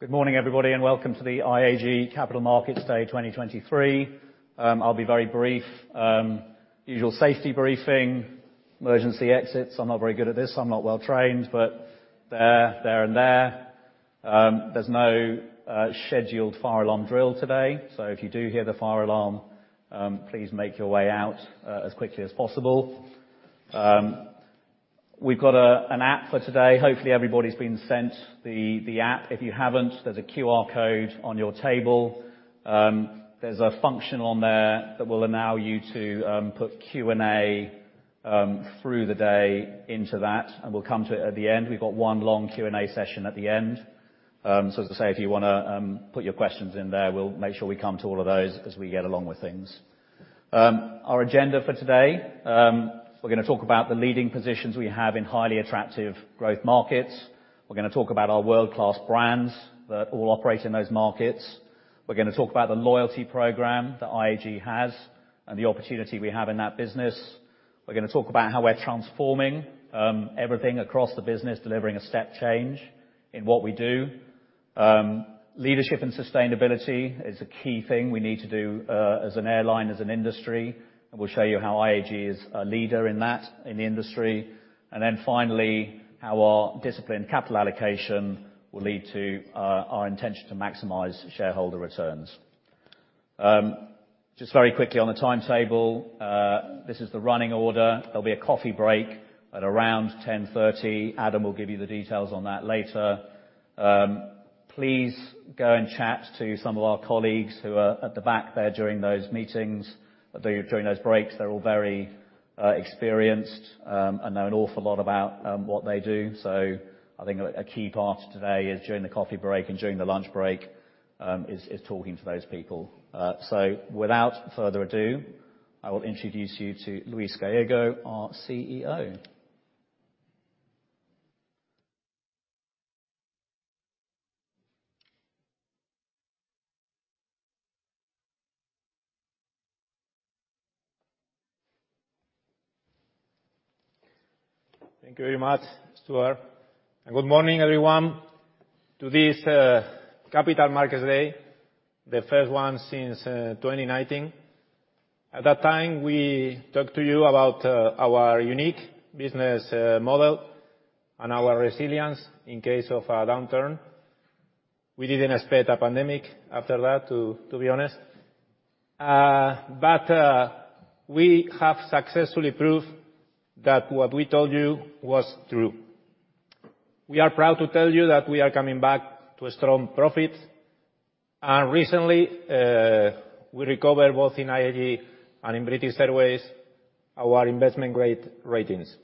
Good morning, everybody, and welcome to the IAG Capital Markets Day 2023. I'll be very brief. Usual safety briefing, emergency exits. I'm not very good at this, I'm not well trained, but there, there, and there. There's no scheduled fire alarm drill today, so if you do hear the fire alarm, please make your way out as quickly as possible. We've got an app for today. Hopefully, everybody's been sent the app. If you haven't, there's a QR code on your table. There's a function on there that will allow you to put Q&A through the day into that, and we'll come to it at the end. We've got one long Q&A session at the end. So as I say, if you wanna put your questions in there, we'll make sure we come to all of those as we get along with things. Our agenda for today, we're gonna talk about the leading positions we have in highly attractive growth markets. We're gonna talk about our world-class brands that all operate in those markets. We're gonna talk about the loyalty program that IAG has, and the opportunity we have in that business. We're gonna talk about how we're transforming everything across the business, delivering a step change in what we do. Leadership and sustainability is a key thing we need to do as an airline, as an industry, and we'll show you how IAG is a leader in that in the industry. Then finally, how our disciplined capital allocation will lead to our intention to maximize shareholder returns. Just very quickly on the timetable, this is the running order. There'll be a coffee break at around 10:30 A.M. Adam will give you the details on that later. Please go and chat to some of our colleagues who are at the back there during those breaks. They're all very experienced and know an awful lot about what they do. So I think a key part of today is during the coffee break and during the lunch break, is talking to those people. So without further ado, I will introduce you to Luis Gallego, our CEO. Thank you very much, Stuart, and good morning, everyone, to this Capital Markets Day, the first one since 2019. At that time, we talked to you about our unique business model and our resilience in case of a downturn. We didn't expect a pandemic after that, to, to be honest. But we have successfully proved that what we told you was true. We are proud to tell you that we are coming back to a strong profit, and recently we recovered, both in IAG and in British Airways, our investment-grade ratings.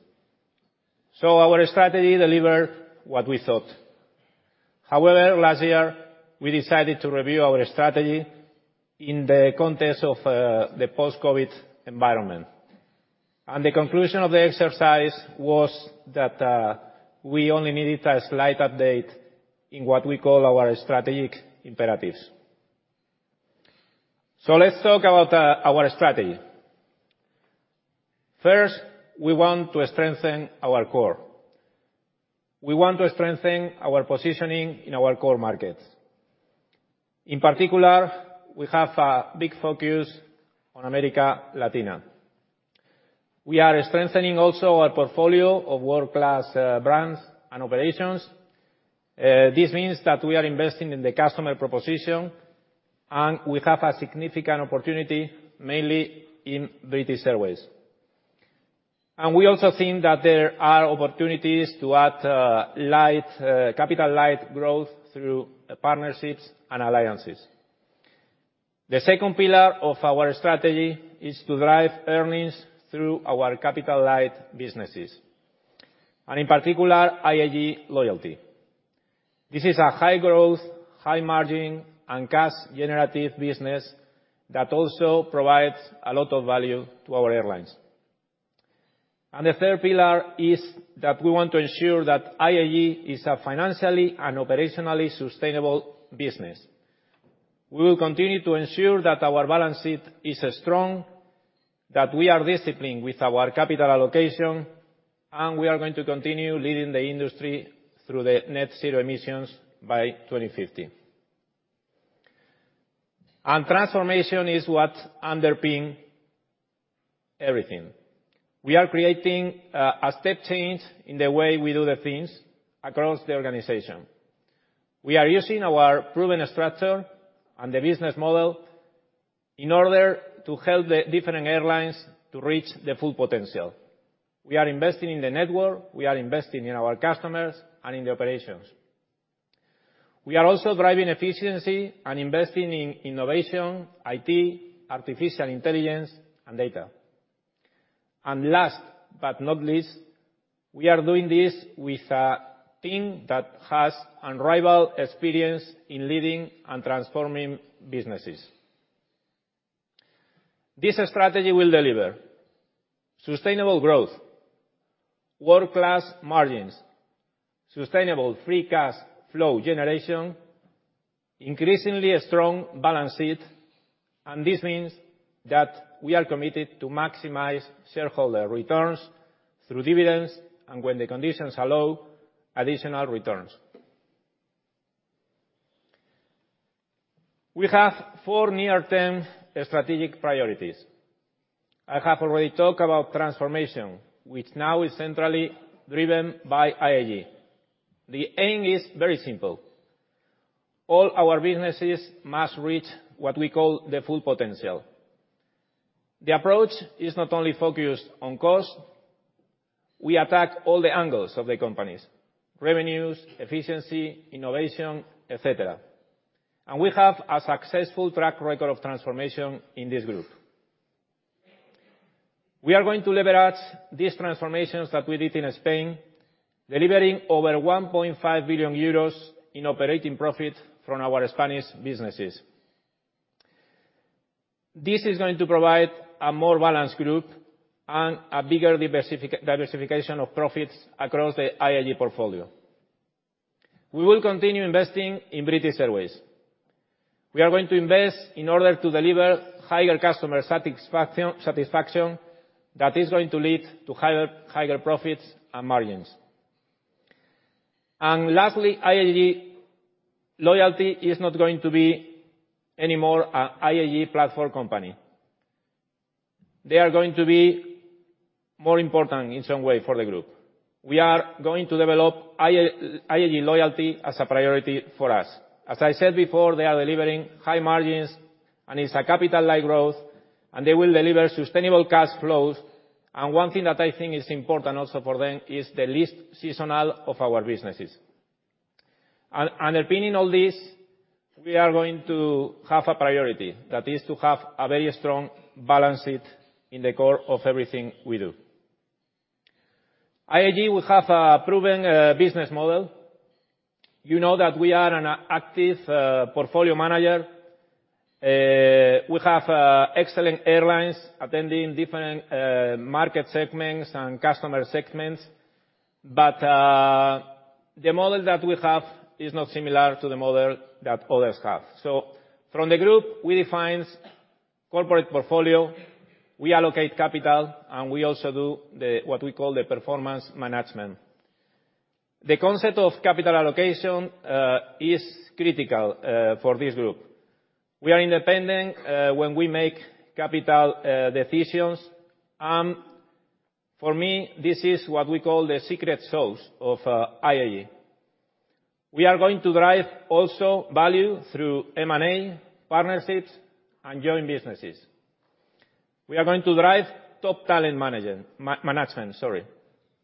So our strategy delivered what we thought. However, last year, we decided to review our strategy in the context of the post-COVID environment, and the conclusion of the exercise was that we only needed a slight update in what we call our strategic imperatives. Let's talk about our strategy. First, we want to strengthen our core. We want to strengthen our positioning in our core markets. In particular, we have a big focus on America Latina. We are strengthening also our portfolio of world-class brands and operations. This means that we are investing in the customer proposition, and we have a significant opportunity, mainly in British Airways. We also think that there are opportunities to add capital light growth through partnerships and alliances. The second pillar of our strategy is to drive earnings through our capital light businesses, and in particular, IAG Loyalty. This is a high-growth, high-margin, and cash-generative business that also provides a lot of value to our airlines. The third pillar is that we want to ensure that IAG is a financially and operationally sustainable business. We will continue to ensure that our balance sheet is strong, that we are disciplined with our capital allocation, and we are going to continue leading the industry through the net zero emissions by 2050. Transformation is what underpin everything. We are creating a step change in the way we do the things across the organization. We are using our proven structure and the business model in order to help the different airlines to reach their full potential. We are investing in the network, we are investing in our customers, and in the operations. We are also driving efficiency and investing in innovation, IT, artificial intelligence, and data. And last but not least, we are doing this with a team that has unrivaled experience in leading and transforming businesses. This strategy will deliver sustainable growth, world-class margins, sustainable free cash flow generation, increasingly a strong balance sheet... This means that we are committed to maximize shareholder returns through dividends, and when the conditions allow, additional returns. We have four near-term strategic priorities. I have already talked about transformation, which now is centrally driven by IAG. The aim is very simple: all our businesses must reach what we call the full potential. The approach is not only focused on cost, we attack all the angles of the companies: revenues, efficiency, innovation, et cetera. We have a successful track record of transformation in this group. We are going to leverage these transformations that we did in Spain, delivering over 1.5 billion euros in operating profit from our Spanish businesses. This is going to provide a more balanced group and a bigger diversification of profits across the IAG portfolio. We will continue investing in British Airways. We are going to invest in order to deliver higher customer satisfaction, satisfaction that is going to lead to higher, higher profits and margins. Lastly, IAG Loyalty is not going to be anymore an IAG platform company. They are going to be more important in some way for the group. We are going to develop IAG Loyalty as a priority for us. As I said before, they are delivering high margins, and it's a capital-light growth, and they will deliver sustainable cash flows. One thing that I think is important also for them is the least seasonal of our businesses. Underpinning all this, we are going to have a priority, that is to have a very strong balance sheet in the core of everything we do. IAG, we have a proven, you know, business model. You know that we are an active, you know, portfolio manager. We have excellent airlines attending different market segments and customer segments, but the model that we have is not similar to the model that others have. So from the group, we define corporate portfolio, we allocate capital, and we also do the, what we call the performance management. The concept of capital allocation is critical for this group. We are independent when we make capital decisions, and for me, this is what we call the secret sauce of IAG. We are going to drive also value through M&A, partnerships, and joint businesses. We are going to drive top talent management, sorry.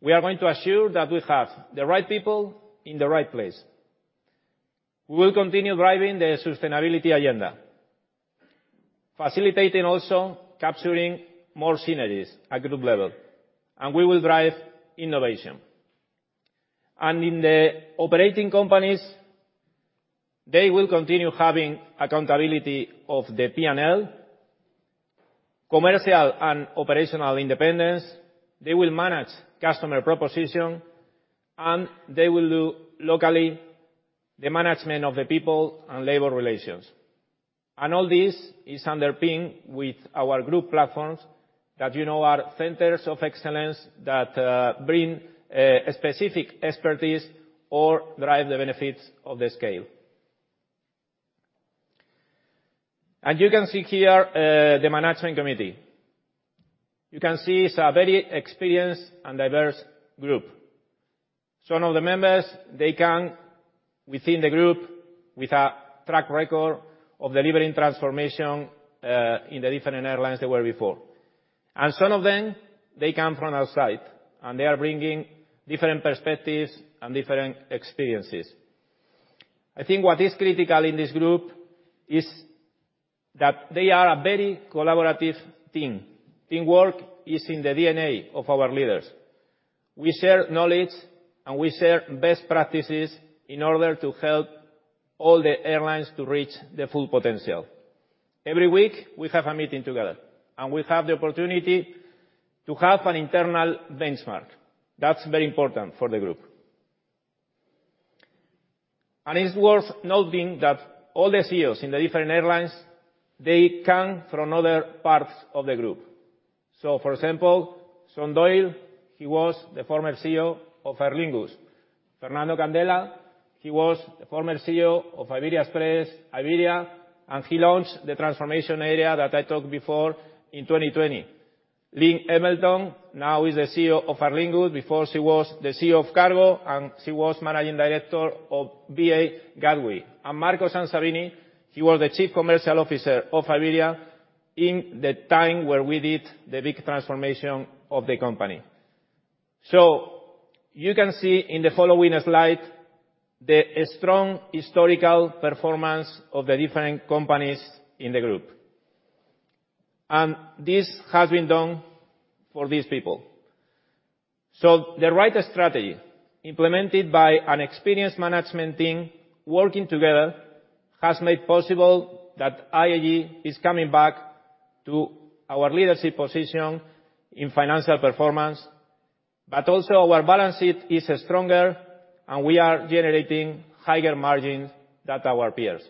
We are going to ensure that we have the right people in the right place. We will continue driving the sustainability agenda, facilitating also capturing more synergies at group level, and we will drive innovation. In the operating companies, they will continue having accountability of the P&L, commercial and operational independence. They will manage customer proposition, and they will do locally the management of the people and labor relations. All this is underpinned with our group platforms that you know are centers of excellence that bring a specific expertise or drive the benefits of the scale. You can see here the management committee. You can see it's a very experienced and diverse group. Some of the members, they come within the group with a track record of delivering transformation in the different airlines they were before. Some of them, they come from outside, and they are bringing different perspectives and different experiences. I think what is critical in this group is that they are a very collaborative team. Teamwork is in the DNA of our leaders. We share knowledge, and we share best practices in order to help all the airlines to reach their full potential. Every week, we have a meeting together, and we have the opportunity to have an internal benchmark. That's very important for the group. It's worth noting that all the CEOs in the different airlines, they come from other parts of the group. So, for example, Sean Doyle, he was the former CEO of Aer Lingus. Fernando Candela, he was the former CEO of Iberia Express, Iberia, and he launched the transformation area that I talked before in 2020. Lynne Embleton now is the CEO of Aer Lingus. Before, she was the CEO of Cargo, and she was managing director of BA Gatwick. Marco Sansavini, he was the chief commercial officer of Iberia in the time where we did the big transformation of the company. So you can see in the following slide, the strong historical performance of the different companies in the group, and this has been done for these people. So the right strategy, implemented by an experienced management team working together, has made possible that IAG is coming back to our leadership position in financial performance, but also our balance sheet is stronger, and we are generating higher margins than our peers.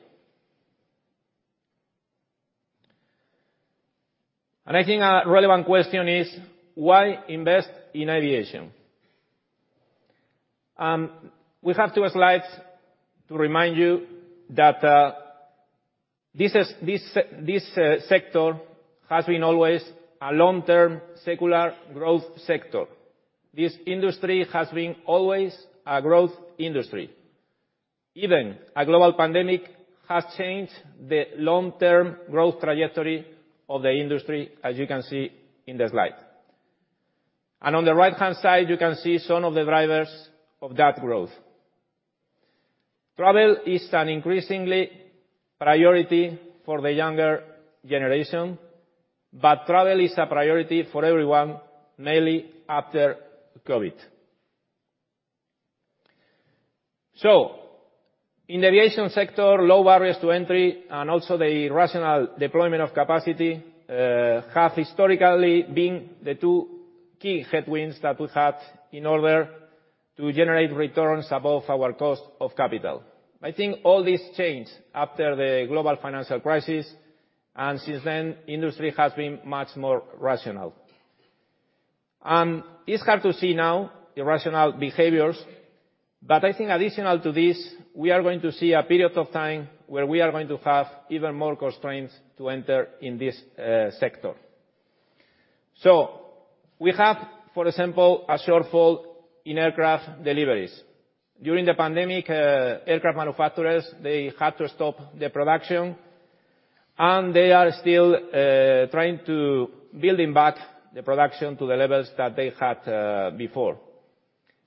And I think a relevant question is, why invest in aviation? We have two slides to remind you that this sector has been always a long-term, secular growth sector. This industry has been always a growth industry. Even a global pandemic has changed the long-term growth trajectory of the industry, as you can see in the slide. And on the right-hand side, you can see some of the drivers of that growth. Travel is an increasing priority for the younger generation, but travel is a priority for everyone, mainly after COVID. In the aviation sector, low barriers to entry and also the rational deployment of capacity have historically been the two key headwinds that we had in order to generate returns above our cost of capital. I think all this changed after the global financial crisis, and since then, industry has been much more rational. It's hard to see now irrational behaviors, but I think additional to this, we are going to see a period of time where we are going to have even more constraints to enter in this sector. We have, for example, a shortfall in aircraft deliveries. During the pandemic, aircraft manufacturers, they had to stop the production, and they are still trying to building back the production to the levels that they had before.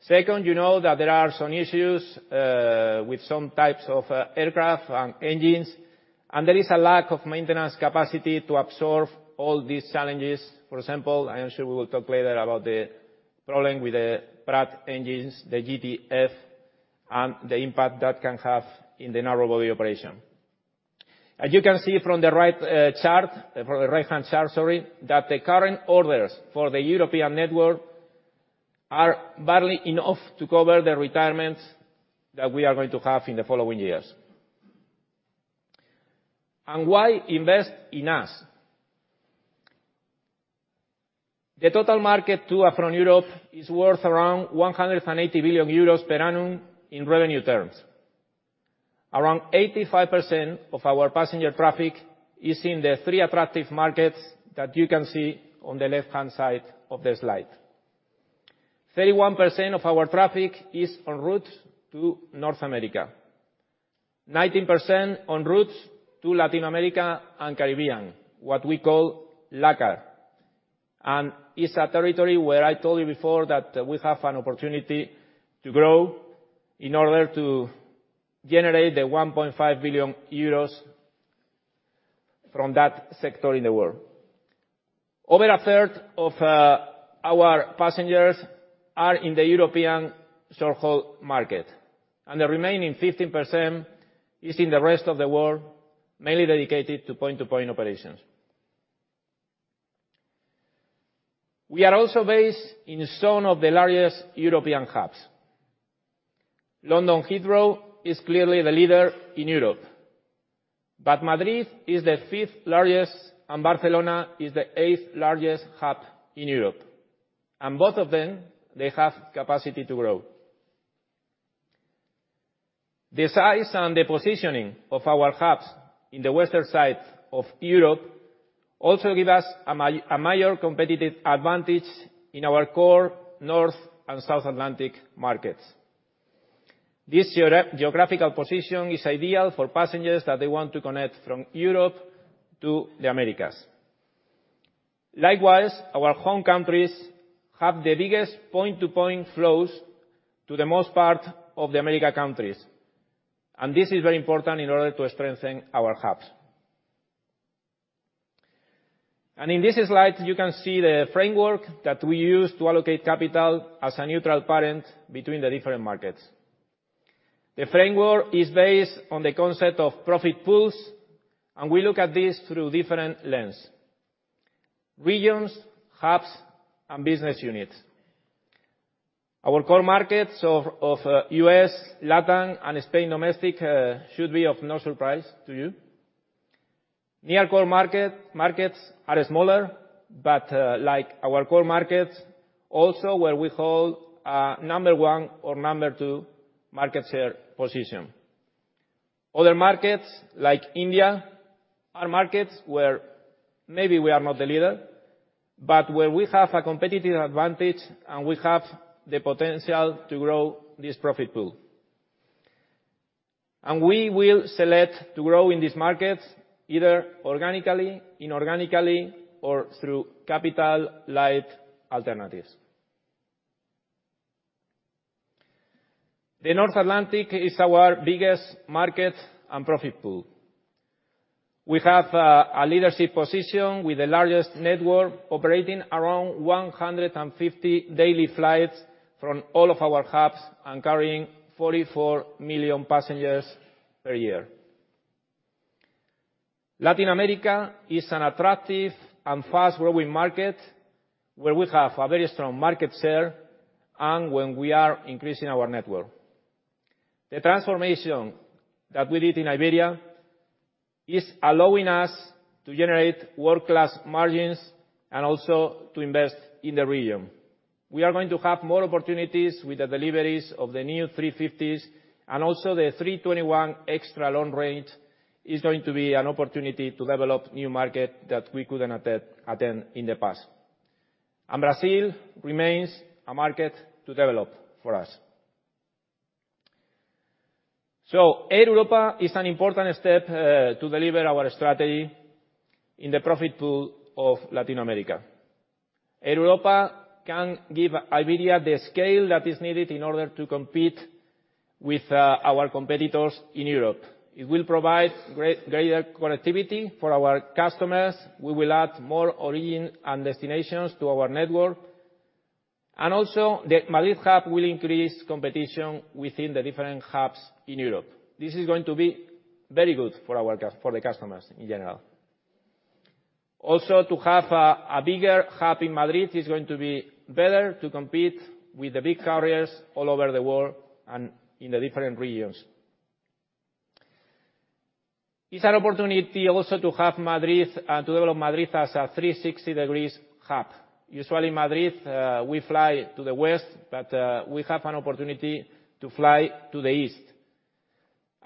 Second, you know that there are some issues with some types of aircraft and engines, and there is a lack of maintenance capacity to absorb all these challenges. For example, I am sure we will talk later about the problem with the Pratt engines, the GTF, and the impact that can have in the narrow-body operation. As you can see from the right chart, from the right-hand chart, sorry, that the current orders for the European network are barely enough to cover the retirements that we are going to have in the following years. And why invest in us? The total market to and from Europe is worth around 180 billion euros per annum in revenue terms. Around 85% of our passenger traffic is in the three attractive markets that you can see on the left-hand side of the slide. 31% of our traffic is en route to North America, 19% en route to Latin America and Caribbean, what we call LACAR, and it's a territory where I told you before that we have an opportunity to grow in order to generate the 1.5 billion euros from that sector in the world. Over a third of our passengers are in the European short-haul market, and the remaining 15% is in the rest of the world, mainly dedicated to point-to-point operations. We are also based in some of the largest European hubs. London Heathrow is clearly the leader in Europe, but Madrid is the fifth-largest, and Barcelona is the eighth-largest hub in Europe, and both of them, they have capacity to grow. The size and the positioning of our hubs in the western side of Europe also give us a major competitive advantage in our core North and South Atlantic markets. This geographical position is ideal for passengers that they want to connect from Europe to the Americas. Likewise, our home countries have the biggest point-to-point flows to the most part of the American countries, and this is very important in order to strengthen our hubs. In this slide, you can see the framework that we use to allocate capital as a neutral parent between the different markets. The framework is based on the concept of profit pools, and we look at this through different lenses: regions, hubs, and business units. Our core markets of U.S., Latin, and Spain domestic should be of no surprise to you. Near core market, markets are smaller, but like our core markets, also where we hold number one or number two market share position. Other markets, like India, are markets where maybe we are not the leader, but where we have a competitive advantage, and we have the potential to grow this profit pool. We will select to grow in these markets, either organically, inorganically, or through capital-light alternatives. The North Atlantic is our biggest market and profit pool. We have a leadership position with the largest network, operating around 150 daily flights from all of our hubs and carrying 44 million passengers per year. Latin America is an attractive and fast-growing market, where we have a very strong market share and where we are increasing our network. The transformation that we did in Iberia is allowing us to generate world-class margins, and also to invest in the region. We are going to have more opportunities with the deliveries of the new 350s, and also the 321 extra long range is going to be an opportunity to develop new market that we couldn't attend in the past. Brazil remains a market to develop for us. So Air Europa is an important step to deliver our strategy in the profit pool of Latin America. Air Europa can give Iberia the scale that is needed in order to compete with our competitors in Europe. It will provide greater connectivity for our customers. We will add more origin and destinations to our network, and also, the Madrid hub will increase competition within the different hubs in Europe. This is going to be very good for the customers in general. Also, to have a bigger hub in Madrid is going to be better to compete with the big carriers all over the world and in the different regions. It's an opportunity also to have Madrid, and to develop Madrid, as a 360-degree hub. Usually Madrid, we fly to the west, but we have an opportunity to fly to the east.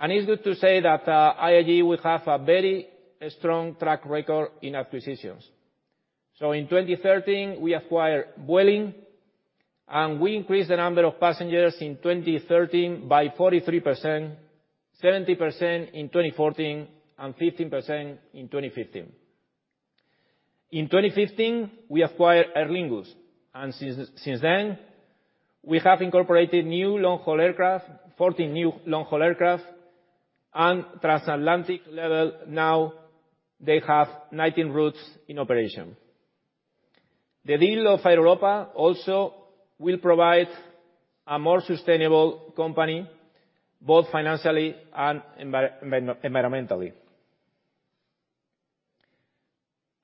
It's good to say that IAG will have a very strong track record in acquisitions. So in 2013, we acquired Vueling, and we increased the number of passengers in 2013 by 43%, 70% in 2014, and 15% in 2015. In 2015, we acquired Aer Lingus, and since then, we have incorporated new long-haul aircraft, 14 new long-haul aircraft, and transatlantic LEVEL, now they have 19 routes in operation. The deal of Air Europa also will provide a more sustainable company, both financially and environmentally.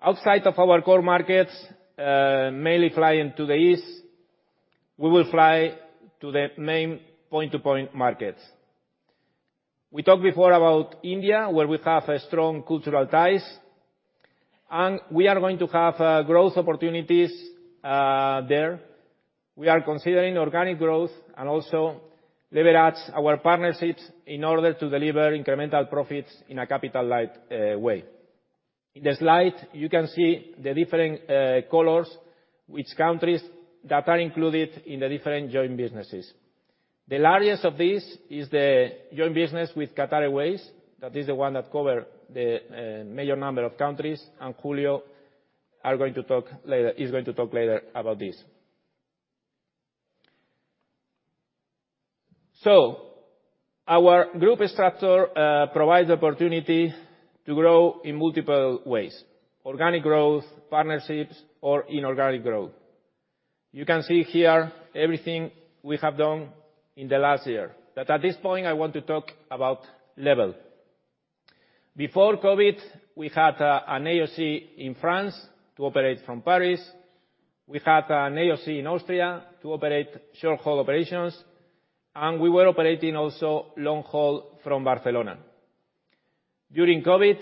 Outside of our core markets, mainly flying to the east, we will fly to the main point-to-point markets. We talked before about India, where we have a strong cultural ties, and we are going to have growth opportunities there. We are considering organic growth and also leverage our partnerships in order to deliver incremental profits in a capital-light way. In the slide, you can see the different colors, which countries that are included in the different joint businesses. The largest of these is the joint business with Qatar Airways. That is the one that cover the major number of countries, and Julio are going to talk later, is going to talk later about this. So our group structure provides opportunity to grow in multiple ways: organic growth, partnerships, or inorganic growth. You can see here everything we have done in the last year, but at this point I want to talk about LEVEL. Before COVID, we had an AOC in France to operate from Paris. We had an AOC in Austria to operate short-haul operations, and we were operating also long haul from Barcelona. During COVID,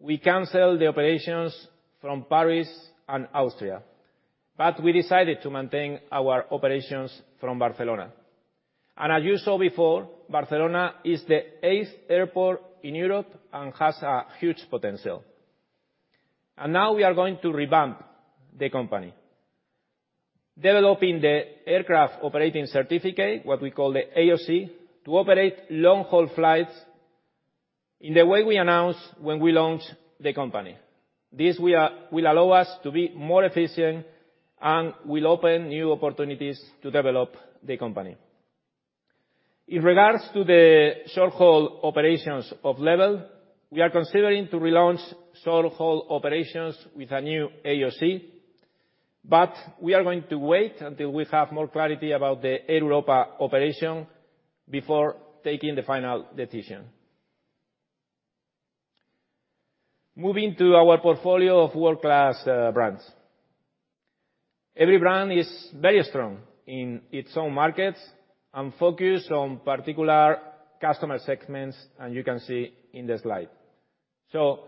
we canceled the operations from Paris and Austria, but we decided to maintain our operations from Barcelona. As you saw before, Barcelona is the eighth airport in Europe and has a huge potential. Now we are going to revamp the company, developing the Aircraft Operating Certificate, what we call the AOC, to operate long-haul flights in the way we announced when we launched the company. This will allow us to be more efficient and will open new opportunities to develop the company. In regards to the short-haul operations of LEVEL, we are considering to relaunch short-haul operations with a new AOC, but we are going to wait until we have more clarity about the Air Europa operation before taking the final decision. Moving to our portfolio of world-class brands. Every brand is very strong in its own markets and focused on particular customer segments, and you can see in the slide. So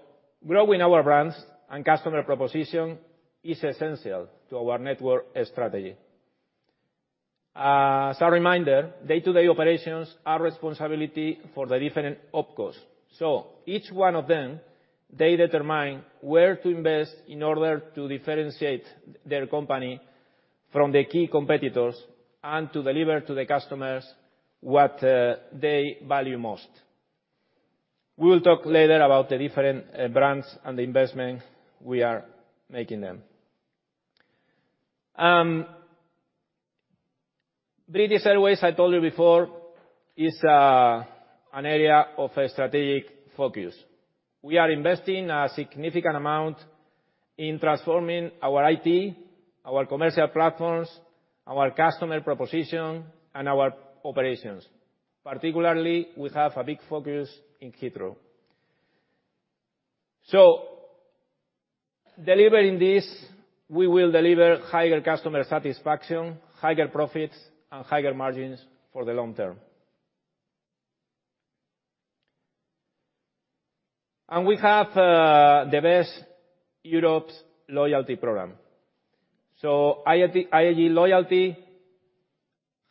growing our brands and customer proposition is essential to our network strategy. As a reminder, day-to-day operations are responsibility for the different OpCos. So each one of them, they determine where to invest in order to differentiate their company from the key competitors and to deliver to the customers what they value most. We will talk later about the different brands and the investment we are making them. British Airways, I told you before, is an area of a strategic focus. We are investing a significant amount in transforming our IT, our commercial platforms, our customer proposition, and our operations. Particularly, we have a big focus in Heathrow. So delivering this, we will deliver higher customer satisfaction, higher profits, and higher margins for the long term. And we have the best Europe's loyalty program. IAG Loyalty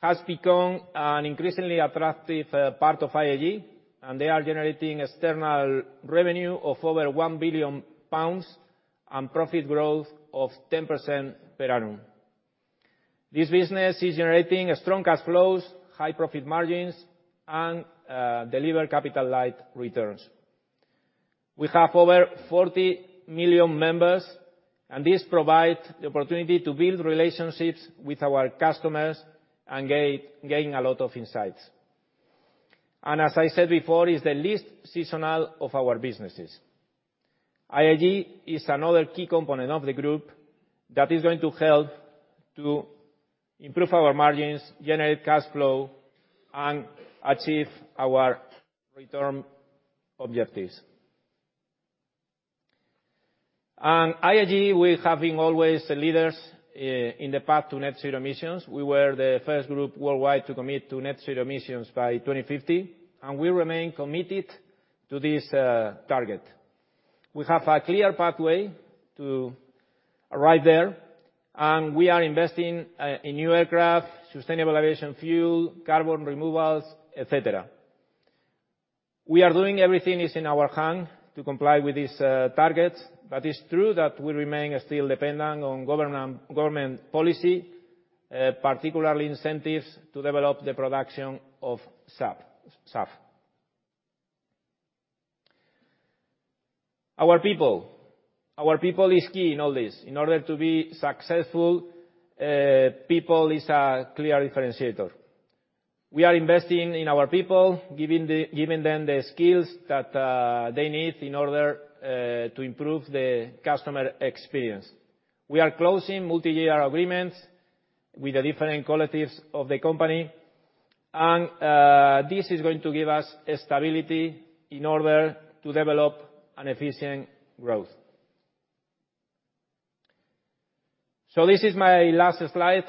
has become an increasingly attractive part of IAG, and they are generating external revenue of over 1 billion pounds and profit growth of 10% per annum. This business is generating strong cash flows, high profit margins, and deliver capital light returns. We have over 40 million members, and this provide the opportunity to build relationships with our customers and gain, gain a lot of insights. As I said before, it's the least seasonal of our businesses. IAG is another key component of the group that is going to help to improve our margins, generate cash flow, and achieve our return objectives. IAG, we have been always the leaders in the path to net zero emissions. We were the first group worldwide to commit to net zero emissions by 2050, and we remain committed to this target. We have a clear pathway to arrive there, and we are investing in new aircraft, sustainable aviation fuel, carbon removals, et cetera. We are doing everything is in our hand to comply with these targets, but it's true that we remain still dependent on government policy, particularly incentives to develop the production of SAF. Our people. Our people is key in all this. In order to be successful, people is a clear differentiator. We are investing in our people, giving them the skills that they need in order to improve the customer experience. We are closing multi-year agreements with the different collectives of the company, and this is going to give us a stability in order to develop an efficient growth. This is my last slide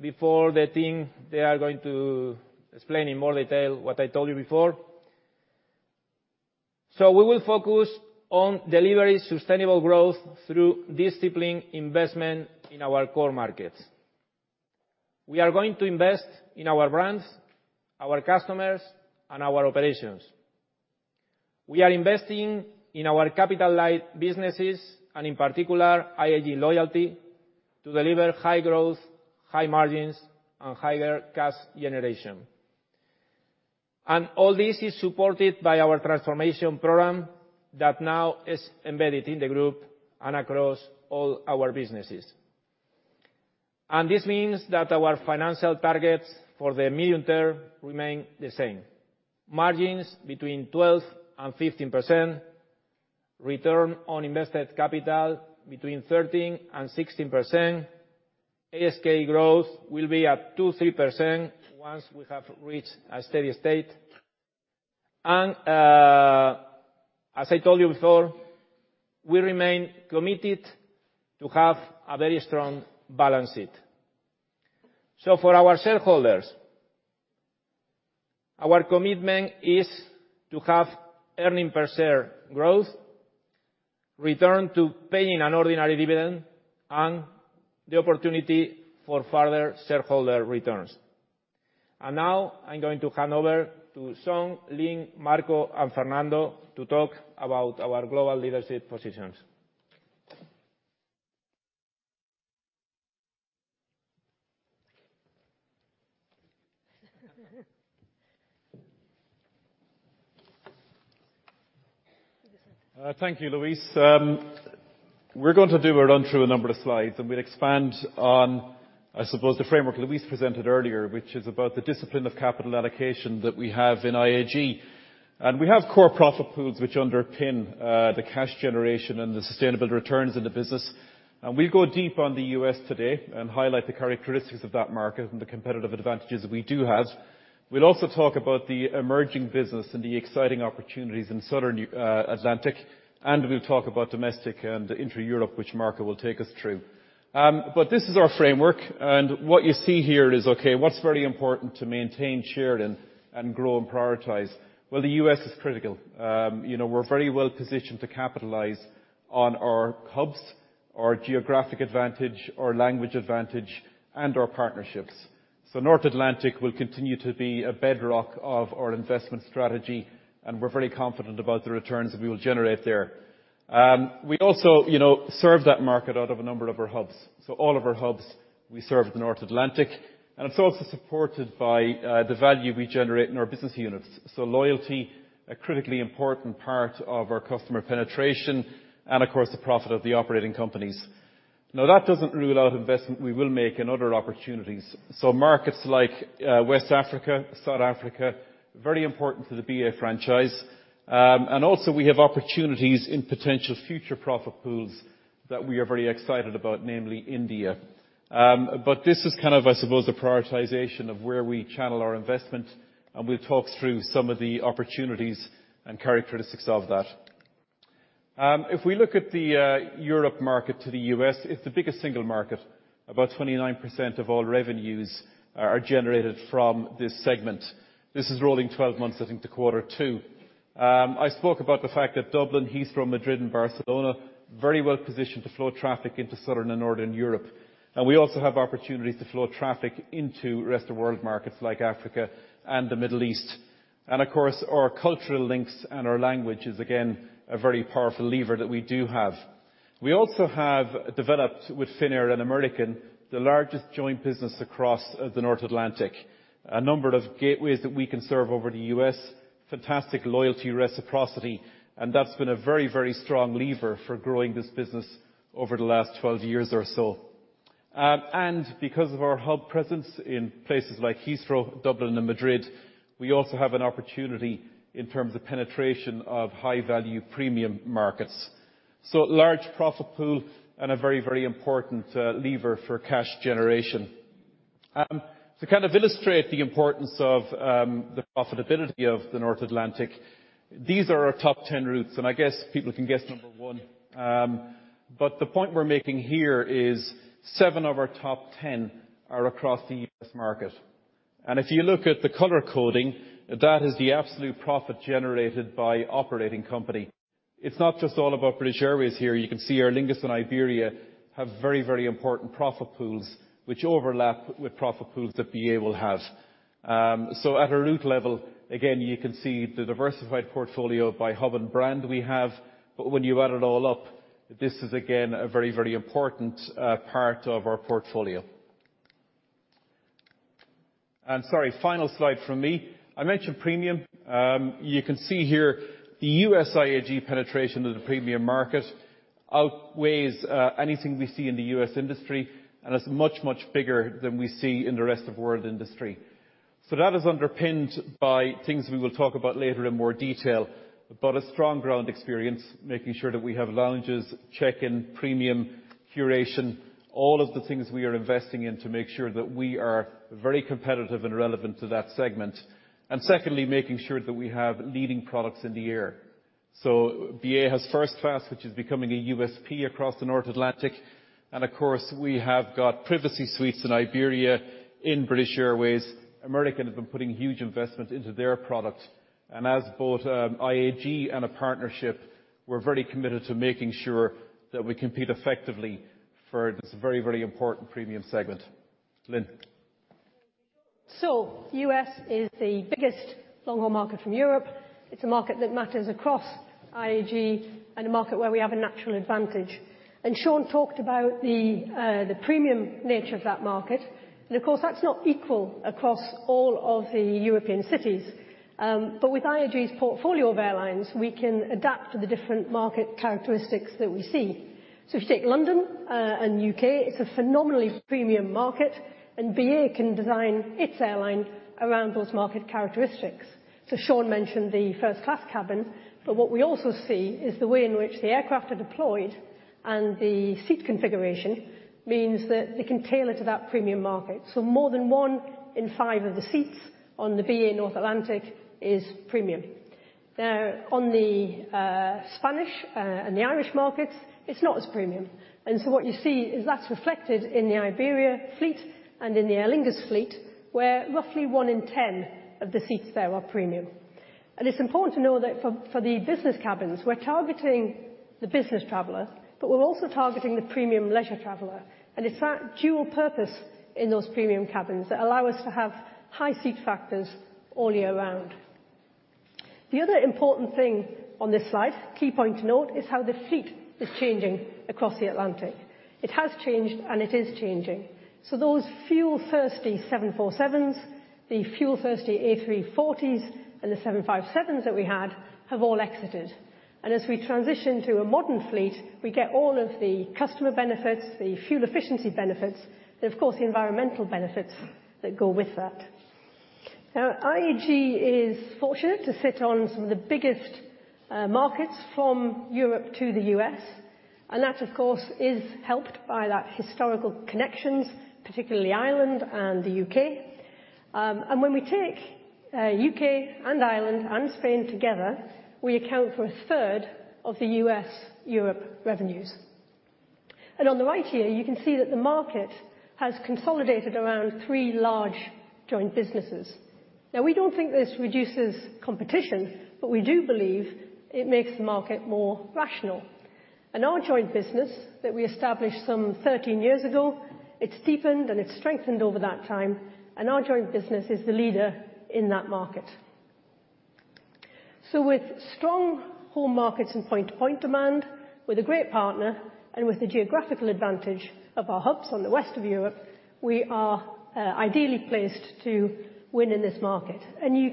before the team. They are going to explain in more detail what I told you before. We will focus on delivering sustainable growth through disciplined investment in our core markets. We are going to invest in our brands, our customers, and our operations. We are investing in our capital light businesses, and in particular, IAG Loyalty, to deliver high growth, high margins, and higher cash generation. All this is supported by our transformation program that now is embedded in the group and across all our businesses. This means that our financial targets for the medium term remain the same: margins between 12%-15%, return on invested capital between 13%-16%, ASK growth will be at 2%-3% once we have reached a steady state. As I told you before, we remain committed to have a very strong balance sheet. So for our shareholders, our commitment is to have earnings per share growth, return to paying an ordinary dividend, and the opportunity for further shareholder returns. And now I'm going to hand over to Sean, Lynne, Marco, and Fernando to talk about our global leadership positions. Thank you, Luis. We're going to do a run through a number of slides, and we'll expand on, I suppose, the framework Luis presented earlier, which is about the discipline of capital allocation that we have in IAG. We have core profit pools, which underpin the cash generation and the sustainable returns in the business. We'll go deep on the US today and highlight the characteristics of that market and the competitive advantages we do have. We'll also talk about the emerging business and the exciting opportunities in southern Atlantic, and we'll talk about domestic and intra-Europe, which Marco will take us through. But this is our framework, and what you see here is, okay, what's very important to maintain share and grow and prioritize? Well, the US is critical. You know, we're very well positioned to capitalize on our hubs, our geographic advantage, our language advantage, and our partnerships. So North Atlantic will continue to be a bedrock of our investment strategy, and we're very confident about the returns that we will generate there. We also, you know, serve that market out of a number of our hubs. So all of our hubs, we serve the North Atlantic, and it's also supported by the value we generate in our business units. So loyalty, a critically important part of our customer penetration, and of course, the profit of the operating companies.... Now, that doesn't rule out investment we will make in other opportunities. So markets like West Africa, South Africa, very important to the BA franchise. And also we have opportunities in potential future profit pools that we are very excited about, namely India. But this is kind of, I suppose, a prioritization of where we channel our investment, and we'll talk through some of the opportunities and characteristics of that. If we look at the Europe market to the US, it's the biggest single market. About 29% of all revenues are generated from this segment. This is rolling 12 months, I think, to quarter two. I spoke about the fact that Dublin, Heathrow, Madrid and Barcelona, very well positioned to flow traffic into Southern and Northern Europe. And we also have opportunities to flow traffic into rest-of-world markets like Africa and the Middle East. And of course, our cultural links and our language is, again, a very powerful lever that we do have. We also have developed, with Finnair and American, the largest joint business across the North Atlantic. A number of gateways that we can serve over the U.S., fantastic loyalty, reciprocity, and that's been a very, very strong lever for growing this business over the last 12 years or so. And because of our hub presence in places like Heathrow, Dublin, and Madrid, we also have an opportunity in terms of penetration of high-value premium markets. So large profit pool and a very, very important lever for cash generation. To kind of illustrate the importance of the profitability of the North Atlantic, these are our top 10 routes, and I guess people can guess number 1. But the point we're making here is 7 of our top 10 are across the U.S. market. And if you look at the color coding, that is the absolute profit generated by operating company. It's not just all about British Airways here. You can see Aer Lingus and Iberia have very, very important profit pools, which overlap with profit pools that BA will have. So at a route level, again, you can see the diversified portfolio by hub and brand we have, but when you add it all up, this is again a very, very important part of our portfolio. Sorry, final slide from me. I mentioned premium. You can see here the US IAG penetration of the premium market outweighs anything we see in the US industry, and it's much, much bigger than we see in the rest of world industry. So that is underpinned by things we will talk about later in more detail, but a strong ground experience, making sure that we have lounges, check-in, premium, curation, all of the things we are investing in to make sure that we are very competitive and relevant to that segment. And secondly, making sure that we have leading products in the air. So BA has first class, which is becoming a USP across the North Atlantic. And of course, we have got privacy suites in Iberia, in British Airways. American have been putting huge investment into their products, and as both, IAG and a partnership, we're very committed to making sure that we compete effectively for this very, very important premium segment. Lynne? So the U.S. is the biggest long-haul market from Europe. It's a market that matters across IAG and a market where we have a natural advantage. And Sean talked about the premium nature of that market, and of course, that's not equal across all of the European cities. But with IAG's portfolio of airlines, we can adapt to the different market characteristics that we see. So if you take London and U.K., it's a phenomenally premium market, and BA can design its airline around those market characteristics. So Sean mentioned the first class cabin, but what we also see is the way in which the aircraft are deployed, and the seat configuration means that they can tailor to that premium market. So more than one in five of the seats on the BA North Atlantic is premium. Now, on the Spanish and the Irish markets, it's not as premium. And so what you see is that's reflected in the Iberia fleet and in the Aer Lingus fleet, where roughly one in ten of the seats there are premium. And it's important to know that for, for the business cabins, we're targeting the business traveler, but we're also targeting the premium leisure traveler, and it's that dual purpose in those premium cabins that allow us to have high seat factors all year round. The other important thing on this slide, key point to note, is how the fleet is changing across the Atlantic. It has changed, and it is changing. So those fuel-thirsty 747s, the fuel-thirsty A340s and the 757s that we had have all exited. As we transition to a modern fleet, we get all of the customer benefits, the fuel efficiency benefits, and of course, the environmental benefits that go with that. Now, IAG is fortunate to sit on some of the biggest markets from Europe to the US, and that, of course, is helped by that historical connections, particularly Ireland and the UK. And when we take UK and Ireland and Spain together, we account for a third of the US-Europe revenues. And on the right here, you can see that the market has consolidated around 3 large joint businesses. Now, we don't think this reduces competition, but we do believe it makes the market more rational. Our joint business that we established some 13 years ago, it's deepened and it's strengthened over that time, and our joint business is the leader in that market. With strong home markets and point-to-point demand, with a great partner, and with the geographical advantage of our hubs on the west of Europe, we are ideally placed to win in this market. You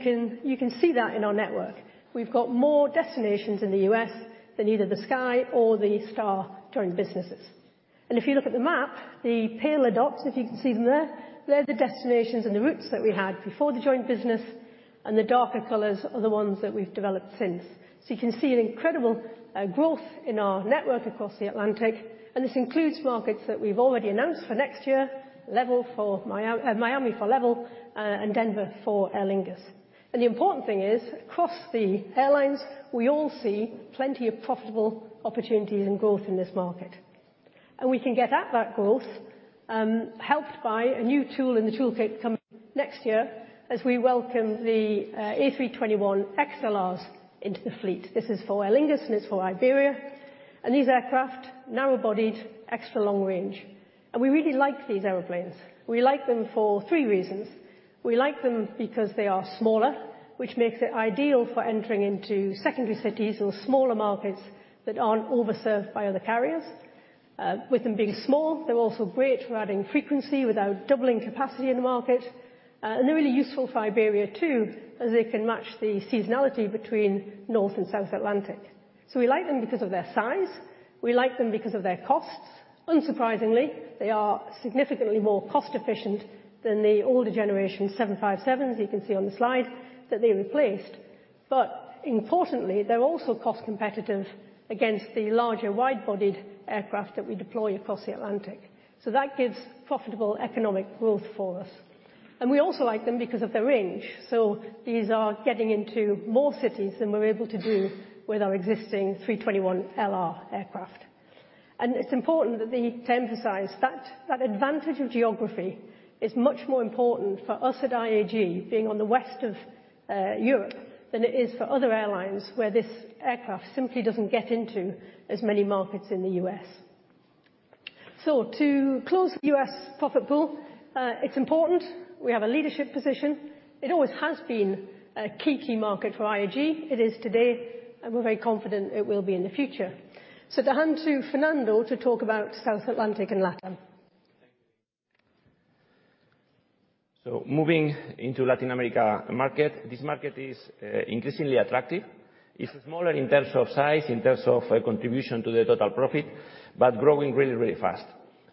can see that in our network. We've got more destinations in the U.S. than either the Sky or the Star joint businesses. If you look at the map, the paler dots, if you can see them there, they're the destinations and the routes that we had before the joint business, and the darker colors are the ones that we've developed since. You can see an incredible growth in our network across the Atlantic, and this includes markets that we've already announced for next year, LEVEL for Miami—Miami for LEVEL, and Denver for Aer Lingus. The important thing is, across the airlines, we all see plenty of profitable opportunities and growth in this market. We can get at that growth, helped by a new tool in the toolkit coming next year, as we welcome the A321XLRs into the fleet. This is for Aer Lingus, and it's for Iberia, and these aircraft, narrow-bodied, extra long range. We really like these airplanes. We like them for three reasons. We like them because they are smaller, which makes it ideal for entering into secondary cities or smaller markets that aren't over-served by other carriers. With them being small, they're also great for adding frequency without doubling capacity in the market. They're really useful for Iberia, too, as they can match the seasonality between North and South Atlantic. We like them because of their size. We like them because of their costs. Unsurprisingly, they are significantly more cost-efficient than the older generation 757, as you can see on the slide, that they replaced. But importantly, they're also cost competitive against the larger wide-bodied aircraft that we deploy across the Atlantic. So that gives profitable economic growth for us. And we also like them because of their range, so these are getting into more cities than we're able to do with our existing 321LR aircraft. And it's important that we emphasize that, that advantage of geography is much more important for us at IAG, being on the west of Europe, than it is for other airlines, where this aircraft simply doesn't get into as many markets in the US. So to close the US profit pool, it's important. We have a leadership position. It always has been a key, key market for IAG. It is today, and we're very confident it will be in the future. So to hand to Fernando to talk about South Atlantic and Latin. So moving into Latin America market, this market is increasingly attractive. It's smaller in terms of size, in terms of contribution to the total profit, but growing really, really fast.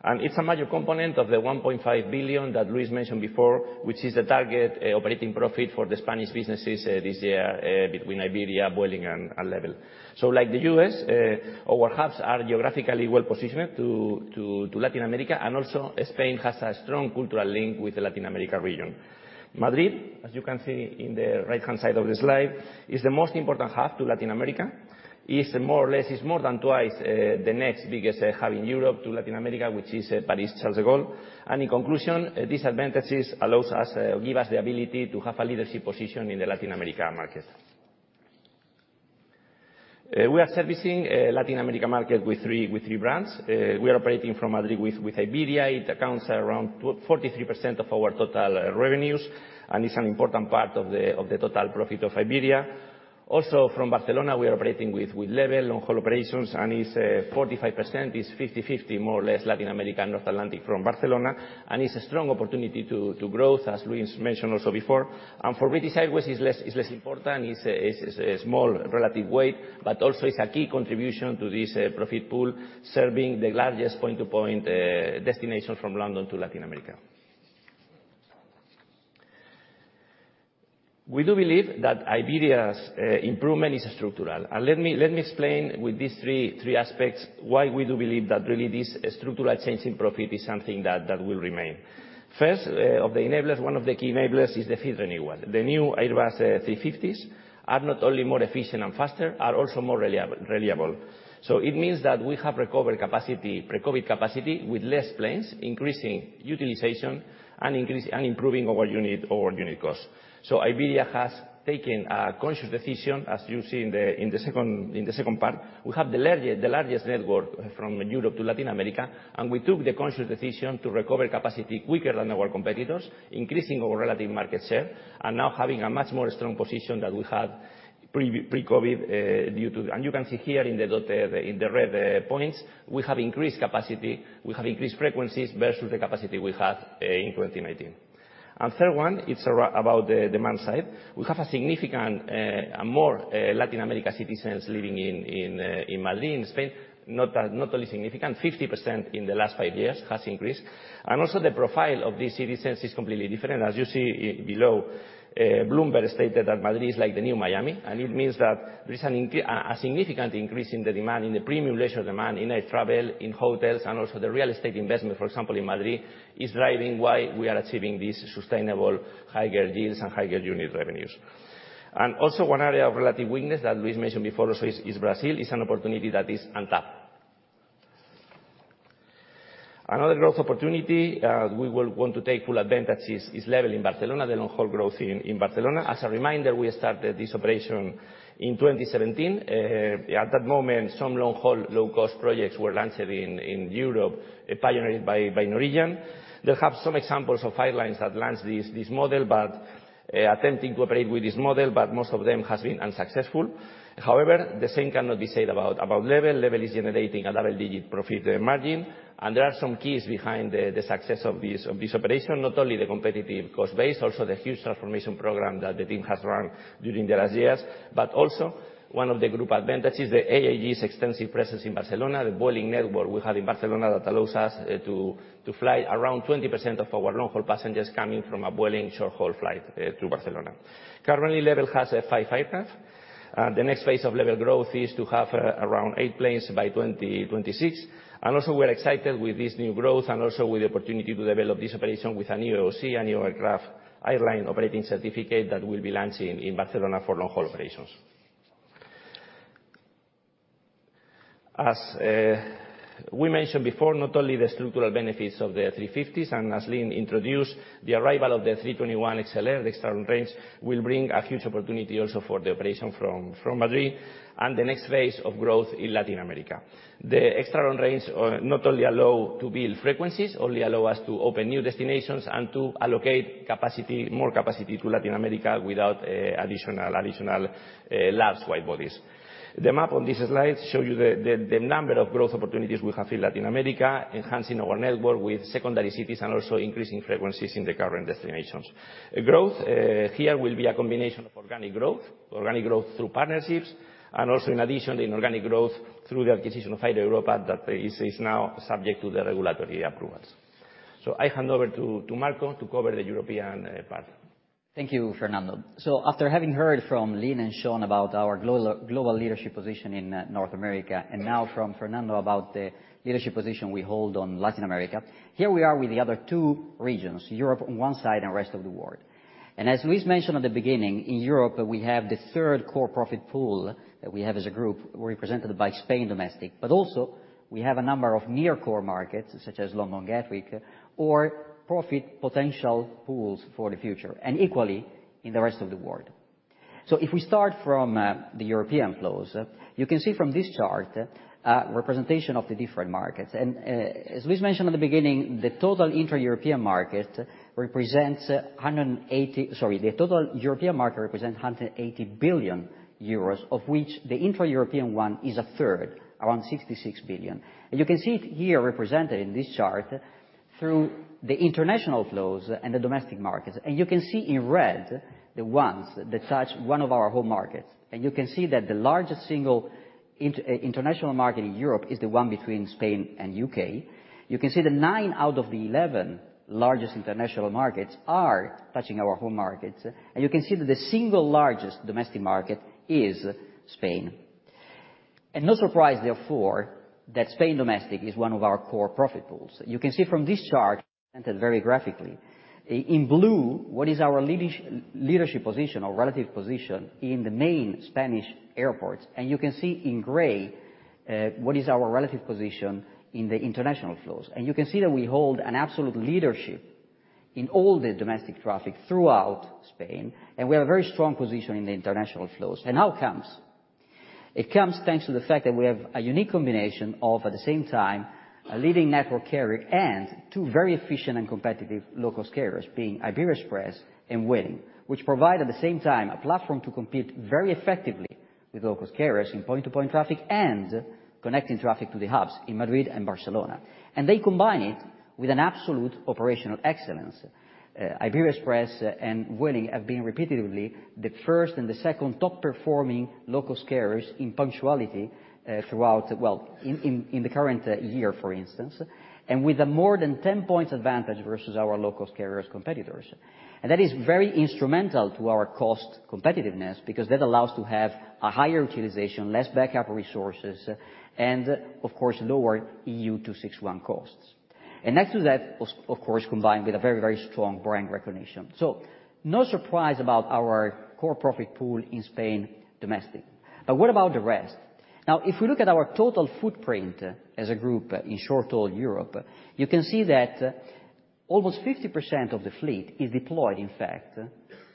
And it's a major component of the 1.5 billion that Luis mentioned before, which is the target operating profit for the Spanish businesses this year, between Iberia, Vueling, and LEVEL. So like the US, our hubs are geographically well positioned to Latin America, and also Spain has a strong cultural link with the Latin America region. Madrid, as you can see in the right-hand side of the slide, is the most important hub to Latin America. It's more or less, it's more than twice the next biggest hub in Europe to Latin America, which is Paris Charles de Gaulle. In conclusion, these advantages allows us give us the ability to have a leadership position in the Latin America market. We are servicing Latin America market with three brands. We are operating from Madrid with Iberia. It accounts around 43% of our total revenues and is an important part of the total profit of Iberia. Also, from Barcelona, we are operating with LEVEL on long-haul operations, and it's 45%. It's 50/50, more or less, Latin America and North Atlantic from Barcelona, and it's a strong opportunity to growth, as Luis mentioned also before. For British Airways, it's less important. It's a small relative weight, but also it's a key contribution to this profit pool, serving the largest point-to-point destinations from London to Latin America. We do believe that Iberia's improvement is structural. Let me, let me explain with these three, three aspects why we do believe that really this structural change in profit is something that, that will remain. First, of the enablers, one of the key enablers is the fleet renewal. The new Airbus A350s are not only more efficient and faster, are also more reliable. So it means that we have recovered capacity, pre-COVID capacity with less planes, increasing utilization and improving our unit, our unit cost. So Iberia has taken a conscious decision, as you see in the, in the second, in the second part. We have the largest network from Europe to Latin America, and we took the conscious decision to recover capacity quicker than our competitors, increasing our relative market share, and now having a much more strong position than we had pre-COVID due to... And you can see here in the dot, the, in the red points, we have increased capacity, we have increased frequencies versus the capacity we had in 2019. And third one, it's about the demand side. We have a significant more Latin America citizens living in, in, in Madrid, in Spain. Not that, not only significant, 50% in the last five years has increased. And also the profile of these citizens is completely different. As you see, below, Bloomberg stated that Madrid is like the new Miami, and it means that there is a significant increase in the demand, in the premium leisure demand, in air travel, in hotels, and also the real estate investment, for example, in Madrid, is driving why we are achieving these sustainable higher yields and higher unit revenues. And also one area of relative weakness that Luis mentioned before also is Brazil. It's an opportunity that is untapped. Another growth opportunity, we will want to take full advantage is LEVEL in Barcelona, the long-haul growth in Barcelona. As a reminder, we started this operation in 2017. At that moment, some long-haul, low-cost projects were launched in Europe, pioneered by Norwegian. They have some examples of airlines that launched this model, but-... Attempting to operate with this model, but most of them has been unsuccessful. However, the same cannot be said about LEVEL. LEVEL is generating a double-digit profit margin, and there are some keys behind the success of this operation. Not only the competitive cost base, also the huge transformation program that the team has run during the last years. But also, one of the group advantages, the IAG's extensive presence in Barcelona, the Vueling network we have in Barcelona that allows us to fly around 20% of our long-haul passengers coming from a Vueling short-haul flight to Barcelona. Currently, LEVEL has five aircraft. The next phase of LEVEL growth is to have around eight planes by 2026. Also, we're excited with this new growth and also with the opportunity to develop this operation with a new AOC, a new Air Operator Certificate, that we'll be launching in Barcelona for long-haul operations. As we mentioned before, not only the structural benefits of the A350s, and as Lynne introduced, the arrival of the A321XLR, extra long range, will bring a huge opportunity also for the operation from Madrid and the next phase of growth in Latin America. The extra long range, not only allow to build frequencies, only allow us to open new destinations and to allocate capacity, more capacity to Latin America without additional, additional large widebodies. The map on this slide shows you the number of growth opportunities we have in Latin America, enhancing our network with secondary cities and also increasing frequencies in the current destinations. The growth here will be a combination of organic growth, organic growth through partnerships, and also in addition, the inorganic growth through the acquisition of Air Europa, that is, is now subject to the regulatory approvals. So I hand over to Marco to cover the European part. Thank you, Fernando. So after having heard from Lynne and Sean about our global leadership position in North America, and now from Fernando about the leadership position we hold on Latin America, here we are with the other two regions, Europe on one side and rest of the world. And as Luis mentioned at the beginning, in Europe, we have the third core profit pool that we have as a group, represented by Spain domestic. But also, we have a number of near-core markets, such as London Gatwick, or profit potential pools for the future, and equally in the rest of the world. So if we start from the European flows, you can see from this chart representation of the different markets. And as Luis mentioned at the beginning, the total intra-European market represents 180... Sorry, the total European market represents 180 billion euros, of which the intra-European one is a third, around 66 billion. And you can see it here, represented in this chart, through the international flows and the domestic markets. And you can see in red, the ones that touch one of our home markets. And you can see that the largest single international market in Europe is the one between Spain and U.K. You can see that 9 out of the 11 largest international markets are touching our home markets, and you can see that the single largest domestic market is Spain. And no surprise, therefore, that Spain domestic is one of our core profit pools. You can see from this chart, entered very graphically, in blue, what is our leadership, leadership position or relative position in the main Spanish airports, and you can see in gray, what is our relative position in the international flows. And how it comes? It comes thanks to the fact that we have a unique combination of, at the same time, a leading network carrier and two very efficient and competitive local carriers, being Iberia Express and Vueling, which provide, at the same time, a platform to compete very effectively with local carriers in point-to-point traffic and connecting traffic to the hubs in Madrid and Barcelona. And they combine it with an absolute operational excellence. Iberia Express and Vueling have been repeatedly the first and the second top-performing local carriers in punctuality, throughout, well, in the current year, for instance, and with a more than 10 points advantage versus our local carriers' competitors. That is very instrumental to our cost competitiveness, because that allows to have a higher utilization, less backup resources, and of course, lower EU261 costs. Next to that, of course, combined with a very, very strong brand recognition. No surprise about our core profit pool in Spain domestic. What about the rest? Now, if we look at our total footprint as a group in short-haul Europe, you can see that almost 50% of the fleet is deployed, in fact,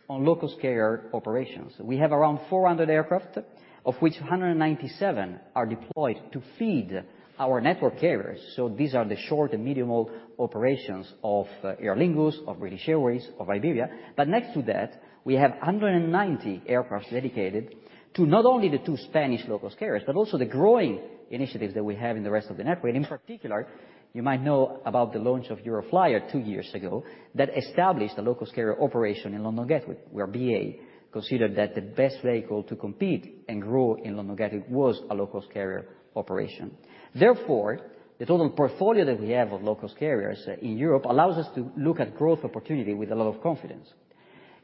on local carrier operations. We have around 400 aircraft, of which 197 are deployed to feed our network carriers. So these are the short and medium-haul operations of Aer Lingus, of British Airways, of Iberia. But next to that, we have 190 aircraft dedicated to not only the two Spanish local carriers, but also the growing initiatives that we have in the rest of the network. And in particular, you might know about the launch of Euroflyer two years ago, that established a local carrier operation in London Gatwick, where BA considered that the best vehicle to compete and grow in London Gatwick was a local carrier operation. Therefore, the total portfolio that we have of local carriers in Europe allows us to look at growth opportunity with a lot of confidence.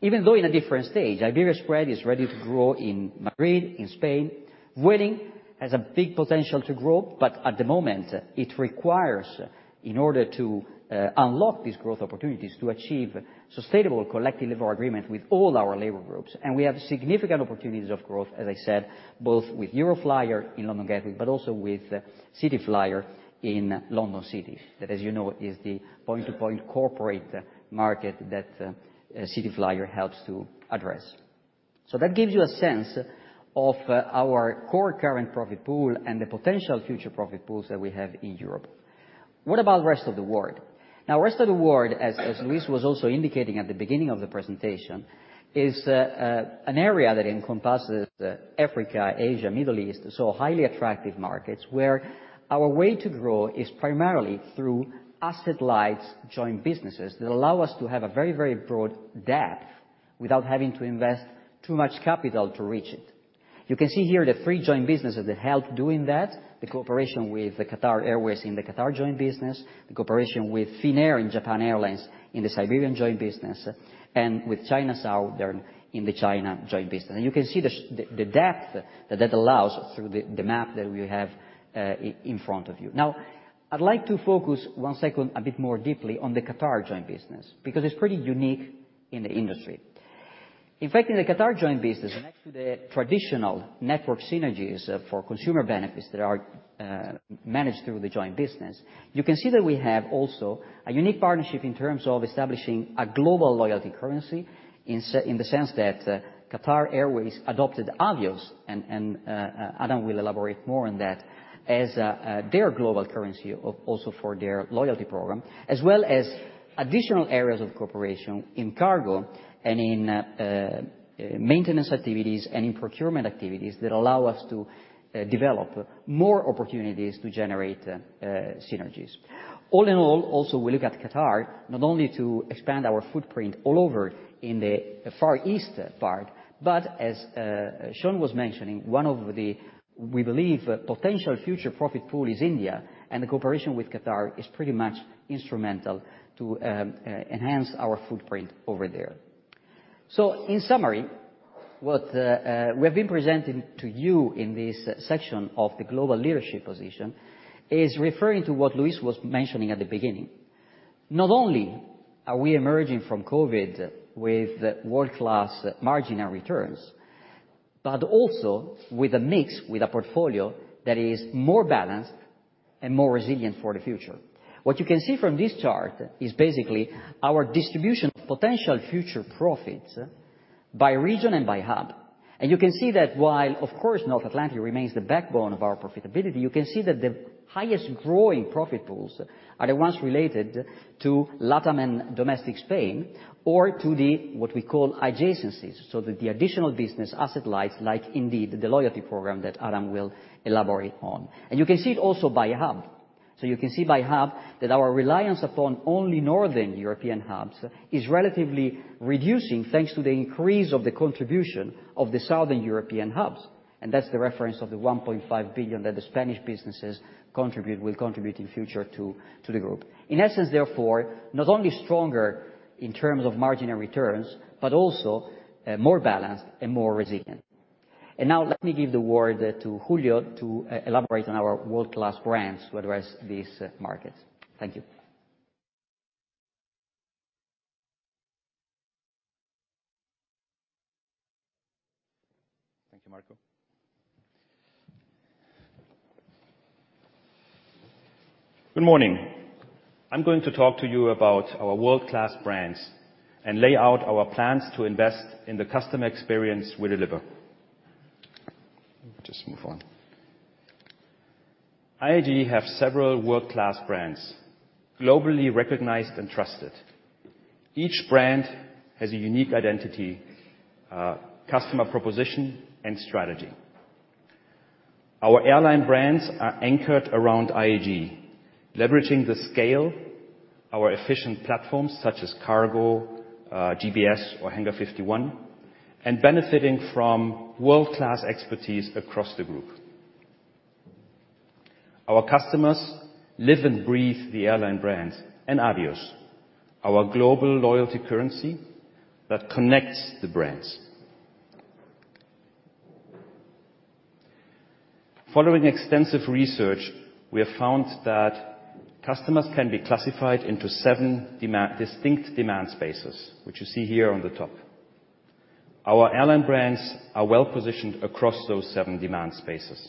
Even though in a different stage, Iberia Express is ready to grow in Madrid, in Spain. Vueling has a big potential to grow, but at the moment, it requires, in order to unlock these growth opportunities, to achieve sustainable collective level agreement with all our labor groups. We have significant opportunities of growth, as I said, both with Euroflyer in London Gatwick, but also with Cityflyer in London City. That, as you know, is the point-to-point corporate market that Cityflyer helps to address. That gives you a sense of our core current profit pool and the potential future profit pools that we have in Europe. What about the rest of the world? Now, rest of the world, as Luis was also indicating at the beginning of the presentation, is an area that encompasses Africa, Asia, Middle East, so highly attractive markets, where our way to grow is primarily through asset-light joint businesses that allow us to have a very, very broad depth without having to invest too much capital to reach it. You can see here the three joint businesses that help doing that: the cooperation with Qatar Airways in the Qatar joint business, the cooperation with Finnair and Japan Airlines in the Siberian Joint Business, and with China Southern in the China Joint Business. And you can see the depth that that allows through the map that we have in front of you. Now, I'd like to focus one second a bit more deeply on the Qatar joint business, because it's pretty unique in the industry. In fact, in the Qatar joint business, next to the traditional network synergies, for consumer benefits that are managed through the joint business, you can see that we have also a unique partnership in terms of establishing a global loyalty currency, in the sense that, Qatar Airways adopted Avios, and Adam will elaborate more on that, as their global currency of also for their loyalty program, as well as additional areas of cooperation in Cargo and in maintenance activities and in procurement activities that allow us to develop more opportunities to generate synergies. All in all, also, we look at Qatar not only to expand our footprint all over in the Far East part, but as Sean was mentioning, one of the, we believe, potential future profit pool is India, and the cooperation with Qatar is pretty much instrumental to enhance our footprint over there. In summary, what we have been presenting to you in this section of the global leadership position is referring to what Luis was mentioning at the beginning. Not only are we emerging from COVID with world-class margin and returns, but also with a mix, with a portfolio that is more balanced and more resilient for the future. What you can see from this chart is basically our distribution of potential future profits by region and by hub. You can see that while, of course, North Atlantic remains the backbone of our profitability, you can see that the highest growing profit pools are the ones related to LATAM and domestic Spain, or to the, what we call, adjacencies. So the additional business asset-light, like indeed, the loyalty program that Adam will elaborate on. And you can see it also by hub. So you can see by hub that our reliance upon only Northern European hubs is relatively reducing, thanks to the increase of the contribution of the Southern European hubs, and that's the reference of the 1.5 billion that the Spanish businesses will contribute in future to the group. In essence, therefore, not only stronger in terms of margin and returns, but also more balanced and more resilient. And now let me give the word to Julio to elaborate on our world-class brands to address these markets. Thank you. Thank you, Marco. Good morning. I'm going to talk to you about our world-class brands and lay out our plans to invest in the customer experience we deliver. Let me just move on. IAG have several world-class brands, globally recognized and trusted. Each brand has a unique identity, customer proposition, and strategy. Our airline brands are anchored around IAG, leveraging the scale, our efficient platforms, such as Cargo, GBS, or Hangar 51, and benefiting from world-class expertise across the group. Our customers live and breathe the airline brands and Avios, our global loyalty currency that connects the brands. Following extensive research, we have found that customers can be classified into seven distinct demand spaces, which you see here on the top. Our airline brands are well-positioned across those seven demand spaces.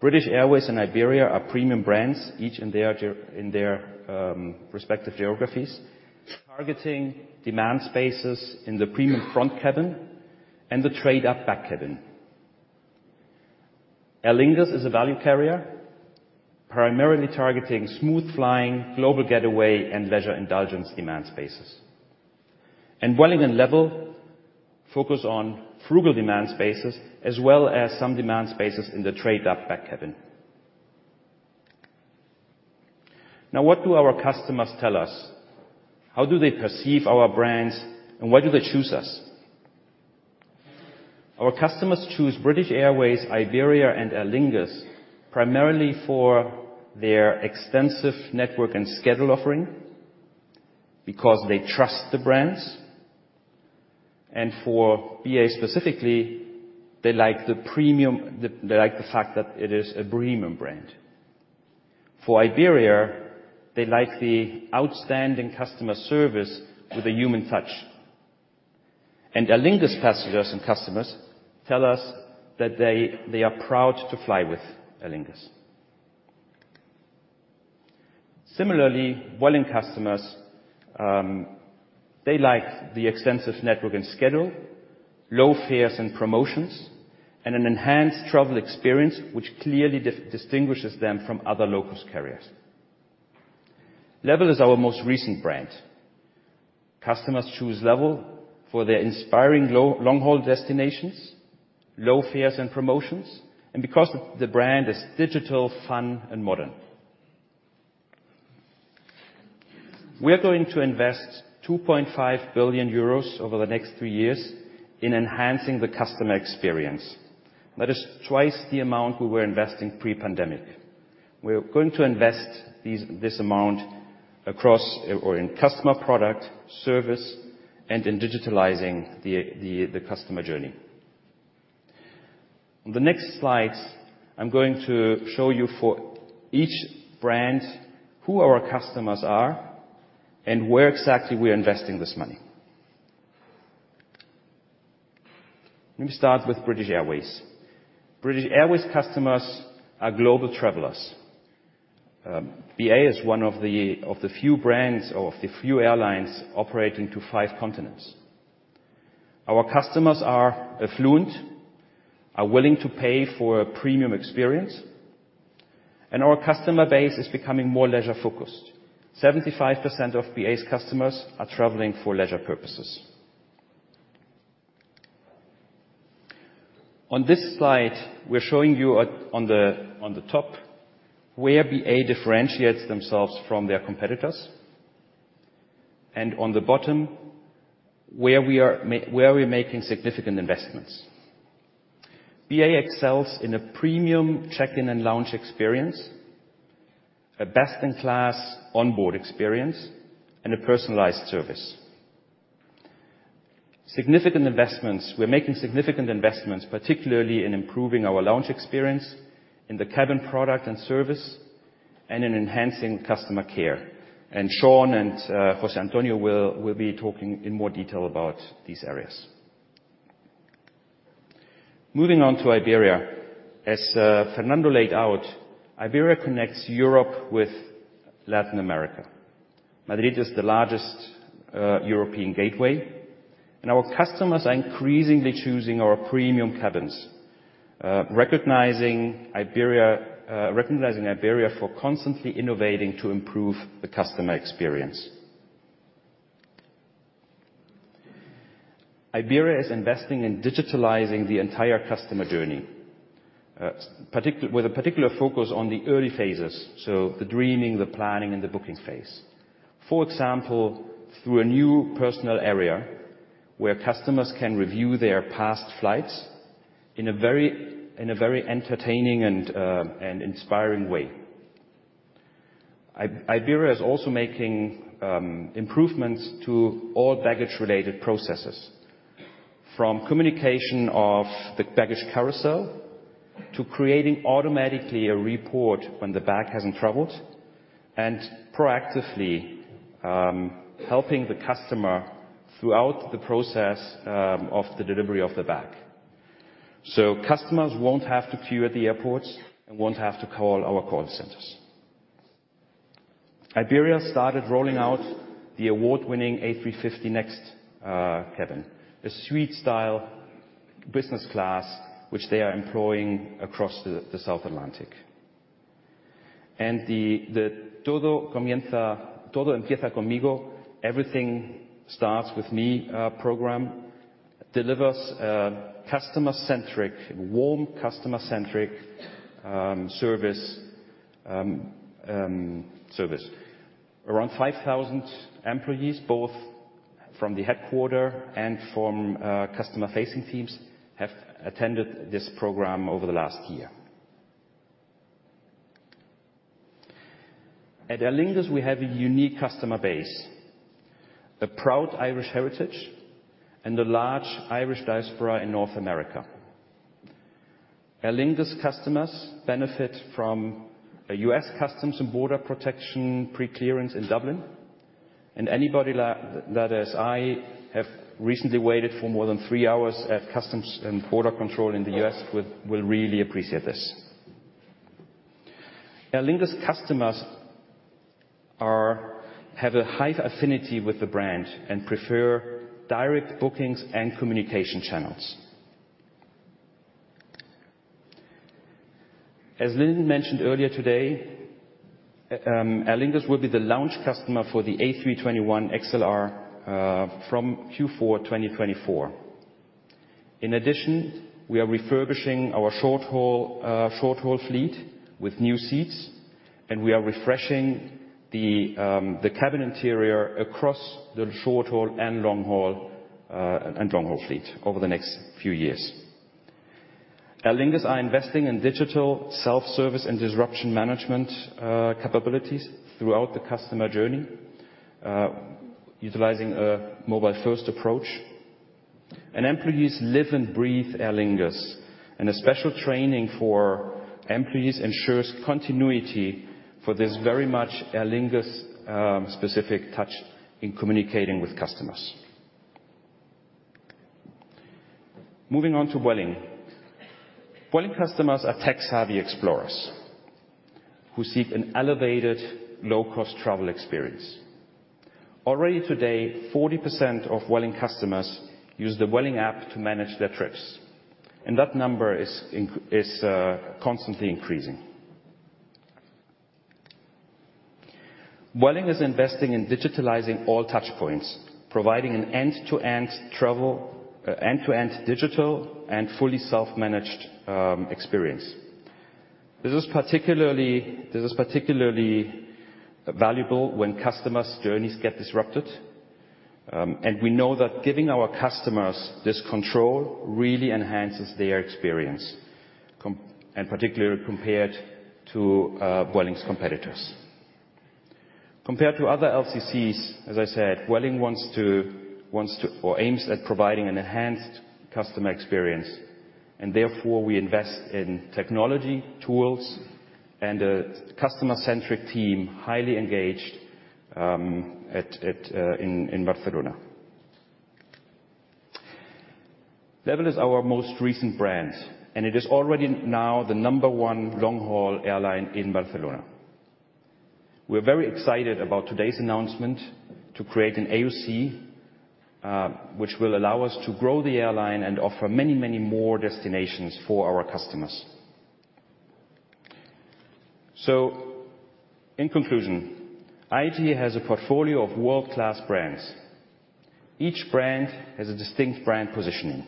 British Airways and Iberia are premium brands, each in their respective geographies, targeting demand spaces in the premium front cabin and the trade-up back cabin. Aer Lingus is a value carrier, primarily targeting smooth flying, global getaway, and leisure indulgence demand spaces. Vueling and LEVEL focus on frugal demand spaces as well as some demand spaces in the trade-up back cabin. Now, what do our customers tell us? How do they perceive our brands, and why do they choose us? Our customers choose British Airways, Iberia, and Aer Lingus primarily for their extensive network and schedule offering, because they trust the brands. For BA specifically, they like the premium. They like the fact that it is a premium brand. For Iberia, they like the outstanding customer service with a human touch. Aer Lingus passengers and customers tell us that they, they are proud to fly with Aer Lingus. Similarly, Vueling customers, they like the extensive network and schedule, low fares and promotions, and an enhanced travel experience, which clearly distinguishes them from other low-cost carriers. Level is our most recent brand. Customers choose Level for their inspiring long-haul destinations, low fares and promotions, and because the brand is digital, fun, and modern. We are going to invest 2.5 billion euros over the next three years in enhancing the customer experience. That is twice the amount we were investing pre-pandemic. We are going to invest this amount across or in customer product, service, and in digitalizing the customer journey. On the next slides, I'm going to show you for each brand, who our customers are and where exactly we are investing this money. Let me start with British Airways. British Airways customers are global travelers. BA is one of the few brands or of the few airlines operating to five continents. Our customers are affluent, are willing to pay for a premium experience, and our customer base is becoming more leisure-focused. 75% of BA's customers are traveling for leisure purposes. On this slide, we're showing you on the top, where BA differentiates themselves from their competitors, and on the bottom, where we are making significant investments. BA excels in a premium check-in and lounge experience, a best-in-class onboard experience, and a personalized service. Significant investments. We're making significant investments, particularly in improving our lounge experience, in the cabin product and service, and in enhancing customer care. Sean and José Antonio will be talking in more detail about these areas. Moving on to Iberia. As Fernando laid out, Iberia connects Europe with Latin America. Madrid is the largest European gateway, and our customers are increasingly choosing our premium cabins, recognizing Iberia for constantly innovating to improve the customer experience. Iberia is investing in digitalizing the entire customer journey with a particular focus on the early phases, so the dreaming, the planning, and the booking phase. For example, through a new personal area where customers can review their past flights in a very entertaining and inspiring way. Iberia is also making improvements to all baggage-related processes, from communication of the baggage carousel to creating automatically a report when the bag hasn't traveled, and proactively helping the customer throughout the process of the delivery of the bag. So customers won't have to queue at the airports and won't have to call our call centers. Iberia started rolling out the award-winning A350 Next cabin, a suite-style business class, which they are employing across the South Atlantic. And the Todo Comienza-- Todo Empieza Conmigo, Everything Starts With Me, program delivers a customer-centric, warm, customer-centric service. Around 5,000 employees, both from the headquarters and from customer-facing teams, have attended this program over the last year. At Aer Lingus, we have a unique customer base, a proud Irish heritage, and a large Irish diaspora in North America. Aer Lingus customers benefit from a U.S. Customs and Border Protection preclearance in Dublin, and anybody like that, as I have recently waited for more than three hours at Customs and Border Control in the U.S. will really appreciate this. Aer Lingus customers are have a high affinity with the brand and prefer direct bookings and communication channels. As Lynne mentioned earlier today, Aer Lingus will be the launch customer for the A321 XLR from Q4 2024. In addition, we are refurbishing our short-haul fleet with new seats, and we are refreshing the cabin interior across the short-haul and long-haul fleet over the next few years. Aer Lingus are investing in digital, self-service, and disruption management capabilities throughout the customer journey, utilizing a mobile-first approach. Employees live and breathe Aer Lingus, and a special training for employees ensures continuity for this very much Aer Lingus specific touch in communicating with customers. Moving on to Vueling. Vueling customers are tech-savvy explorers who seek an elevated, low-cost travel experience. Already today, 40% of Vueling customers use the Vueling app to manage their trips, and that number is constantly increasing. Vueling is investing in digitalizing all touchpoints, providing an end-to-end travel, end-to-end digital, and fully self-managed experience. This is particularly valuable when customers' journeys get disrupted. And we know that giving our customers this control really enhances their experience and particularly compared to Vueling's competitors. Compared to other LCCs, as I said, Vueling wants to, or aims at providing an enhanced customer experience, and therefore, we invest in technology, tools, and a customer-centric team, highly engaged in Barcelona. Level is our most recent brand, and it is already now the number one long-haul airline in Barcelona. We're very excited about today's announcement to create an AOC, which will allow us to grow the airline and offer many, many more destinations for our customers. So in conclusion, IAG has a portfolio of world-class brands. Each brand has a distinct brand positioning.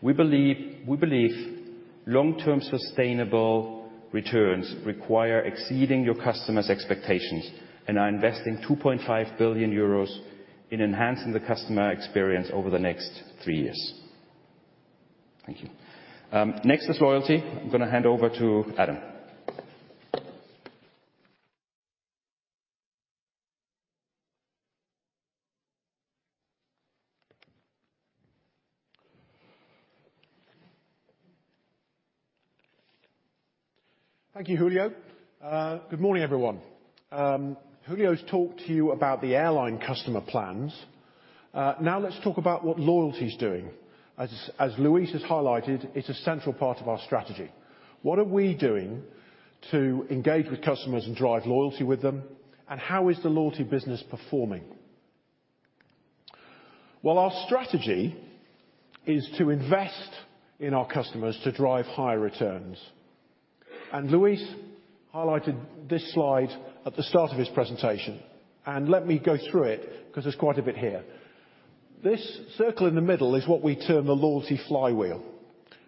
We believe, we believe long-term sustainable returns require exceeding your customers' expectations, and are investing 2.5 billion euros in enhancing the customer experience over the next three years. Thank you. Next is loyalty. I'm going to hand over to Adam. Thank you, Julio. Good morning, everyone. Julio's talked to you about the airline customer plans. Now let's talk about what loyalty is doing. As Luis has highlighted, it's a central part of our strategy. What are we doing to engage with customers and drive loyalty with them, and how is the loyalty business performing? Well, our strategy is to invest in our customers to drive higher returns. Luis highlighted this slide at the start of his presentation, and let me go through it because there's quite a bit here. This circle in the middle is what we term the loyalty flywheel,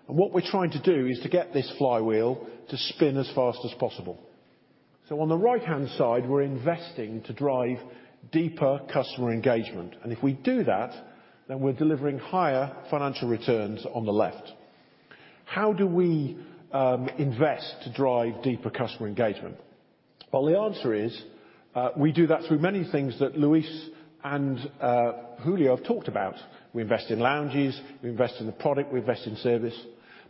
and what we're trying to do is to get this flywheel to spin as fast as possible. So on the right-hand side, we're investing to drive deeper customer engagement, and if we do that, then we're delivering higher financial returns on the left. How do we invest to drive deeper customer engagement? Well, the answer is, we do that through many things that Luis and Julio have talked about. We invest in lounges, we invest in the product, we invest in service.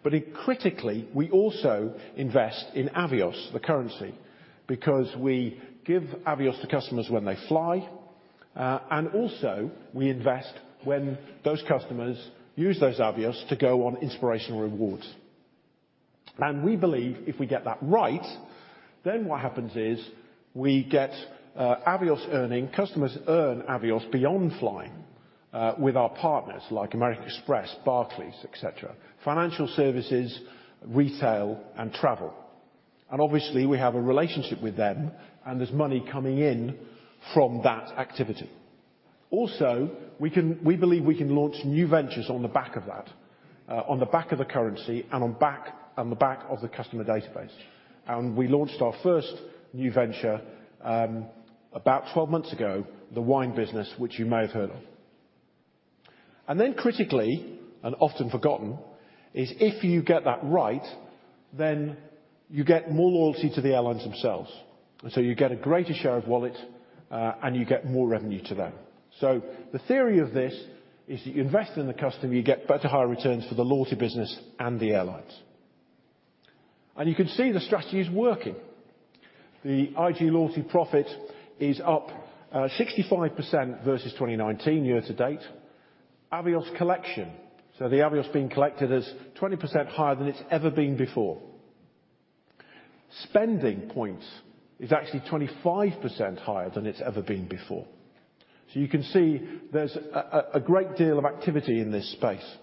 But critically, we also invest in Avios, the currency. Because we give Avios to customers when they fly, and also we invest when those customers use those Avios to go on inspirational rewards. And we believe if we get that right, then what happens is we get Avios earning, customers earn Avios beyond flying with our partners, like American Express, Barclays, et cetera, financial services, retail, and travel. And obviously, we have a relationship with them, and there's money coming in from that activity. Also, we believe we can launch new ventures on the back of that, on the back of the currency and on the back of the customer database. We launched our first new venture about 12 months ago, the wine business, which you may have heard of. Then critically, and often forgotten, is if you get that right, then you get more loyalty to the airlines themselves, and so you get a greater share of wallet, and you get more revenue to them. So the theory of this is that you invest in the customer, you get better, higher returns for the loyalty business and the airlines. You can see the strategy is working. The IAG Loyalty profit is up 65% versus 2019 year to date. Avios collection, so the Avios being collected is 20% higher than it's ever been before. Spending points is actually 25% higher than it's ever been before. So you can see there's a great deal of activity in this space.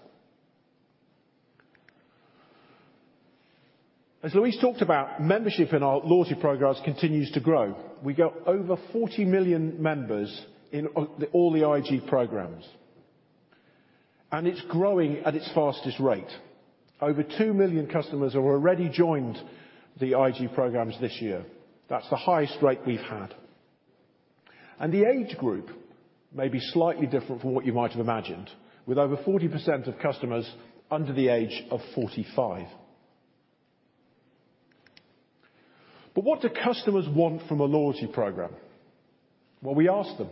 As Luis talked about, membership in our loyalty programs continues to grow. We got over 40 million members in all the IAG programs, and it's growing at its fastest rate. Over 2 million customers have already joined the IAG programs this year. That's the highest rate we've had. And the age group may be slightly different from what you might have imagined, with over 40% of customers under the age of 45. But what do customers want from a loyalty program? Well, we asked them,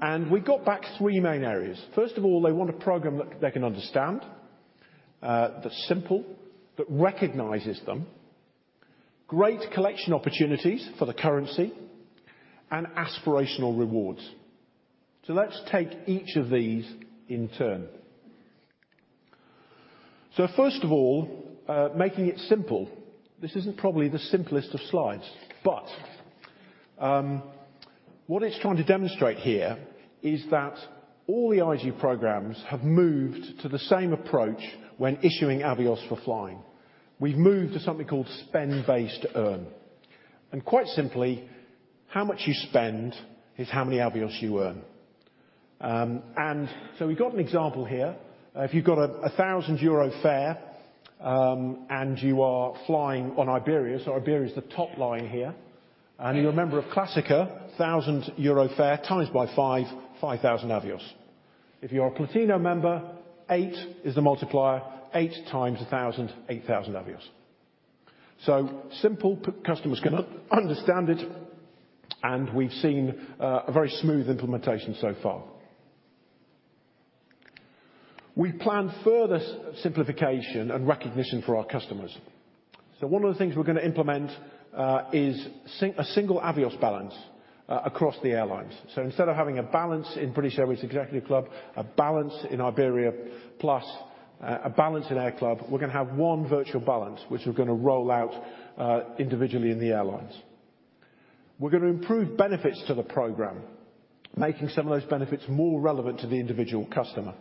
and we got back three main areas. First of all, they want a program that they can understand, that's simple, that recognizes great collection opportunities for the currency and aspirational rewards. So let's take each of these in turn. So first of all, making it simple, this isn't probably the simplest of slides, but, what it's trying to demonstrate here is that all the IAG programs have moved to the same approach when issuing Avios for flying. We've moved to something called spend-based earn, and quite simply, how much you spend is how many Avios you earn. And so we've got an example here. If you've got a 1,000 euro fare, and you are flying on Iberia, so Iberia is the top line here, and you're a member of Clásica, 1,000 euro fare times by 5, 5,000 Avios. If you're a Platino member, 8 is the multiplier. 8,000 Avios. So simple, customers can understand it, and we've seen a very smooth implementation so far. We plan further simplification and recognition for our customers. So one of the things we're going to implement is a single Avios balance across the airlines. So instead of having a balance in British Airways Executive Club, a balance in Iberia, plus a balance in AerClub, we're going to have one virtual balance, which we're going to roll out individually in the airlines. We're going to improve benefits to the program, making some of those benefits more relevant to the individual customer.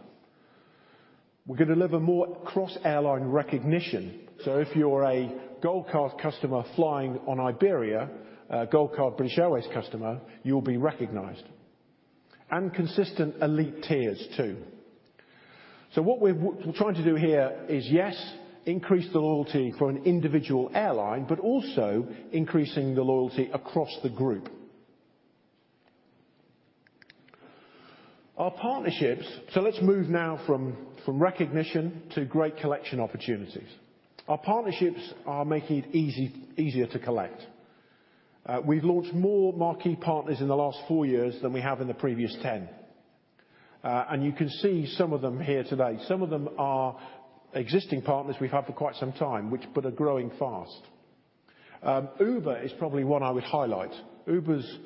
We're going to deliver more cross-airline recognition, so if you're a Gold Card customer flying on Iberia, a Gold Card British Airways customer, you'll be recognized. And consistent elite tiers, too. What we're trying to do here is, yes, increase the loyalty for an individual airline, but also increasing the loyalty across the group. Our partnerships—let's move now from recognition to great collection opportunities. Our partnerships are making it easy, easier to collect. We've launched more marquee partners in the last four years than we have in the previous 10. You can see some of them here today. Some of them are existing partners we've had for quite some time, which but are growing fast. Uber is probably one I would highlight. Uber's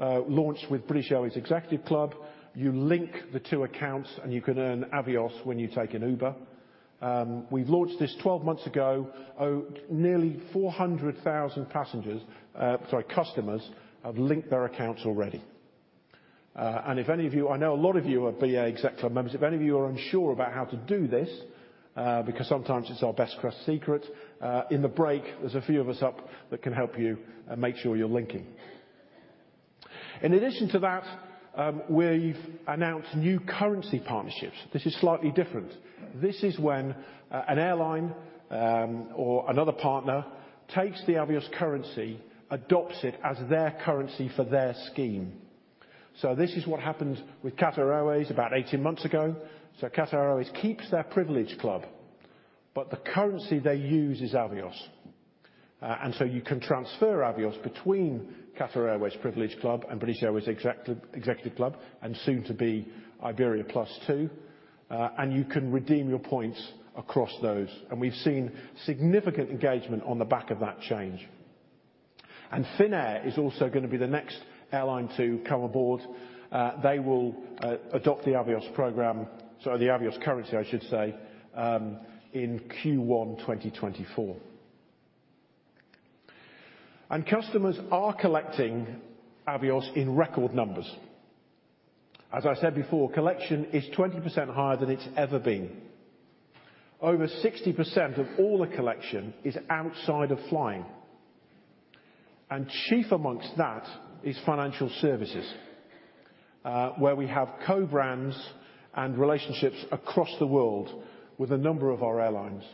launch with British Airways Executive Club, you link the two accounts, and you can earn Avios when you take an Uber. We've launched this 12 months ago. Nearly 400,000 customers have linked their accounts already. And if any of you, I know a lot of you are BA Exec Club members, if any of you are unsure about how to do this, because sometimes it's our best-kept secret, in the break, there's a few of us up that can help you and make sure you're linking. In addition to that, we've announced new currency partnerships. This is slightly different. This is when, an airline, or another partner takes the Avios currency, adopts it as their currency for their scheme. So this is what happened with Qatar Airways about 18 months ago. So Qatar Airways keeps their Privilege Club, but the currency they use is Avios. And so you can transfer Avios between Qatar Airways Privilege Club and British Airways Executive Club, and soon to be Iberia Plus, too. and you can redeem your points across those, and we've seen significant engagement on the back of that change. And Finnair is also going to be the next airline to come aboard. They will adopt the Avios program, sorry, the Avios currency, I should say, in Q1 2024. And customers are collecting Avios in record numbers. As I said before, collection is 20% higher than it's ever been. Over 60% of all the collection is outside of flying, and chief amongst that is financial services, where we have co-brands and relationships across the world with a number of our airlines.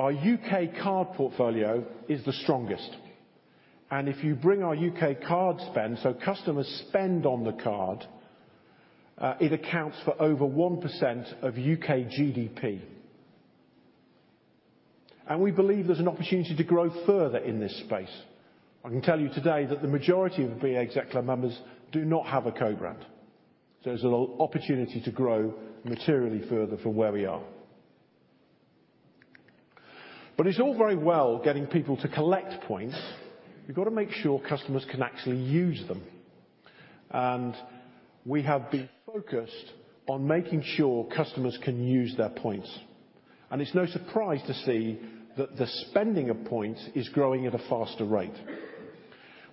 Our U.K. card portfolio is the strongest, and if you bring our U.K. card spend, so customers spend on the card, it accounts for over 1% of U.K. GDP. We believe there's an opportunity to grow further in this space. I can tell you today that the majority of BA Exec Club members do not have a co-brand. There's an opportunity to grow materially further from where we are. But it's all very well getting people to collect points. You've got to make sure customers can actually use them, and we have been focused on making sure customers can use their points. And it's no surprise to see that the spending of points is growing at a faster rate.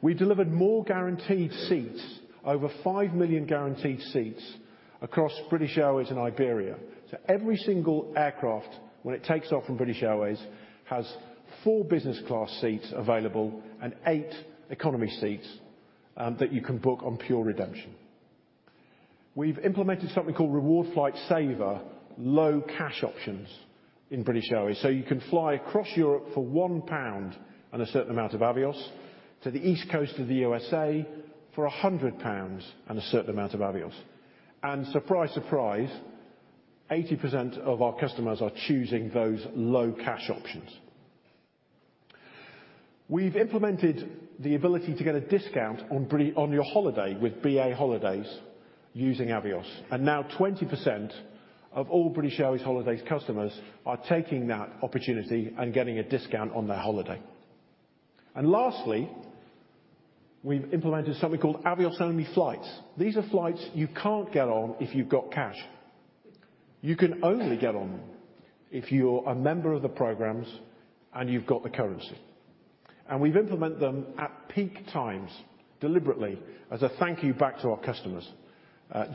We delivered more guaranteed seats, over 5 million guaranteed seats, across British Airways and Iberia. So every single aircraft, when it takes off from British Airways, has 4 business class seats available and 8 economy seats that you can book on pure redemption. We've implemented something called Reward Flight Saver, low cash options in British Airways. So you can fly across Europe for 1 pound and a certain amount of Avios, to the east coast of the USA for 100 pounds and a certain amount of Avios. And surprise, surprise, 80% of our customers are choosing those low cash options. We've implemented the ability to get a discount on your holiday with BA Holidays using Avios, and now 20% of all British Airways Holidays customers are taking that opportunity and getting a discount on their holiday. And lastly, we've implemented something called Avios-only flights. These are flights you can't get on if you've got cash. You can only get on them if you're a member of the programs and you've got the currency. And we've implemented them at peak times deliberately as a thank you back to our customers.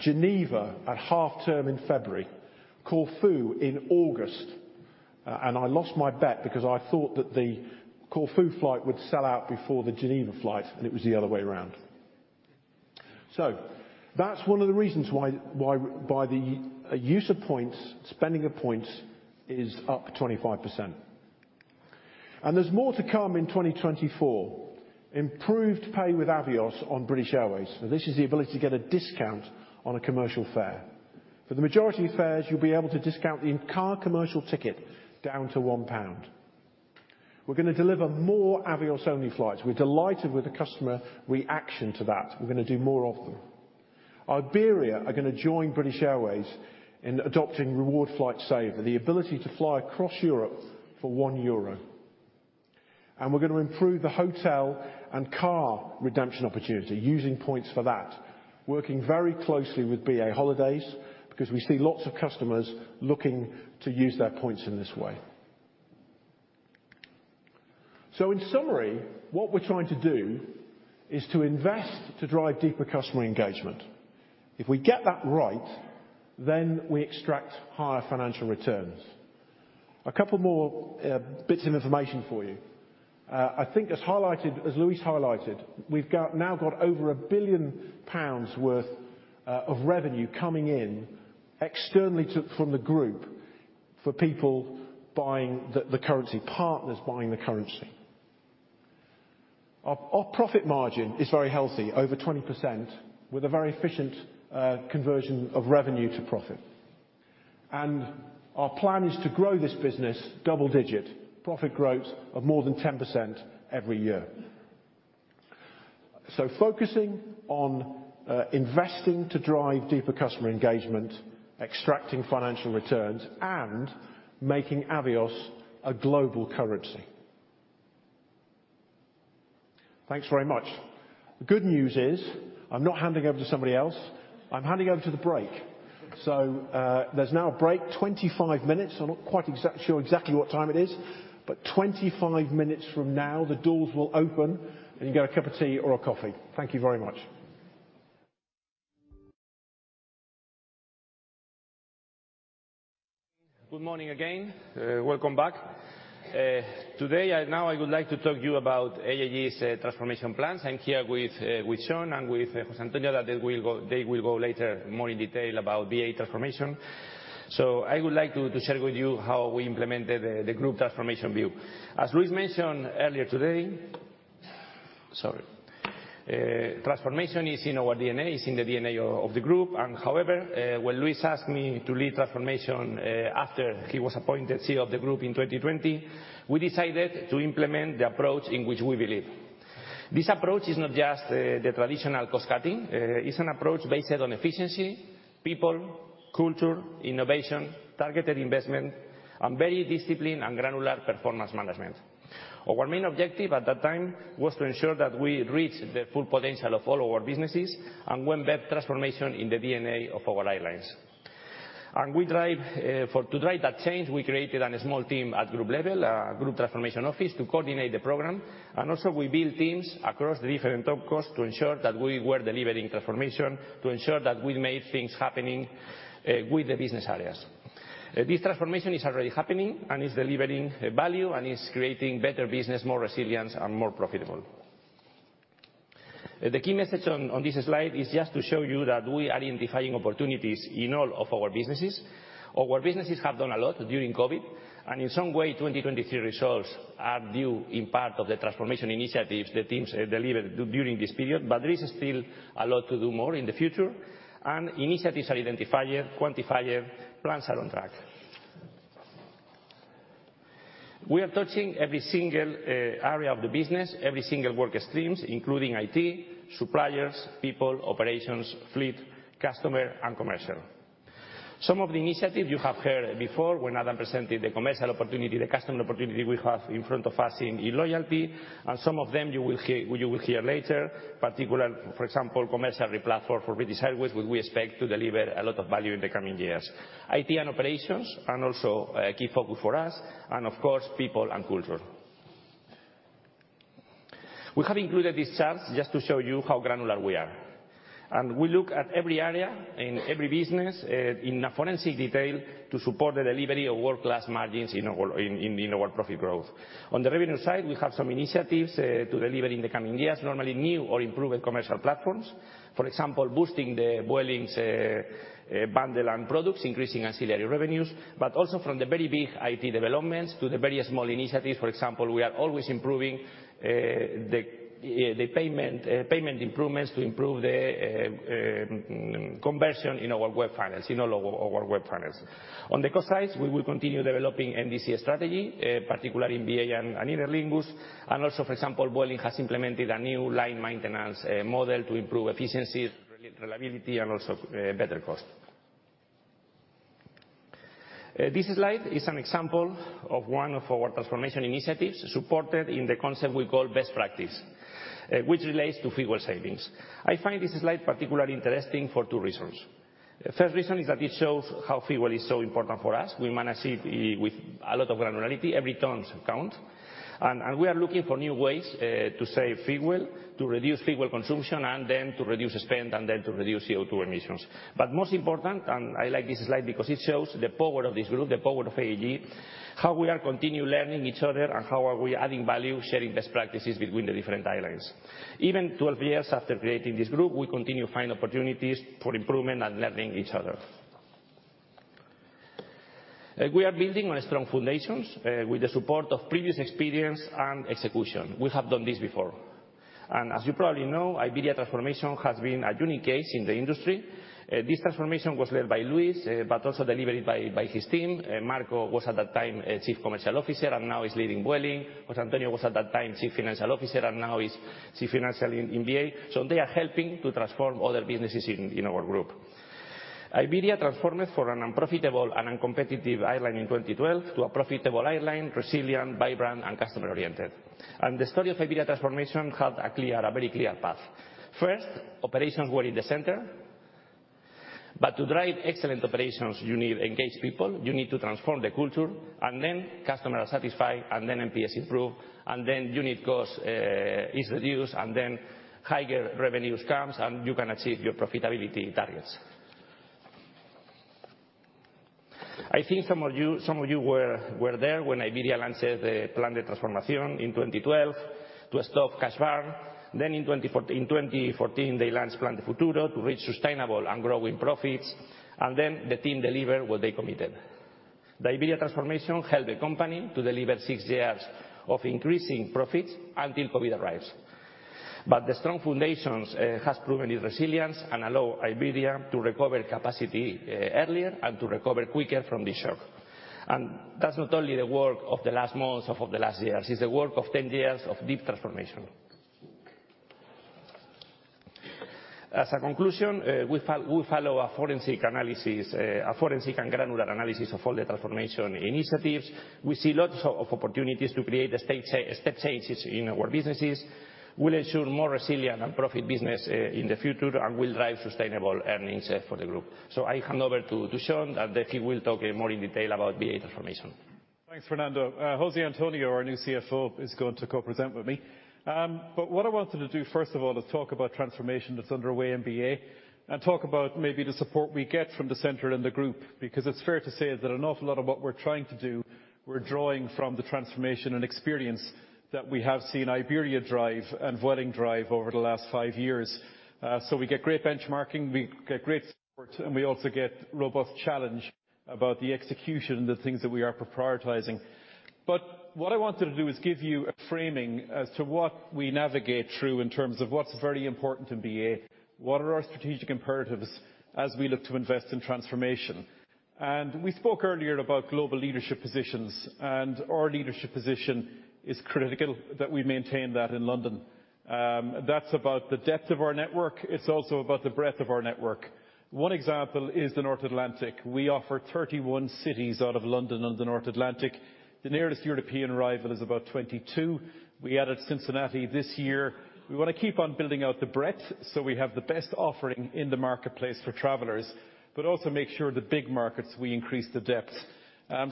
Geneva at half term in February, Corfu in August, and I lost my bet because I thought that the Corfu flight would sell out before the Geneva flight, and it was the other way around. So that's one of the reasons why, by the use of points, spending of points is up 25%. And there's more to come in 2024. Improved pay with Avios on British Airways, so this is the ability to get a discount on a commercial fare. For the majority of fares, you'll be able to discount the entire commercial ticket down to 1 pound. We're gonna deliver more Avios-only flights. We're delighted with the customer reaction to that. We're gonna do more of them. Iberia are gonna join British Airways in adopting Reward Flight Saver, the ability to fly across Europe for 1 euro. We're gonna improve the hotel and car redemption opportunity, using points for that, working very closely with BA Holidays, because we see lots of customers looking to use their points in this way. In summary, what we're trying to do is to invest to drive deeper customer engagement. If we get that right, then we extract higher financial returns. A couple more bits of information for you. I think as highlighted, as Luis highlighted, we've now got over 1 billion pounds worth of revenue coming in externally to, from the group, for people buying the currency, partners buying the currency. Our profit margin is very healthy, over 20%, with a very efficient conversion of revenue to profit. Our plan is to grow this business double-digit, profit growth of more than 10% every year. So focusing on investing to drive deeper customer engagement, extracting financial returns, and making Avios a global currency. Thanks very much. The good news is, I'm not handing over to somebody else. I'm handing over to the break. So, there's now a break, 25 minutes. I'm not quite sure exactly what time it is, but 25 minutes from now, the doors will open, and you can get a cup of tea or a coffee. Thank you very much. Good morning again. Welcome back. Today I, now I would like to talk to you about IAG's transformation plans. I'm here with Sean and with Jose Antonio, that they will go later in more detail about BA transformation. So I would like to share with you how we implemented the group transformation view. As Luis mentioned earlier today... Sorry. Transformation is in our DNA, is in the DNA of the group, and however, when Luis asked me to lead transformation, after he was appointed CEO of the group in 2020, we decided to implement the approach in which we believe. This approach is not just the traditional cost cutting. It's an approach based on efficiency, people, culture, innovation, targeted investment, and very disciplined and granular performance management. Our main objective at that time was to ensure that we reach the full potential of all our businesses and embed transformation in the DNA of our airlines. We drive, for to drive that change, we created a small team at group level, a group transformation office, to coordinate the program, and also we built teams across the different top costs to ensure that we were delivering transformation, to ensure that we made things happening, with the business areas. This transformation is already happening, and it's delivering value, and it's creating better business, more resilience, and more profitable. The key message on this slide is just to show you that we are identifying opportunities in all of our businesses, or our businesses have done a lot during COVID, and in some way, 2023 results are due in part to the transformation initiatives the teams delivered during this period, but there is still a lot to do more in the future, and initiatives are identified, quantified, plans are on track. We are touching every single area of the business, every single work streams, including IT, suppliers, people, operations, fleet, customer, and commercial. Some of the initiatives you have heard before when Adam presented the commercial opportunity, the customer opportunity we have in front of us in loyalty, and some of them you will hear, you will hear later, particular, for example, commercial replatform for British Airways, which we expect to deliver a lot of value in the coming years. IT and operations are also a key focus for us, and of course, people and culture. We have included these charts just to show you how granular we are, and we look at every area and every business in a forensic detail to support the delivery of world-class margins in our profit growth. On the revenue side, we have some initiatives to deliver in the coming years, normally new or improved commercial platforms. For example, boosting the Vueling's bundle and products, increasing ancillary revenues, but also from the very big IT developments to the very small initiatives. For example, we are always improving the payment improvements to improve the conversion in our web finance, in all of our web finance. On the cost side, we will continue developing NDC strategy, particularly in BA and Aer Lingus. Also, for example, Vueling has implemented a new line maintenance model to improve efficiency, reliability, and also better cost. This slide is an example of one of our transformation initiatives, supported in the concept we call best practice, which relates to fuel savings. I find this slide particularly interesting for two reasons. The first reason is that it shows how fuel is so important for us. We manage it with a lot of granularity, every ton counts. We are looking for new ways to save fuel, to reduce fuel consumption, and then to reduce spend, and then to reduce CO2 emissions. But most important, and I like this slide because it shows the power of this group, the power of IAG, how we are continue learning each other and how are we adding value, sharing best practices between the different airlines. Even 12 years after creating this group, we continue to find opportunities for improvement and learning each other. We are building on strong foundations, with the support of previous experience and execution. We have done this before. As you probably know, Iberia transformation has been a unique case in the industry. This transformation was led by Luis, but also delivered by his team. Marco was at that time Chief Commercial Officer, and now he's leading Vueling. José Antonio was at that time Chief Financial Officer, and now he's Chief Financial in IAG. So they are helping to transform other businesses in our group. Iberia transformed from an unprofitable and uncompetitive airline in 2012 to a profitable airline, resilient, vibrant, and customer-oriented. And the story of Iberia transformation had a clear, a very clear path. First, operations were in the center. But to drive excellent operations, you need engaged people, you need to transform the culture, and then customer are satisfied, and then NPS improve, and then unit cost is reduced, and then higher revenues comes, and you can achieve your profitability targets. I think some of you were there when Iberia launched the Plan de Transformación in 2012 to stop cash burn. Then in 2014, in 2014, they launched Plan de Futuro to reach sustainable and growing profits, and then the team delivered what they committed. The Iberia transformation helped the company to deliver six years of increasing profits until COVID arrives. But the strong foundations has proven its resilience and allow Iberia to recover capacity earlier and to recover quicker from this shock. And that's not only the work of the last months or of the last years, it's the work of ten years of deep transformation. As a conclusion, we follow a forensic analysis, a forensic and granular analysis of all the transformation initiatives. We see lots of opportunities to create step changes in our businesses. We'll ensure more resilient and profit business in the future, and will drive sustainable earnings for the group. I hand over to Sean, and he will talk in more detail about BA transformation. Thanks, Fernando. José Antonio, our new CFO, is going to co-present with me. But what I wanted to do, first of all, is talk about transformation that's underway in BA, and talk about maybe the support we get from the center and the group, because it's fair to say that an awful lot of what we're trying to do, we're drawing from the transformation and experience that we have seen Iberia drive and Vueling drive over the last five years. So we get great benchmarking, we get great support, and we also get robust challenge about the execution of the things that we are prioritizing. But what I wanted to do is give you a framing as to what we navigate through in terms of what's very important in BA, what are our strategic imperatives as we look to invest in transformation. We spoke earlier about global leadership positions, and our leadership position is critical that we maintain that in London. That's about the depth of our network. It's also about the breadth of our network. One example is the North Atlantic. We offer 31 cities out of London on the North Atlantic. The nearest European rival is about 22. We added Cincinnati this year. We want to keep on building out the breadth, so we have the best offering in the marketplace for travelers, but also make sure the big markets, we increase the depth.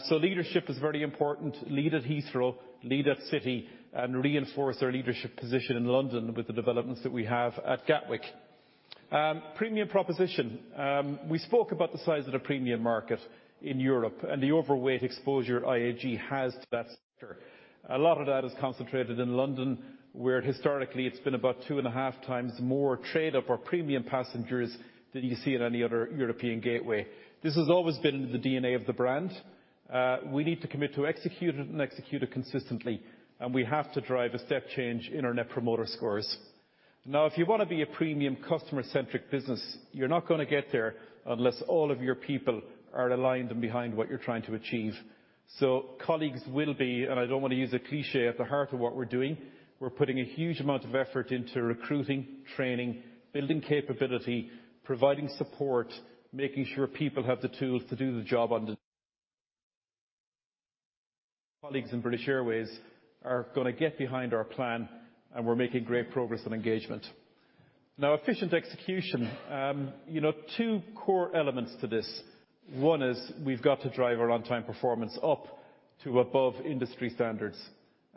So leadership is very important. Lead at Heathrow, lead at City, and reinforce our leadership position in London with the developments that we have at Gatwick. Premium proposition. We spoke about the size of the premium market in Europe and the overweight exposure IAG has to that sector. A lot of that is concentrated in London, where historically it's been about 2.5 times more trade-up or premium passengers than you see in any other European gateway. This has always been in the DNA of the brand. We need to commit to execute it and execute it consistently, and we have to drive a step change in our net promoter scores. Now, if you want to be a premium customer-centric business, you're not going to get there unless all of your people are aligned and behind what you're trying to achieve. So colleagues will be, and I don't want to use a cliché, at the heart of what we're doing. We're putting a huge amount of effort into recruiting, training, building capability, providing support, making sure people have the tools to do the job on the... Colleagues in British Airways are going to get behind our plan, and we're making great progress on engagement. Now, efficient execution. You know, two core elements to this. One is we've got to drive our on-time performance up to above industry standards,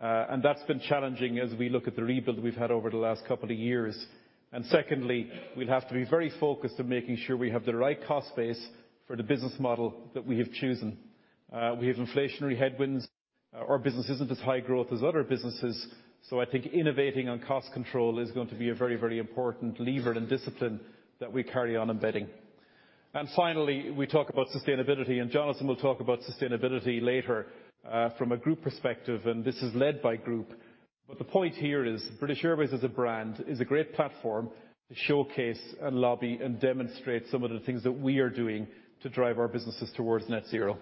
and that's been challenging as we look at the rebuild we've had over the last couple of years. And secondly, we'll have to be very focused on making sure we have the right cost base for the business model that we have chosen. We have inflationary headwinds. Our business isn't as high growth as other businesses, so I think innovating on cost control is going to be a very, very important lever and discipline that we carry on embedding. And finally, we talk about sustainability, and Jonathan will talk about sustainability later, from a group perspective, and this is led by group. But the point here is British Airways as a brand is a great platform to showcase and lobby and demonstrate some of the things that we are doing to drive our businesses towards net zero.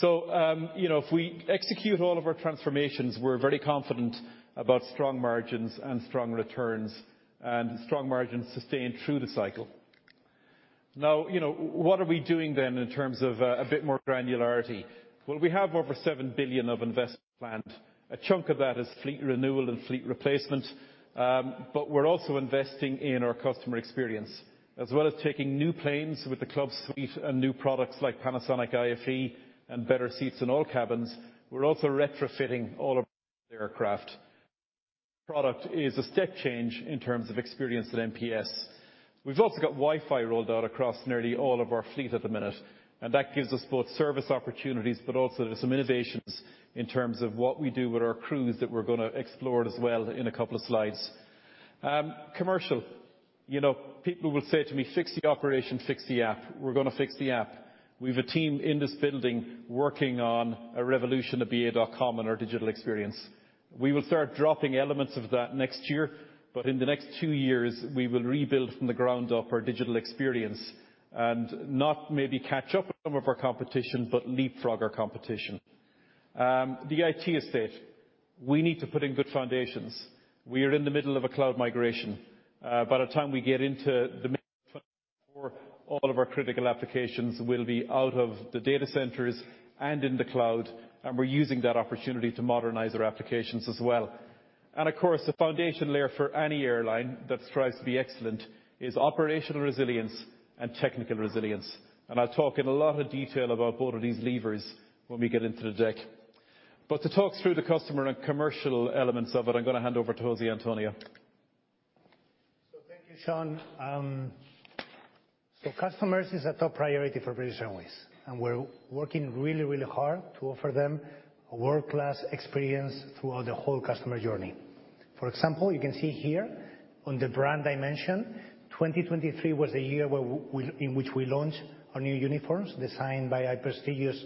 So, you know, if we execute all of our transformations, we're very confident about strong margins and strong returns, and strong margins sustained through the cycle. Now, you know, what are we doing then, in terms of, a bit more granularity? Well, we have over 7 billion of investment planned. A chunk of that is fleet renewal and fleet replacement, but we're also investing in our customer experience. As well as taking new planes with the Club Suite and new products like Panasonic IFE and better seats in all cabins, we're also retrofitting all of the aircraft. Product is a step change in terms of experience at NPS. We've also got Wi-Fi rolled out across nearly all of our fleet at the minute, and that gives us both service opportunities, but also there's some innovations in terms of what we do with our crews that we're gonna explore as well in a couple of slides. Commercial. You know, people will say to me, "Fix the operation, fix the app." We're gonna fix the app. We've a team in this building working on a revolution of ba.com and our digital experience. We will start dropping elements of that next year, but in the next two years, we will rebuild from the ground up our digital experience, and not maybe catch up with some of our competition, but leapfrog our competition. The IT estate, we need to put in good foundations. We are in the middle of a cloud migration. By the time we get into the mid- all of our critical applications will be out of the data centers and in the cloud, and we're using that opportunity to modernize our applications as well. Of course, the foundation layer for any airline that strives to be excellent is operational resilience and technical resilience, and I'll talk in a lot of detail about both of these levers when we get into the deck. To talk through the customer and commercial elements of it, I'm gonna hand over to José Antonio. So thank you, Sean. So customers is a top priority for British Airways, and we're working really, really hard to offer them a world-class experience throughout the whole customer journey. For example, you can see here on the brand dimension, 2023 was the year in which we launched our new uniforms, designed by a prestigious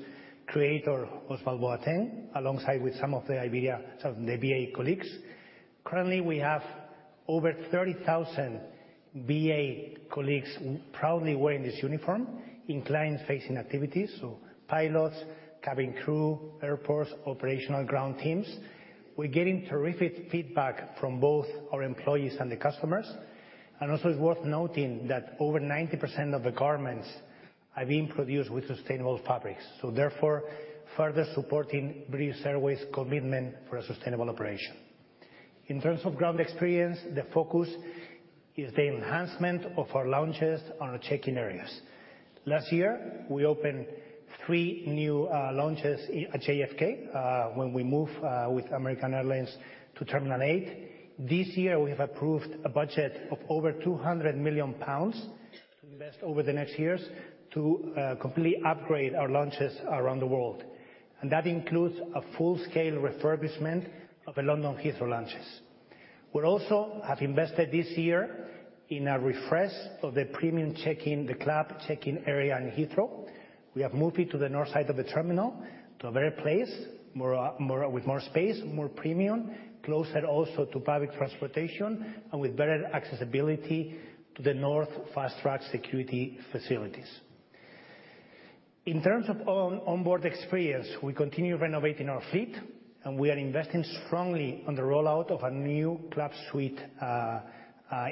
creator, Ozwald Boateng, alongside with some of the IBEA, some of the BA colleagues. Currently, we have over 30,000 BA colleagues proudly wearing this uniform in client-facing activities, so pilots, cabin crew, airports, operational ground teams. We're getting terrific feedback from both our employees and the customers. And also, it's worth noting that over 90% of the garments are being produced with sustainable fabrics, so therefore further supporting British Airways' commitment for a sustainable operation. In terms of ground experience, the focus is the enhancement of our lounges and our check-in areas. Last year, we opened 3 new lounges at JFK when we moved with American Airlines to Terminal Eight. This year, we have approved a budget of over 200 million pounds to invest over the next years to completely upgrade our lounges around the world, and that includes a full-scale refurbishment of the London Heathrow lounges. We also have invested this year in a refresh of the premium check-in, the club check-in area in Heathrow. We have moved it to the north side of the terminal, to a better place, more with more space, more premium, closer also to public transportation, and with better accessibility to the north fast-track security facilities. In terms of onboard experience, we continue renovating our fleet, and we are investing strongly on the rollout of a new Club Suite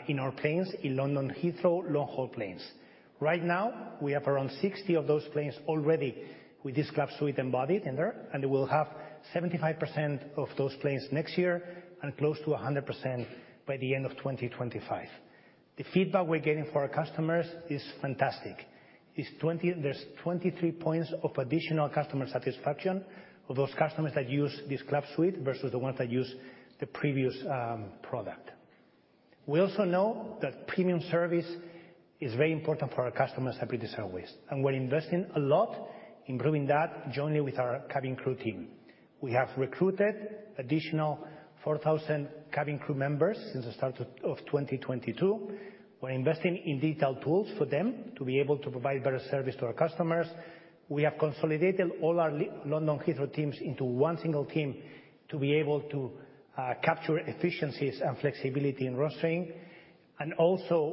in our planes, in London Heathrow long-haul planes. Right now, we have around 60 of those planes already with this Club Suite embodied in there, and we will have 75% of those planes next year, and close to 100% by the end of 2025. The feedback we're getting from our customers is fantastic. There's 23 points of additional customer satisfaction of those customers that use this Club Suite versus the ones that use the previous product. We also know that premium service is very important for our customers at British Airways, and we're investing a lot in growing that jointly with our cabin crew team. We have recruited additional 4,000 cabin crew members since the start of 2022. We're investing in detailed tools for them to be able to provide better service to our customers. We have consolidated all our London Heathrow teams into one single team to be able to capture efficiencies and flexibility in rostering.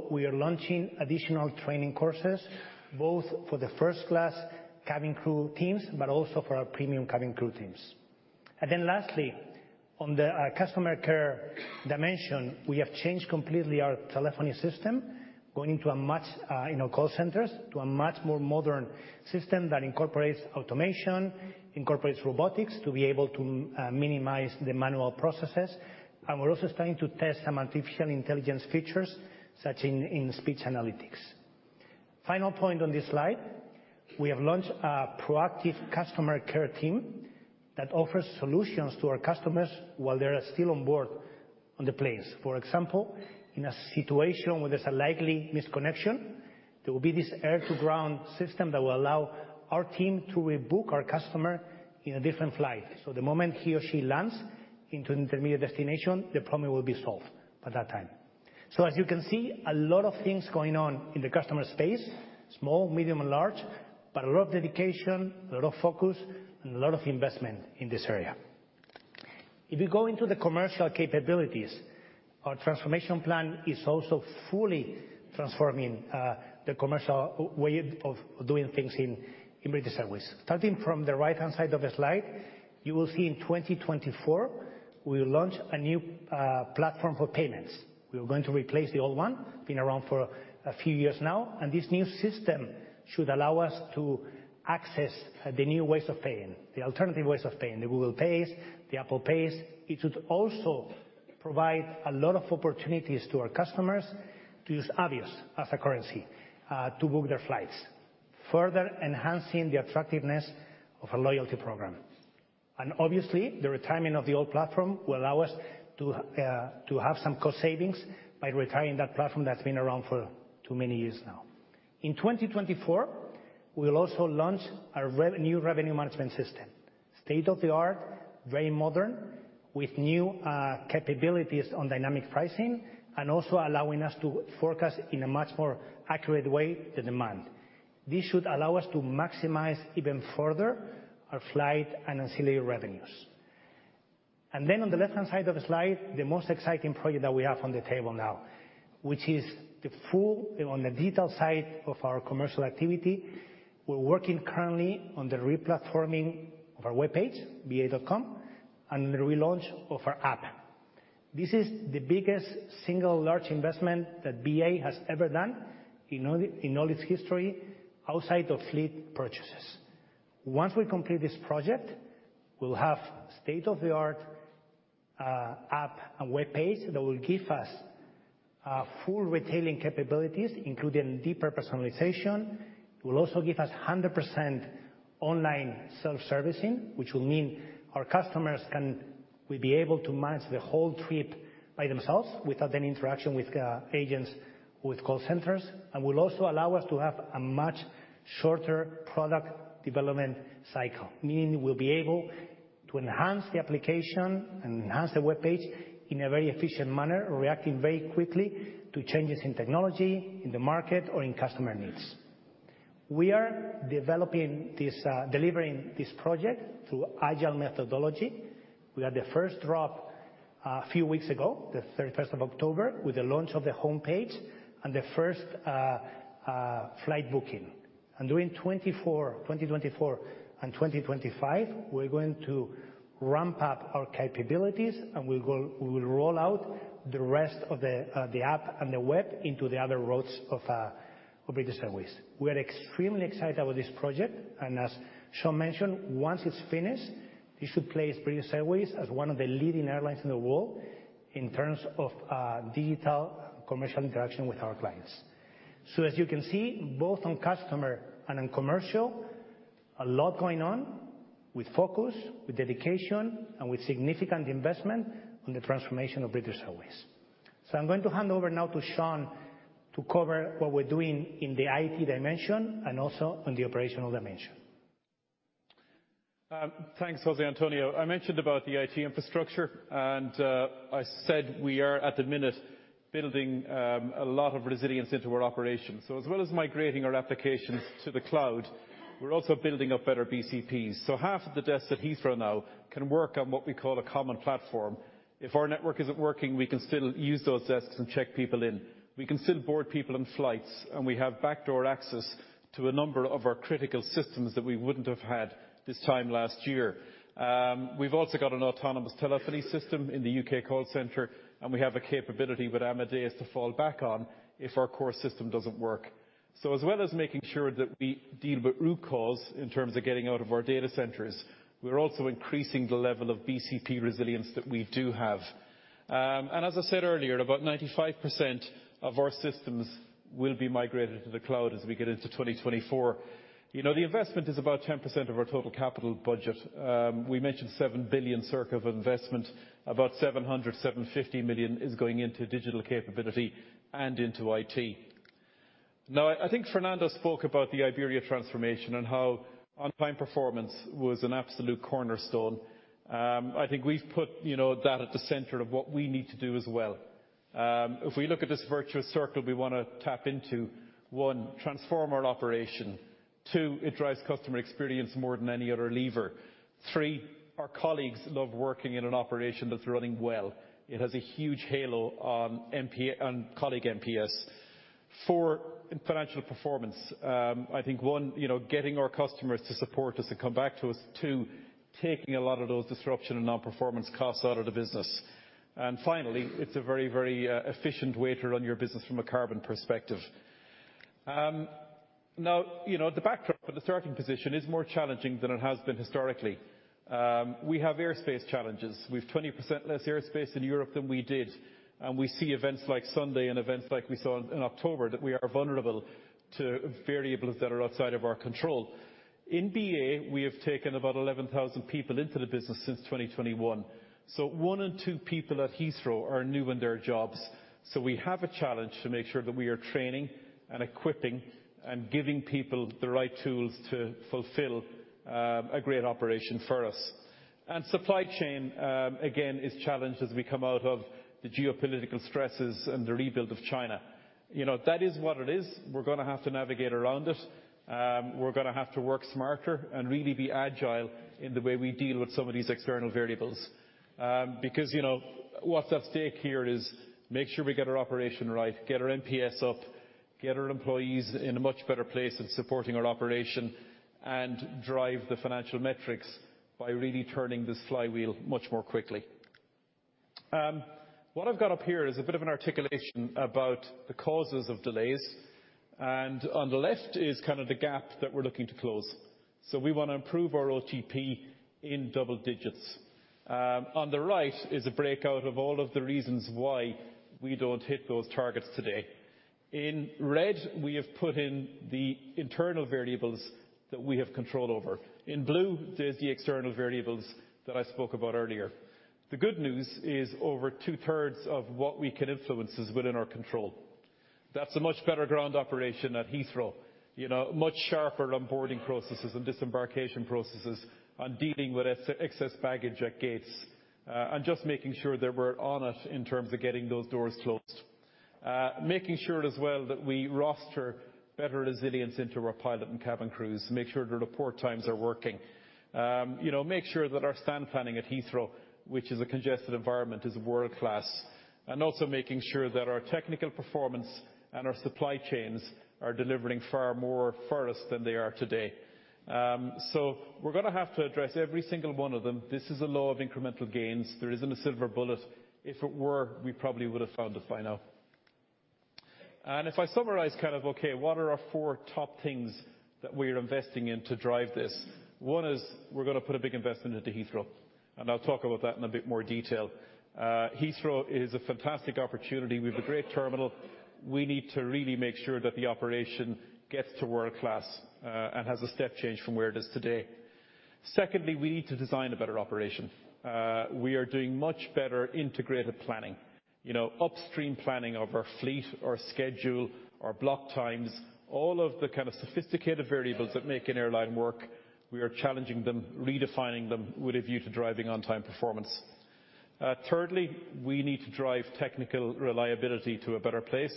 We are launching additional training courses, both for the first class cabin crew teams, but also for our premium cabin crew teams. Then lastly, on the customer care dimension, we have changed completely our telephony system, going into a much more modern system in our call centers that incorporates automation, incorporates robotics, to be able to minimize the manual processes. We're also starting to test some artificial intelligence features, such as in speech analytics. Final point on this slide, we have launched a proactive customer care team that offers solutions to our customers while they are still on board on the planes. For example, in a situation where there's a likely misconnection, there will be this air-to-ground system that will allow our team to rebook our customer in a different flight. So the moment he or she lands into intermediate destination, the problem will be solved by that time. So as you can see, a lot of things going on in the customer space, small, medium, and large, but a lot of dedication, a lot of focus, and a lot of investment in this area. If you go into the commercial capabilities, our transformation plan is also fully transforming the commercial way of doing things in British Airways. Starting from the right-hand side of the slide, you will see in 2024, we launch a new platform for payments. We are going to replace the old one, been around for a few years now, and this new system should allow us to access the new ways of paying, the alternative ways of paying, the Google Pay, the Apple Pay. It would also provide a lot of opportunities to our customers to use Avios as a currency to book their flights, further enhancing the attractiveness of a loyalty program. And obviously, the retirement of the old platform will allow us to have some cost savings by retiring that platform that's been around for too many years now. In 2024, we will also launch our new revenue management system. State-of-the-art, very modern, with new capabilities on dynamic pricing, and also allowing us to forecast in a much more accurate way, the demand. This should allow us to maximize even further our flight and ancillary revenues. Then on the left-hand side of the slide, the most exciting project that we have on the table now, which is the full, on the digital side of our commercial activity, we're working currently on the re-platforming of our webpage, ba.com, and the relaunch of our app. This is the biggest single large investment that BA has ever done in all, in all its history outside of fleet purchases. Once we complete this project, we'll have state-of-the-art app and webpage that will give us full retailing capabilities, including deeper personalization. It will also give us 100% online self-servicing, which will mean our customers can, will be able to manage the whole trip by themselves without any interaction with agents, with call centers, and will also allow us to have a much shorter product development cycle. Meaning we'll be able to enhance the application and enhance the webpage in a very efficient manner, reacting very quickly to changes in technology, in the market, or in customer needs. We are developing this, delivering this project through agile methodology. We had the first drop a few weeks ago, the 31st of October, with the launch of the homepage and the first flight booking. During 2024 and 2025, we're going to ramp up our capabilities, and we will roll out the rest of the app and the web into the other routes of British Airways. We are extremely excited about this project, and as Sean mentioned, once it's finished, it should place British Airways as one of the leading airlines in the world in terms of digital commercial interaction with our clients. So as you can see, both on customer and on commercial, a lot going on with focus, with dedication, and with significant investment on the transformation of British Airways. So I'm going to hand over now to Sean to cover what we're doing in the IT dimension and also on the operational dimension. Thanks, Jose Antonio. I mentioned about the IT infrastructure, and I said we are, at the minute, building a lot of resilience into our operations. So as well as migrating our applications to the cloud, we're also building up better BCPs. So half of the desks at Heathrow now can work on what we call a common platform. If our network isn't working, we can still use those desks and check people in. We can still board people on flights, and we have backdoor access to a number of our critical systems that we wouldn't have had this time last year. We've also got an autonomous telephony system in the UK call center, and we have a capability with Amadeus to fall back on if our core system doesn't work. So as well as making sure that we deal with root cause in terms of getting out of our data centers, we're also increasing the level of BCP resilience that we do have. And as I said earlier, about 95% of our systems will be migrated to the cloud as we get into 2024. You know, the investment is about 10% of our total capital budget. We mentioned 7 billion of investment. About 700-750 million is going into digital capability and into IT. Now, I think Fernando spoke about the Iberia transformation and how on-time performance was an absolute cornerstone. I think we've put, you know, that at the center of what we need to do as well. If we look at this virtuous circle, we wanna tap into, one, transform our operation. Two, it drives customer experience more than any other lever. Three, our colleagues love working in an operation that's running well. It has a huge halo on NPS on colleague NPS. Four, in financial performance. I think, one, you know, getting our customers to support us and come back to us. Two, taking a lot of those disruption and non-performance costs out of the business. And finally, it's a very, very efficient way to run your business from a carbon perspective. Now, you know, the backdrop of the starting position is more challenging than it has been historically. We have airspace challenges. We've 20% less airspace in Europe than we did, and we see events like Sunday and events like we saw in October, that we are vulnerable to variables that are outside of our control. In BA, we have taken about 11,000 people into the business since 2021. So one in two people at Heathrow are new in their jobs. So we have a challenge to make sure that we are training and equipping and giving people the right tools to fulfill a great operation for us. And supply chain, again, is challenged as we come out of the geopolitical stresses and the rebuild of China. You know, that is what it is. We're gonna have to navigate around it. We're gonna have to work smarter and really be agile in the way we deal with some of these external variables. Because, you know, what's at stake here is make sure we get our operation right, get our NPS up-... Get our employees in a much better place in supporting our operation, and drive the financial metrics by really turning this flywheel much more quickly. What I've got up here is a bit of an articulation about the causes of delays, and on the left is kind of the gap that we're looking to close. So we want to improve our OTP in double digits. On the right is a breakout of all of the reasons why we don't hit those targets today. In red, we have put in the internal variables that we have control over. In blue, there's the external variables that I spoke about earlier. The good news is, over two-thirds of what we can influence is within our control. That's a much better ground operation at Heathrow. You know, much sharper onboarding processes and disembarkation processes on dealing with excess baggage at gates. And just making sure that we're on it in terms of getting those doors closed. Making sure as well that we roster better resilience into our pilot and cabin crews, make sure that the port times are working. You know, make sure that our stand planning at Heathrow, which is a congested environment, is world-class. And also making sure that our technical performance and our supply chains are delivering far more for us than they are today. So we're going to have to address every single one of them. This is a law of incremental gains. There isn't a silver bullet. If it were, we probably would have found it by now. And if I summarize, kind of, okay, what are our four top things that we're investing in to drive this? One is we're going to put a big investment into Heathrow, and I'll talk about that in a bit more detail. Heathrow is a fantastic opportunity. We have a great terminal. We need to really make sure that the operation gets to world-class, and has a step change from where it is today. Secondly, we need to design a better operation. We are doing much better integrated planning. You know, upstream planning of our fleet, our schedule, our block times, all of the kind of sophisticated variables that make an airline work, we are challenging them, redefining them, with a view to driving on-time performance. Thirdly, we need to drive technical reliability to a better place.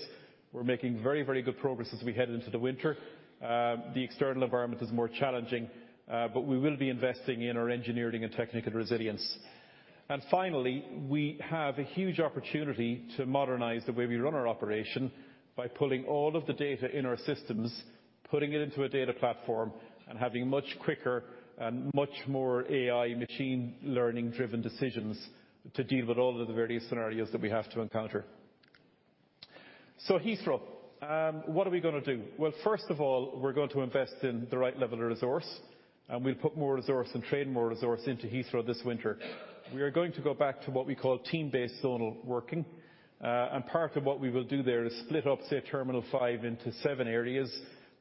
We're making very, very good progress as we head into the winter. The external environment is more challenging, but we will be investing in our engineering and technical resilience. And finally, we have a huge opportunity to modernize the way we run our operation by pulling all of the data in our systems, putting it into a data platform, and having much quicker and much more AI, machine-learning driven decisions to deal with all of the various scenarios that we have to encounter. So Heathrow, what are we going to do? Well, first of all, we're going to invest in the right level of resource, and we'll put more resource and train more resource into Heathrow this winter. We are going to go back to what we call team-based zonal working. And part of what we will do there is split up, say, Terminal 5 into seven areas.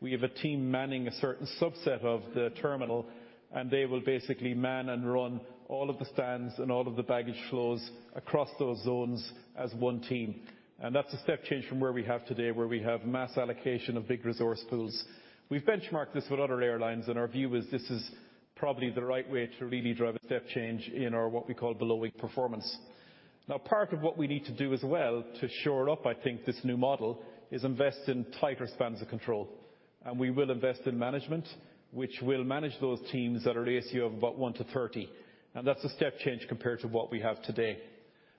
We have a team manning a certain subset of the terminal, and they will basically man and run all of the stands and all of the baggage flows across those zones as one team. That's a step change from where we have today, where we have mass allocation of big resource pools. We've benchmarked this with other airlines, and our view is this is probably the right way to really drive a step change in our, what we call, below-wing performance. Now, part of what we need to do as well, to shore it up, I think, this new model, is invest in tighter spans of control. We will invest in management, which will manage those teams at a ratio of about 1 to 30, and that's a step change compared to what we have today.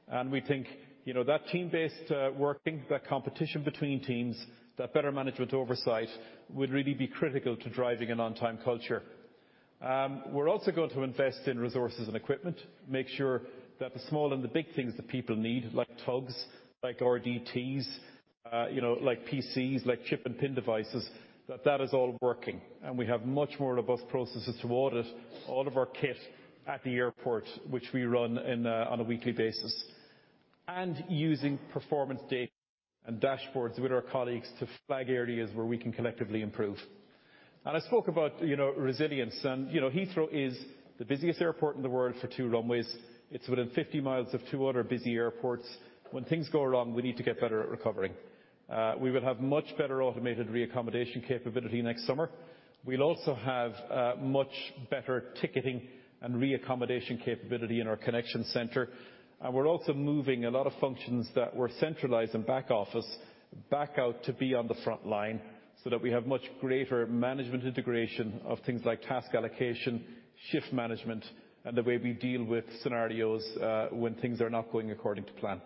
And we think, you know, that team-based working, that competition between teams, that better management oversight, would really be critical to driving an on-time culture. We're also going to invest in resources and equipment, make sure that the small and the big things that people need, like tugs, like RDTs, you know, like PCs, like chip and PIN devices, that that is all working. And we have much more robust processes to audit all of our kit at the airport, which we run in a, on a weekly basis. And using performance data and dashboards with our colleagues to flag areas where we can collectively improve. And I spoke about, you know, resilience. And, you know, Heathrow is the busiest airport in the world for two runways. It's within 50 miles of two other busy airports. When things go wrong, we need to get better at recovering. We will have much better automated reaccommodation capability next summer. We'll also have much better ticketing and reaccommodation capability in our connection center. And we're also moving a lot of functions that were centralized in back office, back out to be on the front line, so that we have much greater management integration of things like task allocation, shift management, and the way we deal with scenarios when things are not going according to plan.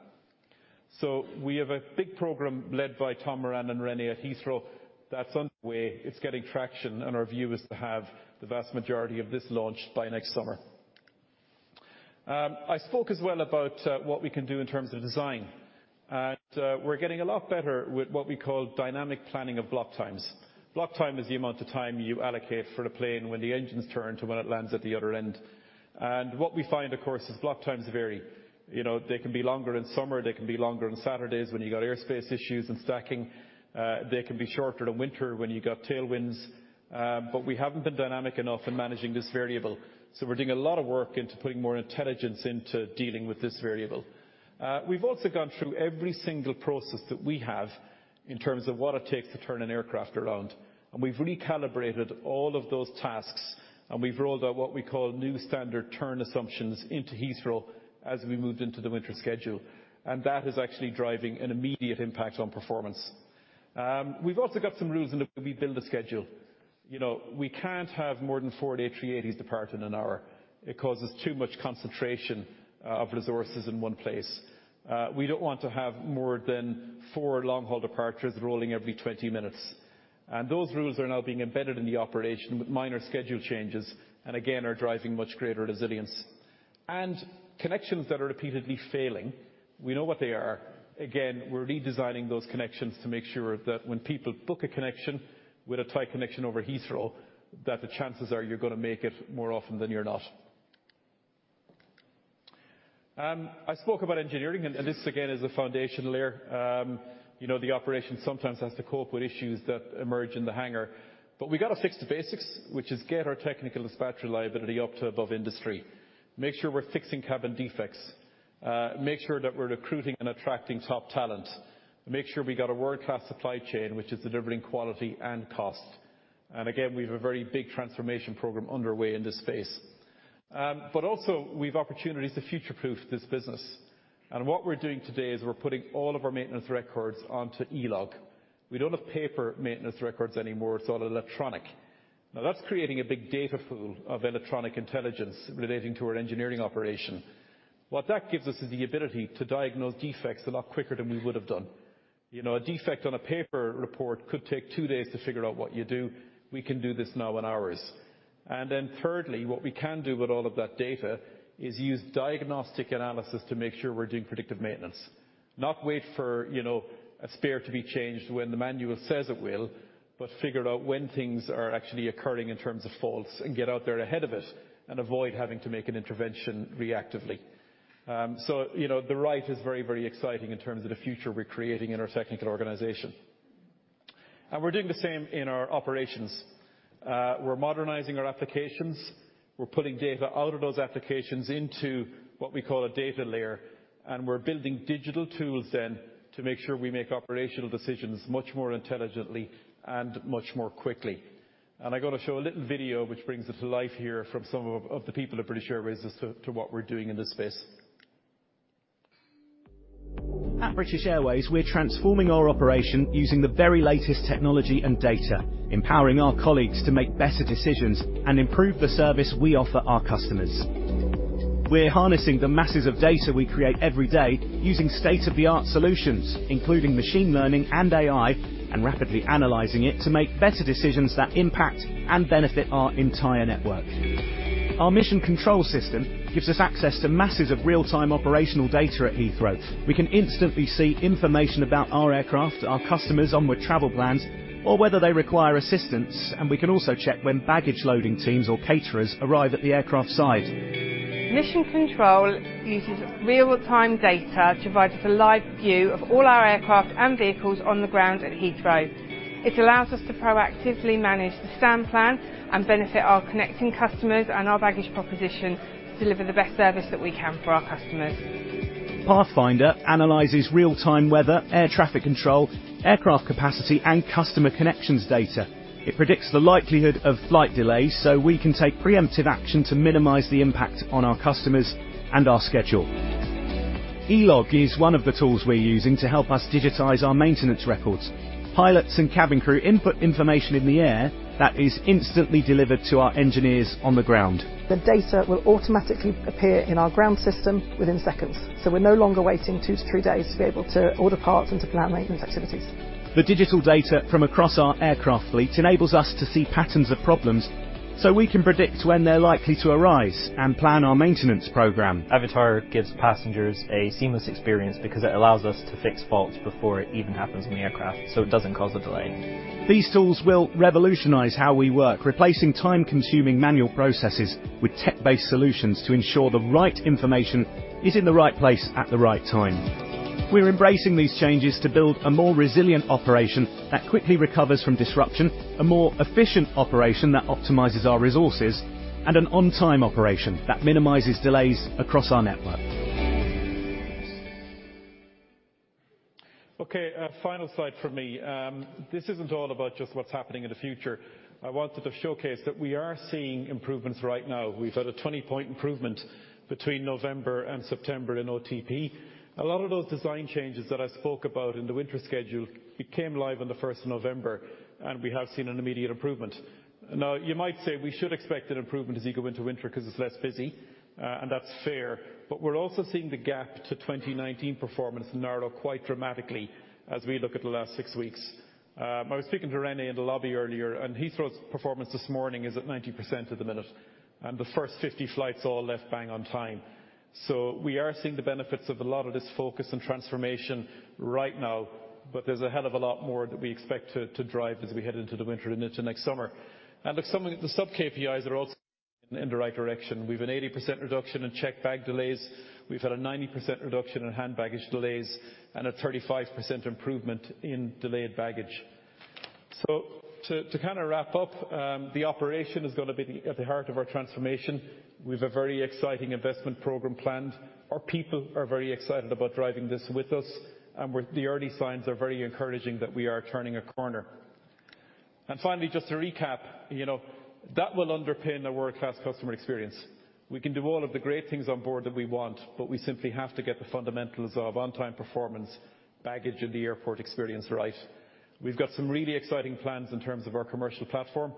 So we have a big program led by Tom Moran and René at Heathrow. That's underway. It's getting traction, and our view is to have the vast majority of this launched by next summer. I spoke as well about what we can do in terms of design. And we're getting a lot better with what we call dynamic planning of block times. Block time is the amount of time you allocate for a plane when the engines turn to when it lands at the other end. What we find, of course, is block times vary. You know, they can be longer in summer, they can be longer on Saturdays when you got airspace issues and stacking. They can be shorter in winter when you got tailwinds. But we haven't been dynamic enough in managing this variable, so we're doing a lot of work into putting more intelligence into dealing with this variable. We've also gone through every single process that we have in terms of what it takes to turn an aircraft around, and we've recalibrated all of those tasks, and we've rolled out what we call new standard turn assumptions into Heathrow as we moved into the winter schedule. That is actually driving an immediate impact on performance. We've also got some rules in the way we build a schedule. You know, we can't have more than four A380s depart in an hour. It causes too much concentration of resources in one place. We don't want to have more than four long-haul departures rolling every 20 minutes. And those rules are now being embedded in the operation with minor schedule changes, and again, are driving much greater resilience. And connections that are repeatedly failing, we know what they are. Again, we're redesigning those connections to make sure that when people book a connection with a tight connection over Heathrow, that the chances are you're gonna make it more often than you're not. I spoke about engineering, and this again is a foundation layer. You know, the operation sometimes has to cope with issues that emerge in the hangar. But we got to fix the basics, which is get our technical dispatch reliability up to above industry. Make sure we're fixing cabin defects. Make sure that we're recruiting and attracting top talent. Make sure we got a world-class supply chain, which is delivering quality and cost. And again, we have a very big transformation program underway in this space. But also, we've opportunities to future-proof this business. And what we're doing today is we're putting all of our maintenance records onto eLog. We don't have paper maintenance records anymore, it's all electronic. Now, that's creating a big data pool of electronic intelligence relating to our engineering operation. What that gives us is the ability to diagnose defects a lot quicker than we would have done. You know, a defect on a paper report could take two days to figure out what you do. We can do this now in hours. And then thirdly, what we can do with all of that data is use diagnostic analysis to make sure we're doing predictive maintenance. Not wait for, you know, a spare to be changed when the manual says it will, but figure out when things are actually occurring in terms of faults, and get out there ahead of it, and avoid having to make an intervention reactively. So, you know, the right is very, very exciting in terms of the future we're creating in our technical organization. And we're doing the same in our operations. We're modernizing our applications. We're putting data out of those applications into what we call a data layer, and we're building digital tools then to make sure we make operational decisions much more intelligently and much more quickly. I'm gonna show a little video, which brings it to life here from some of the people at British Airways as to what we're doing in this space. At British Airways, we're transforming our operation using the very latest technology and data, empowering our colleagues to make better decisions and improve the service we offer our customers. We're harnessing the masses of data we create every day using state-of-the-art solutions, including machine learning and AI, and rapidly analyzing it to make better decisions that impact and benefit our entire network. Our Mission Control system gives us access to masses of real-time operational data at Heathrow. We can instantly see information about our aircraft, our customers' onward travel plans, or whether they require assistance, and we can also check when baggage loading teams or caterers arrive at the aircraft site. Mission Control uses real-time data to provide us a live view of all our aircraft and vehicles on the ground at Heathrow. It allows us to proactively manage the stand plan and benefit our connecting customers and our baggage proposition to deliver the best service that we can for our customers. Pathfinder analyzes real-time weather, air traffic control, aircraft capacity, and customer connections data. It predicts the likelihood of flight delays so we can take preemptive action to minimize the impact on our customers and our schedule. eLog is one of the tools we're using to help us digitize our maintenance records. Pilots and cabin crew input information in the air that is instantly delivered to our engineers on the ground. The data will automatically appear in our ground system within seconds, so we're no longer waiting 2-3 days to be able to order parts and to plan maintenance activities. The digital data from across our aircraft fleet enables us to see patterns of problems, so we can predict when they're likely to arise and plan our maintenance program. Avatar gives passengers a seamless experience because it allows us to fix faults before it even happens in the aircraft, so it doesn't cause a delay. These tools will revolutionize how we work, replacing time-consuming manual processes with tech-based solutions to ensure the right information is in the right place at the right time. We're embracing these changes to build a more resilient operation that quickly recovers from disruption, a more efficient operation that optimizes our resources, and an on-time operation that minimizes delays across our network. Okay, a final slide from me. This isn't all about just what's happening in the future. I wanted to showcase that we are seeing improvements right now. We've had a 20-point improvement between November and September in OTP. A lot of those design changes that I spoke about in the winter schedule, it came live on the first of November, and we have seen an immediate improvement. Now, you might say we should expect an improvement as you go into winter because it's less busy, and that's fair, but we're also seeing the gap to 2019 performance narrow quite dramatically as we look at the last six weeks. I was speaking to René in the lobby earlier, and Heathrow's performance this morning is at 90% at the minute, and the first 50 flights all left bang on time. So we are seeing the benefits of a lot of this focus and transformation right now, but there's a hell of a lot more that we expect to drive as we head into the winter and into next summer. And look, some of the sub-KPIs are also in the right direction. We've an 80% reduction in checked bag delays. We've had a 90% reduction in hand baggage delays, and a 35% improvement in delayed baggage. So to kind of wrap up, the operation is gonna be at the heart of our transformation. We've a very exciting investment program planned. Our people are very excited about driving this with us, and the early signs are very encouraging that we are turning a corner. And finally, just to recap, you know, that will underpin a world-class customer experience. We can do all of the great things on board that we want, but we simply have to get the fundamentals of on-time performance, baggage, and the airport experience right. We've got some really exciting plans in terms of our commercial platform.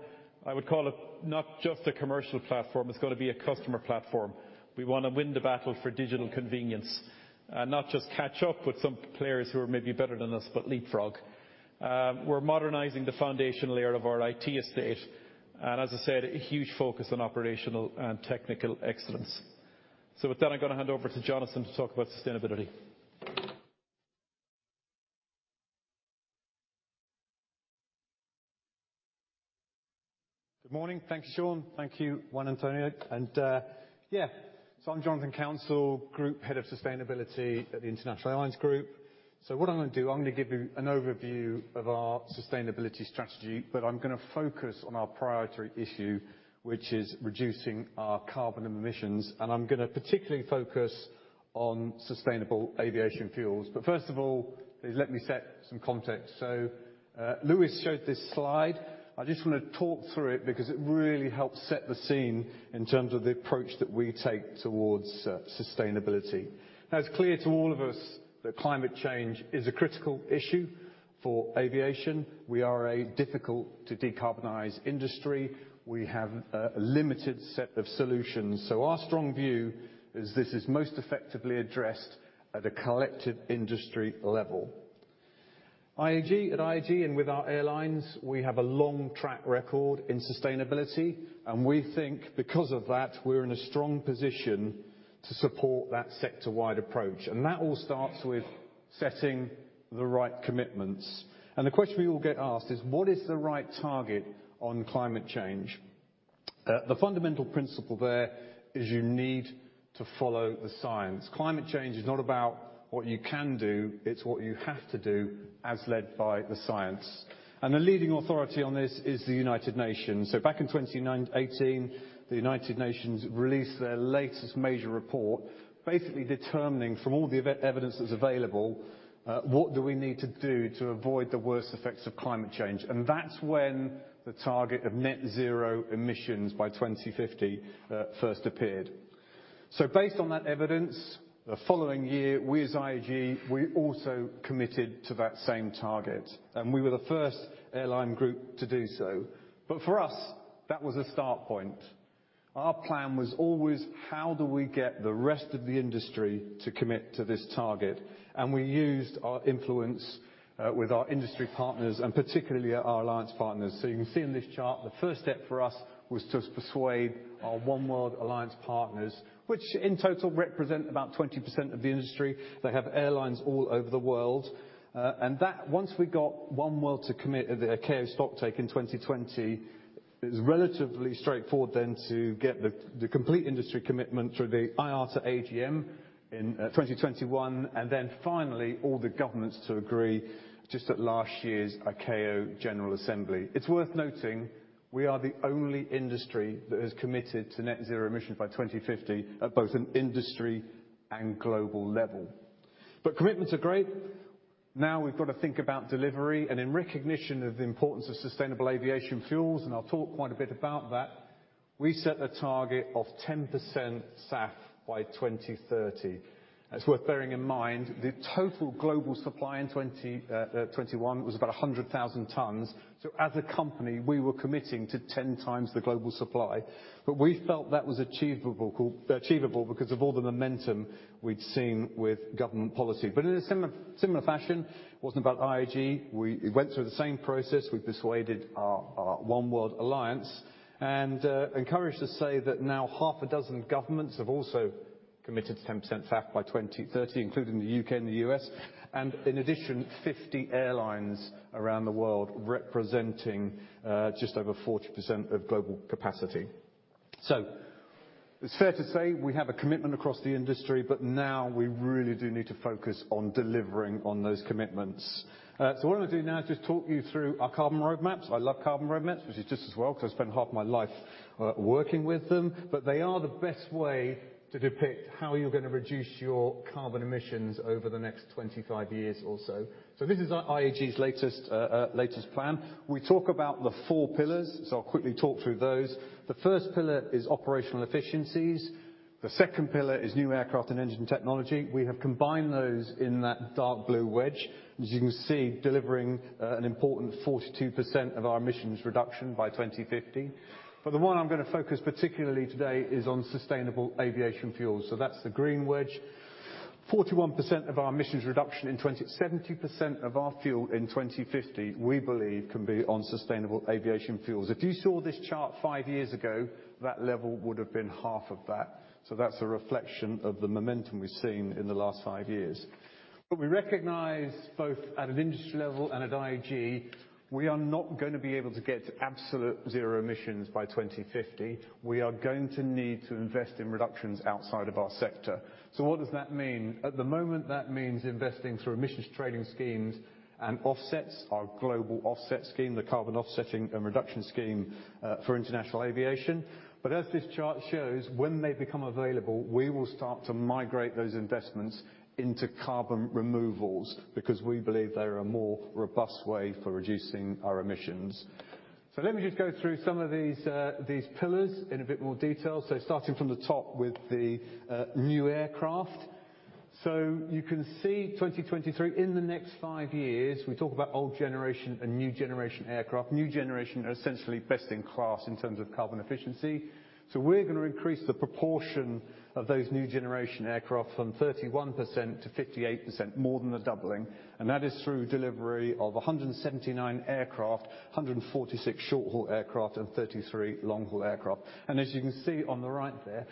I would call it not just a commercial platform, it's gonna be a customer platform. We want to win the battle for digital convenience, not just catch up with some players who are maybe better than us, but leapfrog. We're modernizing the foundational layer of our IT estate, and as I said, a huge focus on operational and technical excellence. So with that, I'm going to hand over to Jonathan to talk about sustainability. Good morning. Thank you, Sean. Thank you, Juan Antonio, and, yeah, so I'm Jonathan Counsell, Group Head of Sustainability at the International Airlines Group. So what I'm going to do, I'm going to give you an overview of our sustainability strategy, but I'm going to focus on our priority issue, which is reducing our carbon emissions, and I'm going to particularly focus on sustainable aviation fuels. But first of all, please let me set some context. So, Luis showed this slide. I just want to talk through it because it really helps set the scene in terms of the approach that we take towards sustainability. Now, it's clear to all of us that climate change is a critical issue for aviation. We are a difficult to decarbonize industry. We have a limited set of solutions. So our strong view is this is most effectively addressed at a collective industry level. IAG, at IAG, and with our airlines, we have a long track record in sustainability, and we think because of that, we're in a strong position to support that sector-wide approach, and that all starts with setting the right commitments. And the question we all get asked is: What is the right target on climate change? The fundamental principle there is you need to follow the science. Climate change is not about what you can do, it's what you have to do, as led by the science. And the leading authority on this is the United Nations. So back in 2018, the United Nations released their latest major report, basically determining from all the evidence that's available, what do we need to do to avoid the worst effects of climate change? That's when the target of net zero emissions by 2050 first appeared. So based on that evidence, the following year, we as IAG, we also committed to that same target, and we were the first airline group to do so. But for us, that was a start point. Our plan was always: How do we get the rest of the industry to commit to this target? And we used our influence with our industry partners, and particularly our alliance partners. So you can see in this chart, the first step for us was to persuade our Oneworld alliance partners, which in total represent about 20% of the industry. They have airlines all over the world, and that, once we got Oneworld to commit at the ICAO stocktake in 2020, it was relatively straightforward then to get the complete industry commitment through the IATA AGM in 2021, and then finally all the governments to agree just at last year's ICAO General Assembly. It's worth noting, we are the only industry that has committed to net zero emissions by 2050 at both an industry and global level. But commitments are great. Now, we've got to think about delivery, and in recognition of the importance of sustainable aviation fuels, and I'll talk quite a bit about that, we set a target of 10% SAF by 2030. It's worth bearing in mind, the total global supply in 2021 was about 100,000 tons. So as a company, we were committing to 10 times the global supply, but we felt that was achievable because of all the momentum we'd seen with government policy. But in a similar fashion, it wasn't about IAG. We went through the same process. We persuaded our Oneworld alliance, and I'm encouraged to say that now 6 governments have also committed to 10% SAF by 2030, including the U.K. and the U.S., and in addition, 50 airlines around the world, representing just over 40% of global capacity. So it's fair to say we have a commitment across the industry, but now we really do need to focus on delivering on those commitments. So what I'm going to do now is just talk you through our carbon roadmaps. I love carbon roadmaps, which is just as well, because I've spent half my life working with them, but they are the best way to depict how you're going to reduce your carbon emissions over the next 25 years or so. So this is IAG's latest plan. We talk about the four pillars, so I'll quickly talk through those. The first pillar is operational efficiencies. The second pillar is new aircraft and engine technology. We have combined those in that dark blue wedge. As you can see, delivering an important 42% of our emissions reduction by 2050. But the one I'm going to focus particularly today is on sustainable aviation fuels, so that's the green wedge. 41% of our emissions reduction in 2050. 70% of our fuel in 2050, we believe, can be on sustainable aviation fuels. If you saw this chart five years ago, that level would have been half of that. So that's a reflection of the momentum we've seen in the last five years. But we recognize, both at an industry level and at IAG, we are not going to be able to get to absolute zero emissions by 2050. We are going to need to invest in reductions outside of our sector. So what does that mean? At the moment, that means investing through emissions trading schemes and offsets, our global offset scheme, the Carbon Offsetting and Reduction Scheme for International Aviation. But as this chart shows, when they become available, we will start to migrate those investments into carbon removals, because we believe they are a more robust way for reducing our emissions. So let me just go through some of these, these pillars in a bit more detail. So starting from the top with the new aircraft. So you can see 2023, in the next five years, we talk about old generation and new generation aircraft. New generation are essentially best in class in terms of carbon efficiency. So we're going to increase the proportion of those new generation aircraft from 31% to 58%, more than a doubling, and that is through delivery of 179 aircraft, 146 short-haul aircraft, and 33 long-haul aircraft. And as you can see on the right there,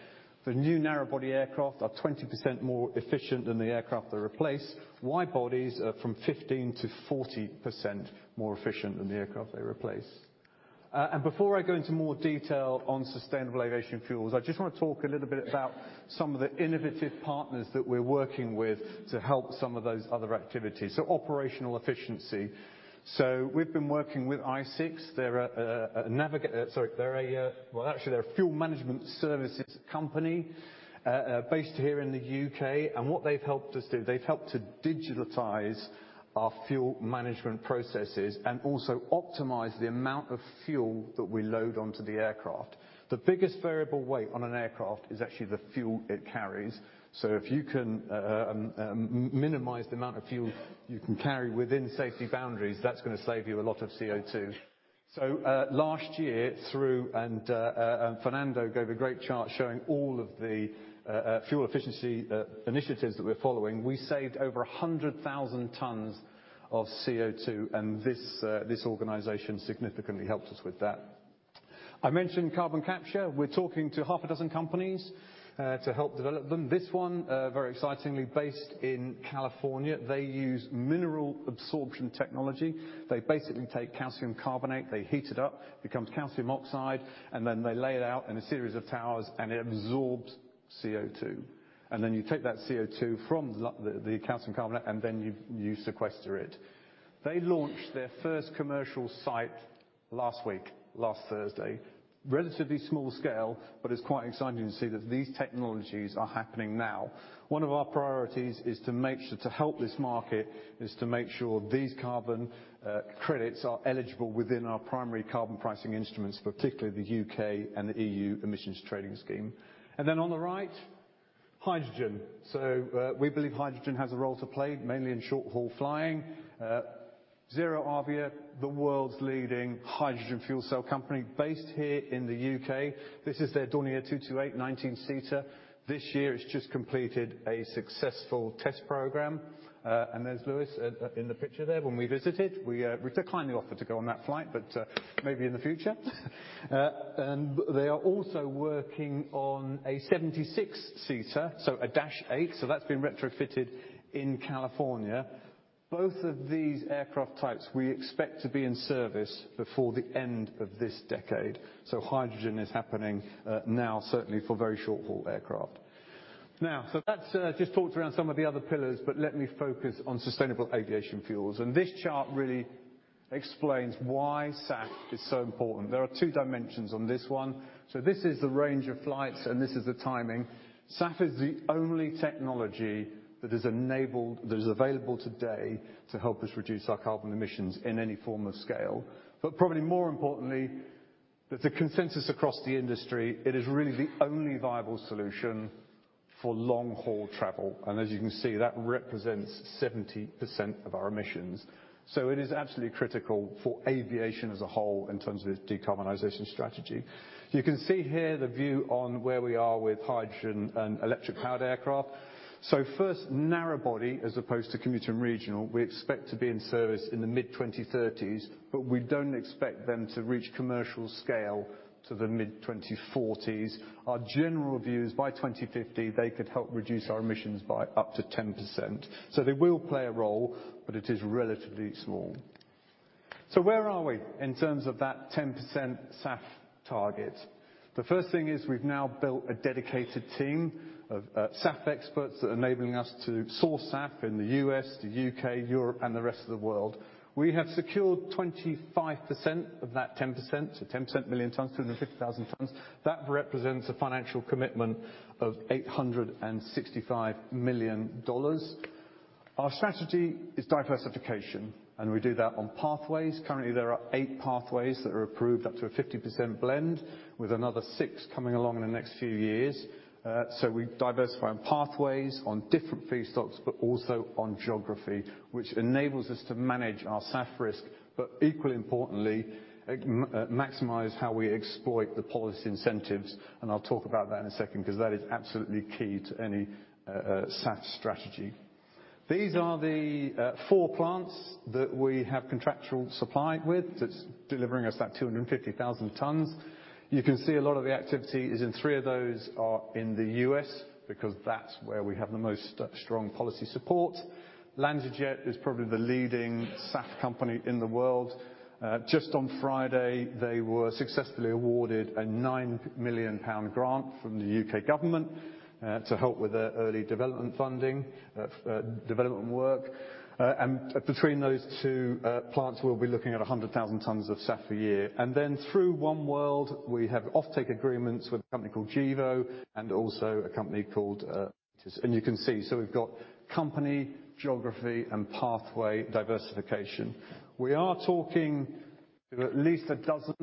the new narrow body aircraft are 20% more efficient than the aircraft they replace. Wide bodies are from 15%-40% more efficient than the aircraft they replace. And before I go into more detail on sustainable aviation fuels, I just want to talk a little bit about some of the innovative partners that we're working with to help some of those other activities. So operational efficiency. So we've been working with i6. They're a, well, actually, they're a fuel management services company, based here in the U.K. And what they've helped us do, they've helped to digitize our fuel management processes and also optimize the amount of fuel that we load onto the aircraft. The biggest variable weight on an aircraft is actually the fuel it carries. So if you can, minimize the amount of fuel you can carry within safety boundaries, that's going to save you a lot of CO2. So, last year, Fernando gave a great chart showing all of the fuel efficiency initiatives that we're following. We saved over 100,000 tons of CO2, and this organization significantly helped us with that. I mentioned carbon capture. We're talking to half a dozen companies to help develop them. This one, very excitingly, based in California, they use mineral absorption technology. They basically take calcium carbonate, they heat it up, becomes calcium oxide, and then they lay it out in a series of towers, and it absorbs CO2. And then you take that CO2 from the calcium carbonate, and then you sequester it. They launched their first commercial site last week, last Thursday. Relatively small scale, but it's quite exciting to see that these technologies are happening now. One of our priorities is to make sure to help this market, is to make sure these carbon, credits are eligible within our primary carbon pricing instruments, particularly the UK and the EU Emissions Trading Scheme. And then on the right, hydrogen. So, we believe hydrogen has a role to play, mainly in short-haul flying. ZeroAvia, the world's leading hydrogen fuel cell company, based here in the UK. This is their Dornier 228 19-seater. This year, it's just completed a successful test program, and there's Luis, in the picture there when we visited. We, we declined the offer to go on that flight, but, maybe in the future. And they are also working on a 76-seater, so a Dash 8, so that's been retrofitted in California. Both of these aircraft types we expect to be in service before the end of this decade. So hydrogen is happening now, certainly for very short-haul aircraft. Now, so that's just talked around some of the other pillars, but let me focus on sustainable aviation fuels. And this chart really explains why SAF is so important. There are two dimensions on this one. So this is the range of flights, and this is the timing. SAF is the only technology that is enabled, that is available today to help us reduce our carbon emissions in any form of scale. But probably more importantly, that the consensus across the industry, it is really the only viable solution for long-haul travel. And as you can see, that represents 70% of our emissions. So it is absolutely critical for aviation as a whole in terms of its decarbonization strategy. You can see here the view on where we are with hydrogen and electric-powered aircraft. So first, narrow body, as opposed to commuter and regional, we expect to be in service in the mid-2030s, but we don't expect them to reach commercial scale till the mid-2040s. Our general view is by 2050, they could help reduce our emissions by up to 10%. So they will play a role, but it is relatively small. So where are we in terms of that 10% SAF target? The first thing is we've now built a dedicated team of SAF experts that are enabling us to source SAF in the U.S., the U.K., Europe, and the rest of the world. We have secured 25% of that 10%, so 10%, 1 million tons, 250,000 tons. That represents a financial commitment of $865 million. Our strategy is diversification, and we do that on pathways. Currently, there are 8 pathways that are approved, up to a 50% blend, with another 6 coming along in the next few years. So we diversify on pathways, on different feedstocks, but also on geography, which enables us to manage our SAF risk, but equally importantly, maximize how we exploit the policy incentives. And I'll talk about that in a second because that is absolutely key to any SAF strategy. These are the 4 plants that we have contractual supply with that's delivering us that 250,000 tons. You can see a lot of the activity is in 3 of those are in the U.S. because that's where we have the most strong policy support. LanzaJet is probably the leading SAF company in the world. Just on Friday, they were successfully awarded a 9 million pound grant from the UK government to help with their early development funding, development work. And between those two plants, we'll be looking at 100,000 tons of SAF a year. And then through Oneworld, we have offtake agreements with a company called Gevo and also a company called. And you can see, so we've got company, geography, and pathway diversification. There are at least a dozen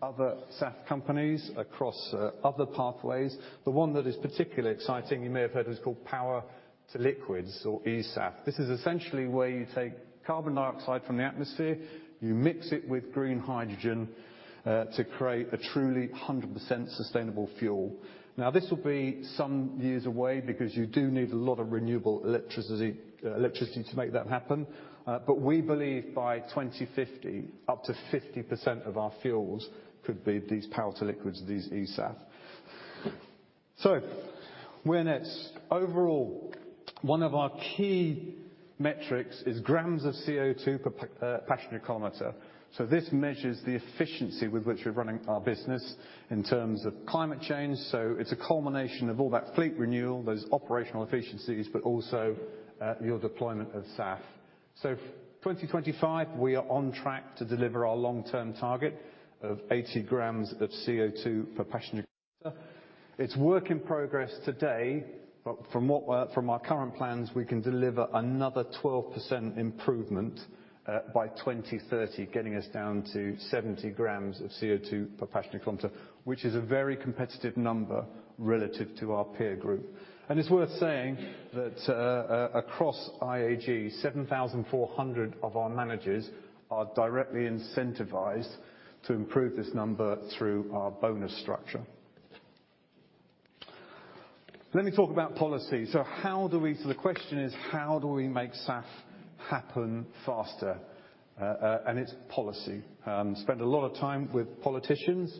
other SAF companies across other pathways. The one that is particularly exciting, you may have heard, is called Power to Liquids or eSAF. This is essentially where you take carbon dioxide from the atmosphere, you mix it with green hydrogen to create a truly 100% sustainable fuel. Now, this will be some years away because you do need a lot of renewable electricity, electricity to make that happen. But we believe by 2050, up to 50% of our fuels could be these Power to Liquids, these eSAF. So where next? Overall, one of our key metrics is grams of CO2 per passenger kilometer. So this measures the efficiency with which we're running our business in terms of climate change. So it's a culmination of all that fleet renewal, those operational efficiencies, but also your deployment of SAF. So 2025, we are on track to deliver our long-term target of 80 grams of CO2 per passenger kilometer. It's work in progress today, but from what, from our current plans, we can deliver another 12% improvement, by 2030, getting us down to 70 grams of CO2 per passenger kilometer, which is a very competitive number relative to our peer group. And it's worth saying that, across IAG, 7,400 of our managers are directly incentivized to improve this number through our bonus structure. Let me talk about policy. So how do we-- So the question is: How do we make SAF happen faster? and it's policy. Spend a lot of time with politicians,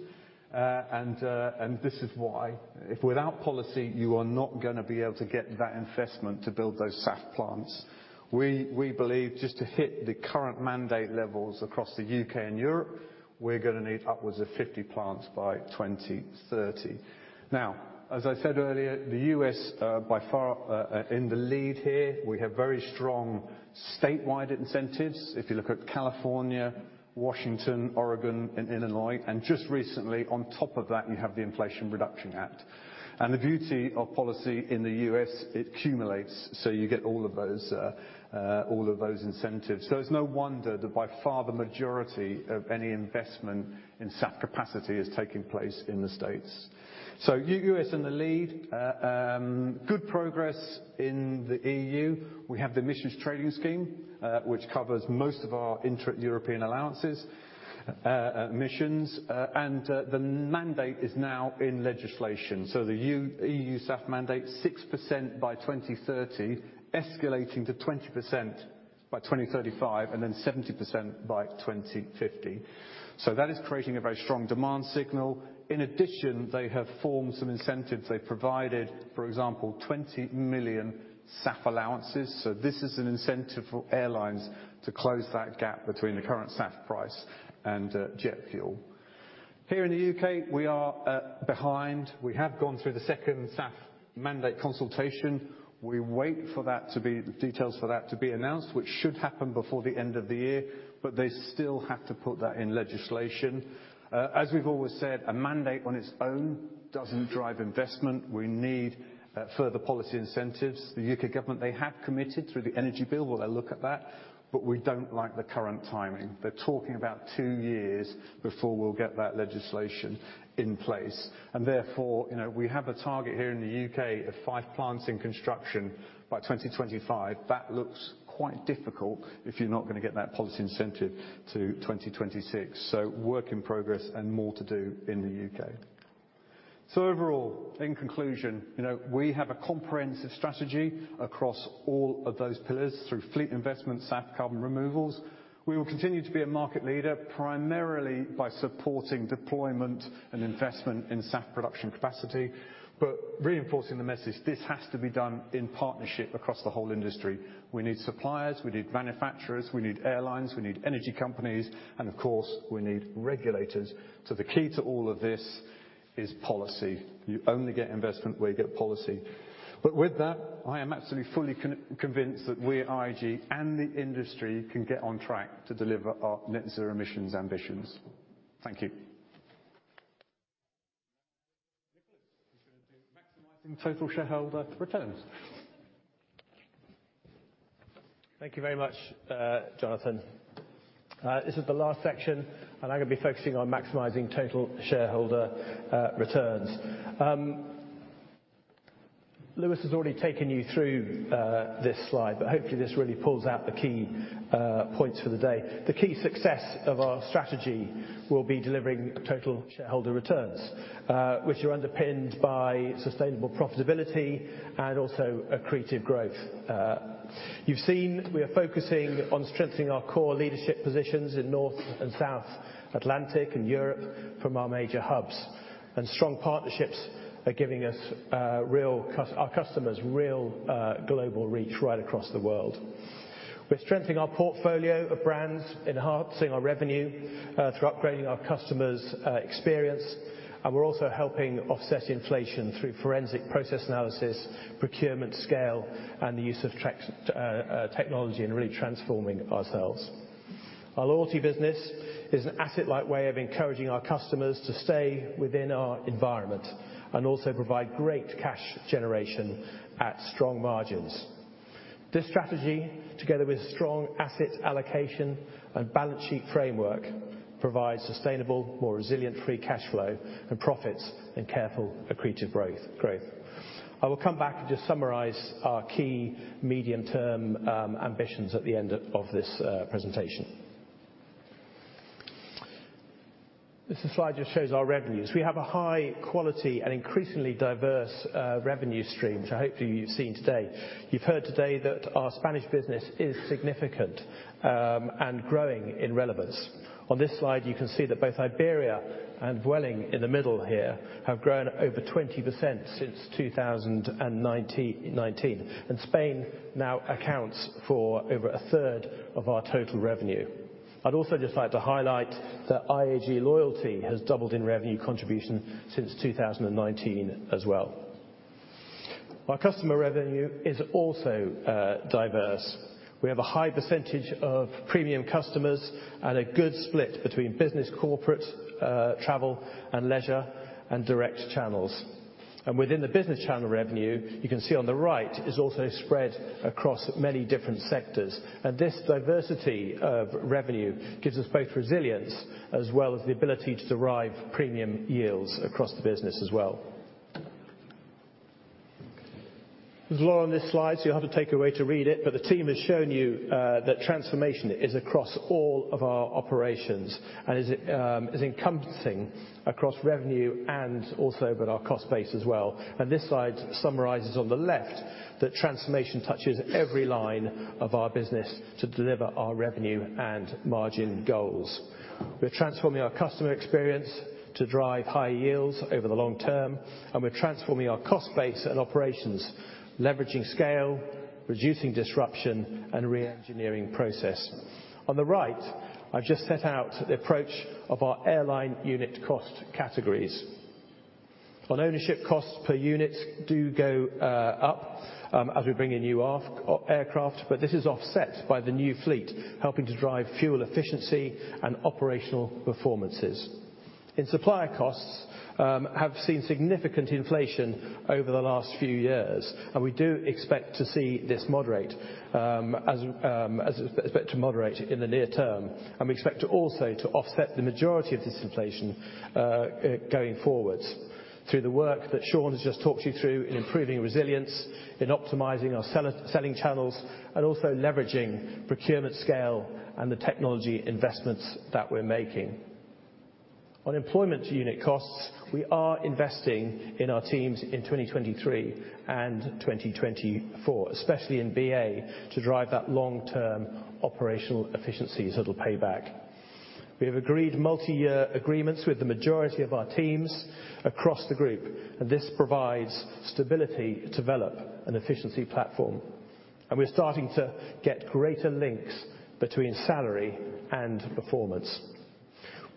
and, and this is why. If without policy, you are not gonna be able to get that investment to build those SAF plants. We believe just to hit the current mandate levels across the UK and Europe, we're gonna need upwards of 50 plants by 2030. Now, as I said earlier, the US, by far, in the lead here, we have very strong statewide incentives. If you look at California, Washington, Oregon, and Illinois, and just recently, on top of that, you have the Inflation Reduction Act. And the beauty of policy in the US, it cumulates, so you get all of those, all of those incentives. So it's no wonder that by far, the majority of any investment in SAF capacity is taking place in the States. So US in the lead, good progress in the EU. We have the Emissions Trading Scheme, which covers most of our intra-European allowances, emissions, and, the mandate is now in legislation. So the EU SAF mandate, 6% by 2030, escalating to 20% by 2035, and then 70% by 2050. So that is creating a very strong demand signal. In addition, they have formed some incentives. They've provided, for example, 20 million SAF allowances. So this is an incentive for airlines to close that gap between the current SAF price and jet fuel. Here in the UK, we are behind. We have gone through the second SAF mandate consultation. We wait for the details for that to be announced, which should happen before the end of the year, but they still have to put that in legislation. As we've always said, a mandate on its own doesn't drive investment. We need further policy incentives. The UK government, they have committed through the Energy Bill. Will they look at that? But we don't like the current timing. They're talking about 2 years before we'll get that legislation in place, and therefore, you know, we have a target here in the UK of 5 plants in construction by 2025. That looks quite difficult if you're not gonna get that policy incentive to 2026. So work in progress and more to do in the UK. So overall, in conclusion, you know, we have a comprehensive strategy across all of those pillars through fleet investment, SAF, carbon removals. We will continue to be a market leader, primarily by supporting deployment and investment in SAF production capacity, but reinforcing the message, this has to be done in partnership across the whole industry. We need suppliers, we need manufacturers, we need airlines, we need energy companies, and of course, we need regulators. So the key to all of this is policy. You only get investment where you get policy. But with that, I am absolutely fully convinced that we at IAG and the industry can get on track to deliver our net zero emissions ambitions. Thank you. Nicholas is going to be maximizing total shareholder returns. Thank you very much, Jonathan. This is the last section, and I'm gonna be focusing on maximizing total shareholder returns. Luis has already taken you through this slide, but hopefully, this really pulls out the key points for the day. The key success of our strategy will be delivering total shareholder returns, which are underpinned by sustainable profitability and also accretive growth. You've seen we are focusing on strengthening our core leadership positions in North and South Atlantic and Europe from our major hubs, and strong partnerships are giving our customers real global reach right across the world. We're strengthening our portfolio of brands, enhancing our revenue through upgrading our customers' experience, and we're also helping offset inflation through forensic process analysis, procurement scale, and the use of tech, technology and really transforming ourselves. Our loyalty business is an asset-light way of encouraging our customers to stay within our environment and also provide great cash generation at strong margins.... This strategy, together with strong asset allocation and balance sheet framework, provides sustainable, more resilient free cash flow and profits and careful accretive growth. I will come back and just summarize our key medium-term ambitions at the end of this presentation. This slide just shows our revenues. We have a high quality and increasingly diverse revenue stream, which I hope you've seen today. You've heard today that our Spanish business is significant and growing in relevance. On this slide, you can see that both Iberia and Vueling in the middle here have grown over 20% since 2019, and Spain now accounts for over a third of our total revenue. I'd also just like to highlight that IAG Loyalty has doubled in revenue contribution since 2019 as well. Our customer revenue is also diverse. We have a high percentage of premium customers and a good split between business corporate, travel and leisure, and direct channels. And within the business channel revenue, you can see on the right, is also spread across many different sectors. And this diversity of revenue gives us both resilience as well as the ability to derive premium yields across the business as well. There's a lot on this slide, so you'll have to take a while to read it, but the team has shown you, that transformation is across all of our operations and is, is encompassing across revenue and also with our cost base as well. And this slide summarizes on the left, that transformation touches every line of our business to deliver our revenue and margin goals. We're transforming our customer experience to drive high yields over the long term, and we're transforming our cost base and operations, leveraging scale, reducing disruption, and reengineering process. On the right, I've just set out the approach of our airline unit cost categories. On ownership costs per unit do go up, as we bring in new aircraft, but this is offset by the new fleet, helping to drive fuel efficiency and operational performances. In supplier costs have seen significant inflation over the last few years, and we do expect to see this moderate, as expect to moderate in the near term. We expect to also offset the majority of this inflation going forward through the work that Sean has just talked you through in improving resilience, in optimizing our selling channels, and also leveraging procurement scale and the technology investments that we're making. On employment unit costs, we are investing in our teams in 2023 and 2024, especially in BA, to drive that long-term operational efficiencies that'll pay back. We have agreed multi-year agreements with the majority of our teams across the group, and this provides stability to develop an efficiency platform, and we're starting to get greater links between salary and performance.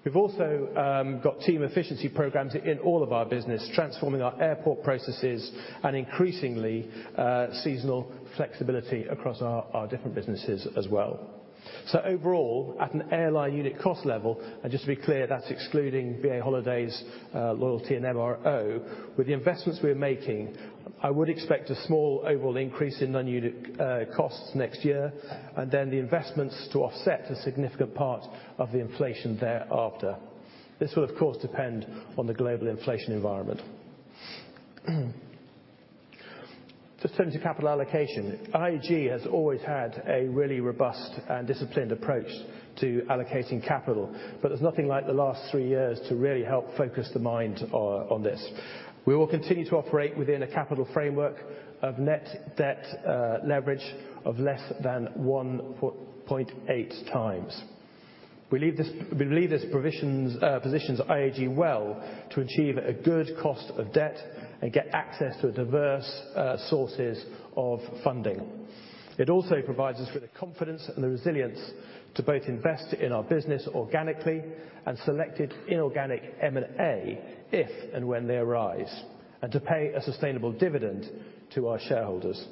We've also got team efficiency programs in all of our business, transforming our airport processes and increasingly seasonal flexibility across our different businesses as well. So overall, at an airline unit cost level, and just to be clear, that's excluding BA Holidays, Loyalty and MRO. With the investments we're making, I would expect a small overall increase in non-unit costs next year, and then the investments to offset a significant part of the inflation thereafter. This will, of course, depend on the global inflation environment. Just in terms of capital allocation, IAG has always had a really robust and disciplined approach to allocating capital, but there's nothing like the last three years to really help focus the mind on this. We will continue to operate within a capital framework of net debt leverage of less than 1.8 times. We believe this provision positions IAG well to achieve a good cost of debt and get access to diverse sources of funding. It also provides us with the confidence and the resilience to both invest in our business organically and selected inorganic M&A, if and when they arise, and to pay a sustainable dividend to our shareholders.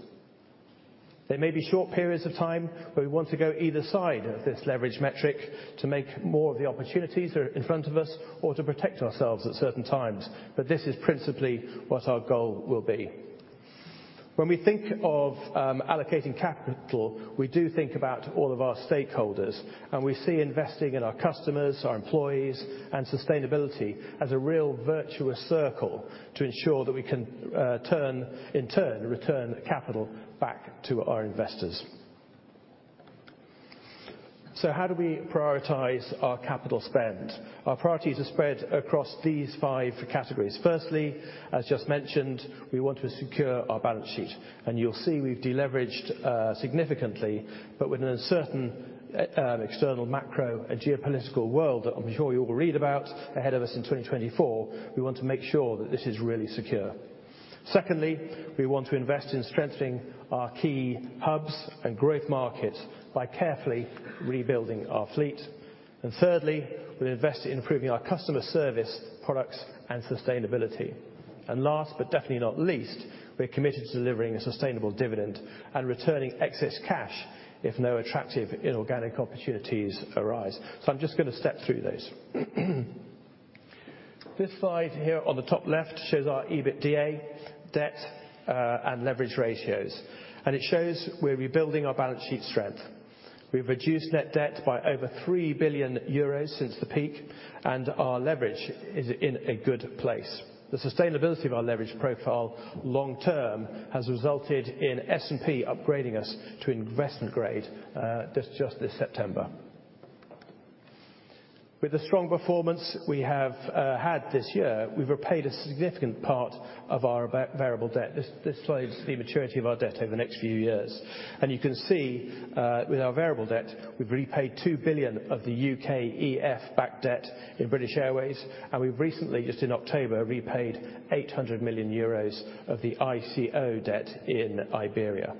There may be short periods of time where we want to go either side of this leverage metric to make more of the opportunities that are in front of us or to protect ourselves at certain times, but this is principally what our goal will be. When we think of, allocating capital, we do think about all of our stakeholders, and we see investing in our customers, our employees, and sustainability as a real virtuous circle to ensure that we can, turn, in turn, return capital back to our investors. So how do we prioritize our capital spend? Our priorities are spread across these five categories. Firstly, as just mentioned, we want to secure our balance sheet, and you'll see we've deleveraged significantly, but with an uncertain external macro and geopolitical world that I'm sure you will read about ahead of us in 2024, we want to make sure that this is really secure. Secondly, we want to invest in strengthening our key hubs and growth markets by carefully rebuilding our fleet. And thirdly, we invest in improving our customer service, products, and sustainability. And last, but definitely not least, we're committed to delivering a sustainable dividend and returning excess cash, if no attractive inorganic opportunities arise. So I'm just going to step through those.... This slide here on the top left shows our EBITDA, debt, and leverage ratios, and it shows we're rebuilding our balance sheet strength. We've reduced net debt by over 3 billion euros since the peak, and our leverage is in a good place. The sustainability of our leverage profile long term has resulted in S&P upgrading us to investment grade just this September. With the strong performance we have had this year, we've repaid a significant part of our variable debt. This slide is the maturity of our debt over the next few years, and you can see with our variable debt, we've repaid 2 billion of the UKEF-backed debt in British Airways, and we've recently just in October repaid 800 million euros of the ICO debt in Iberia.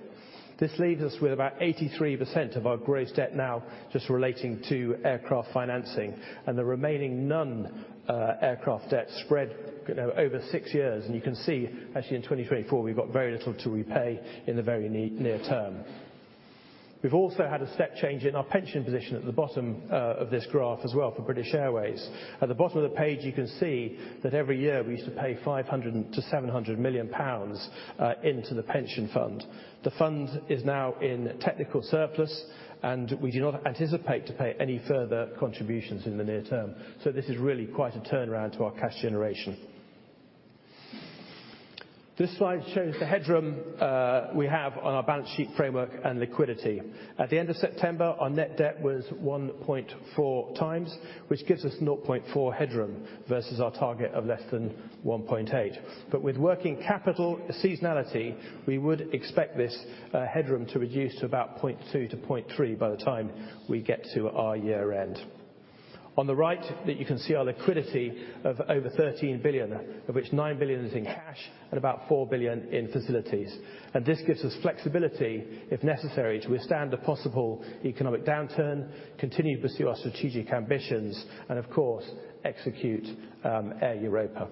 This leaves us with about 83% of our gross debt now just relating to aircraft financing and the remaining non aircraft debt spread, you know, over six years. You can see, actually, in 2024, we've got very little to repay in the very near term. We've also had a step change in our pension position at the bottom of this graph as well for British Airways. At the bottom of the page, you can see that every year we used to pay 500-700 million pounds into the pension fund. The fund is now in technical surplus, and we do not anticipate to pay any further contributions in the near term. So this is really quite a turnaround to our cash generation. This slide shows the headroom we have on our balance sheet framework and liquidity. At the end of September, our net debt was 1.4 times, which gives us 0.4 headroom versus our target of less than 1.8. But with working capital seasonality, we would expect this headroom to reduce to about 0.2-0.3 by the time we get to our year-end. On the right, that you can see our liquidity of over 13 billion, of which 9 billion is in cash and about 4 billion in facilities. And this gives us flexibility, if necessary, to withstand a possible economic downturn, continue to pursue our strategic ambitions, and of course, execute Air Europa.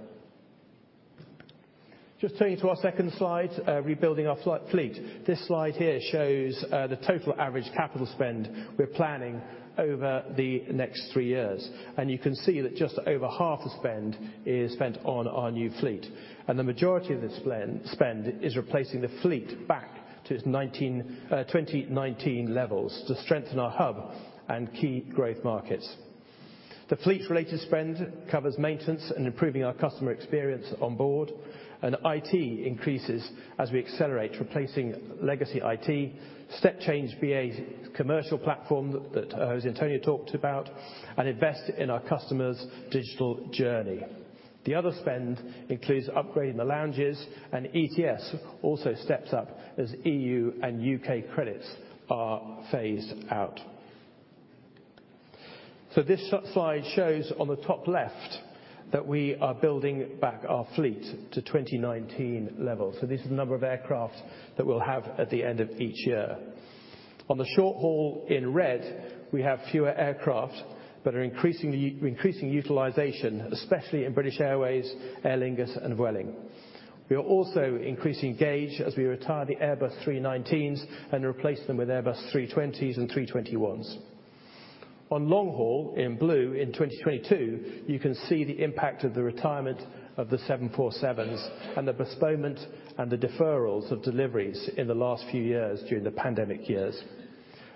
Just turning to our second slide, rebuilding our fleet. This slide here shows the total average capital spend we're planning over the next three years, and you can see that just over half the spend is spent on our new fleet, and the majority of the spend is replacing the fleet back to its 2019 levels to strengthen our hub and key growth markets. The fleet-related spend covers maintenance and improving our customer experience on board, and IT increases as we accelerate, replacing legacy IT, step change BA's commercial platform that Jose Antonio talked about, and invest in our customers' digital journey. The other spend includes upgrading the lounges, and ETS also steps up as EU and UK credits are phased out. So this slide shows on the top left, that we are building back our fleet to 2019 levels. So this is the number of aircraft that we'll have at the end of each year. On the short haul in red, we have fewer aircraft that are increasing utilization, especially in British Airways, Aer Lingus, and Vueling. We are also increasing gauge as we retire the Airbus 319s and replace them with Airbus 320s and 321s. On long haul, in blue, in 2022, you can see the impact of the retirement of the 747s and the postponement and the deferrals of deliveries in the last few years during the pandemic years.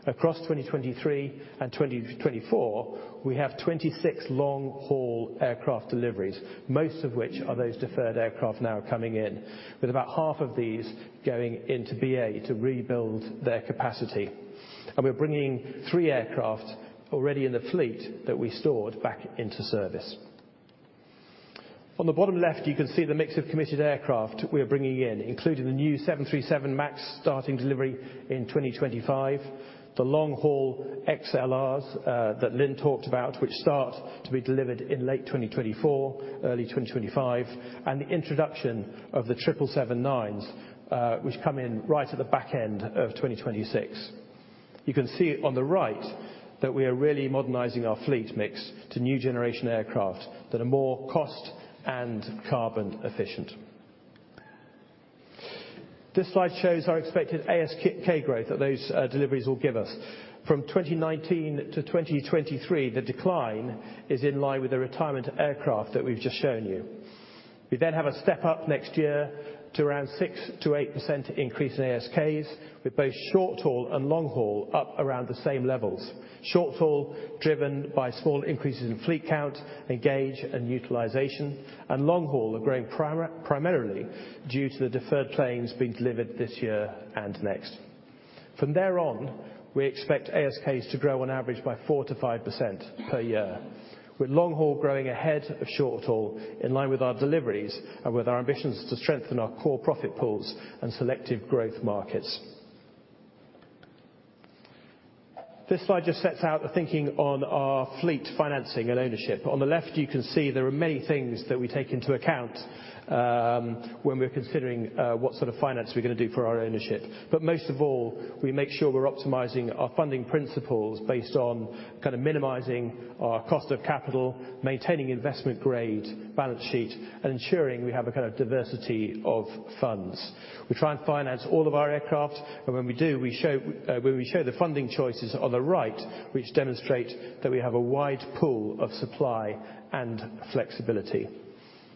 Across 2023 and 2024, we have 26 long-haul aircraft deliveries, most of which are those deferred aircraft now coming in, with about half of these going into BA to rebuild their capacity. And we're bringing 3 aircraft already in the fleet that we stored back into service. On the bottom left, you can see the mix of committed aircraft we are bringing in, including the new 737 MAX, starting delivery in 2025, the long-haul XLRs that Lynne talked about, which start to be delivered in late 2024, early 2025, and the introduction of the 777-9s, which come in right at the back end of 2026. You can see on the right that we are really modernizing our fleet mix to new generation aircraft that are more cost and carbon efficient. This slide shows our expected ASK growth that those deliveries will give us. From 2019 to 2023, the decline is in line with the retirement of aircraft that we've just shown you. We then have a step-up next year to around 6%-8% increase in ASKs, with both short haul and long haul up around the same levels. Short haul, driven by small increases in fleet count and gauge and utilization, and long haul are growing primarily due to the deferred planes being delivered this year and next. From there on, we expect ASKs to grow on average by 4%-5% per year, with long haul growing ahead of short haul, in line with our deliveries and with our ambitions to strengthen our core profit pools and selective growth markets. This slide just sets out the thinking on our fleet financing and ownership. On the left, you can see there are many things that we take into account, when we're considering, what sort of finance we're going to do for our ownership. But most of all, we make sure we're optimizing our funding principles based on kind of minimizing our cost of capital, maintaining investment grade balance sheet, and ensuring we have a kind of diversity of funds. We try and finance all of our aircraft, and when we do, we show, when we show the funding choices on the right, which demonstrate that we have a wide pool of supply and flexibility....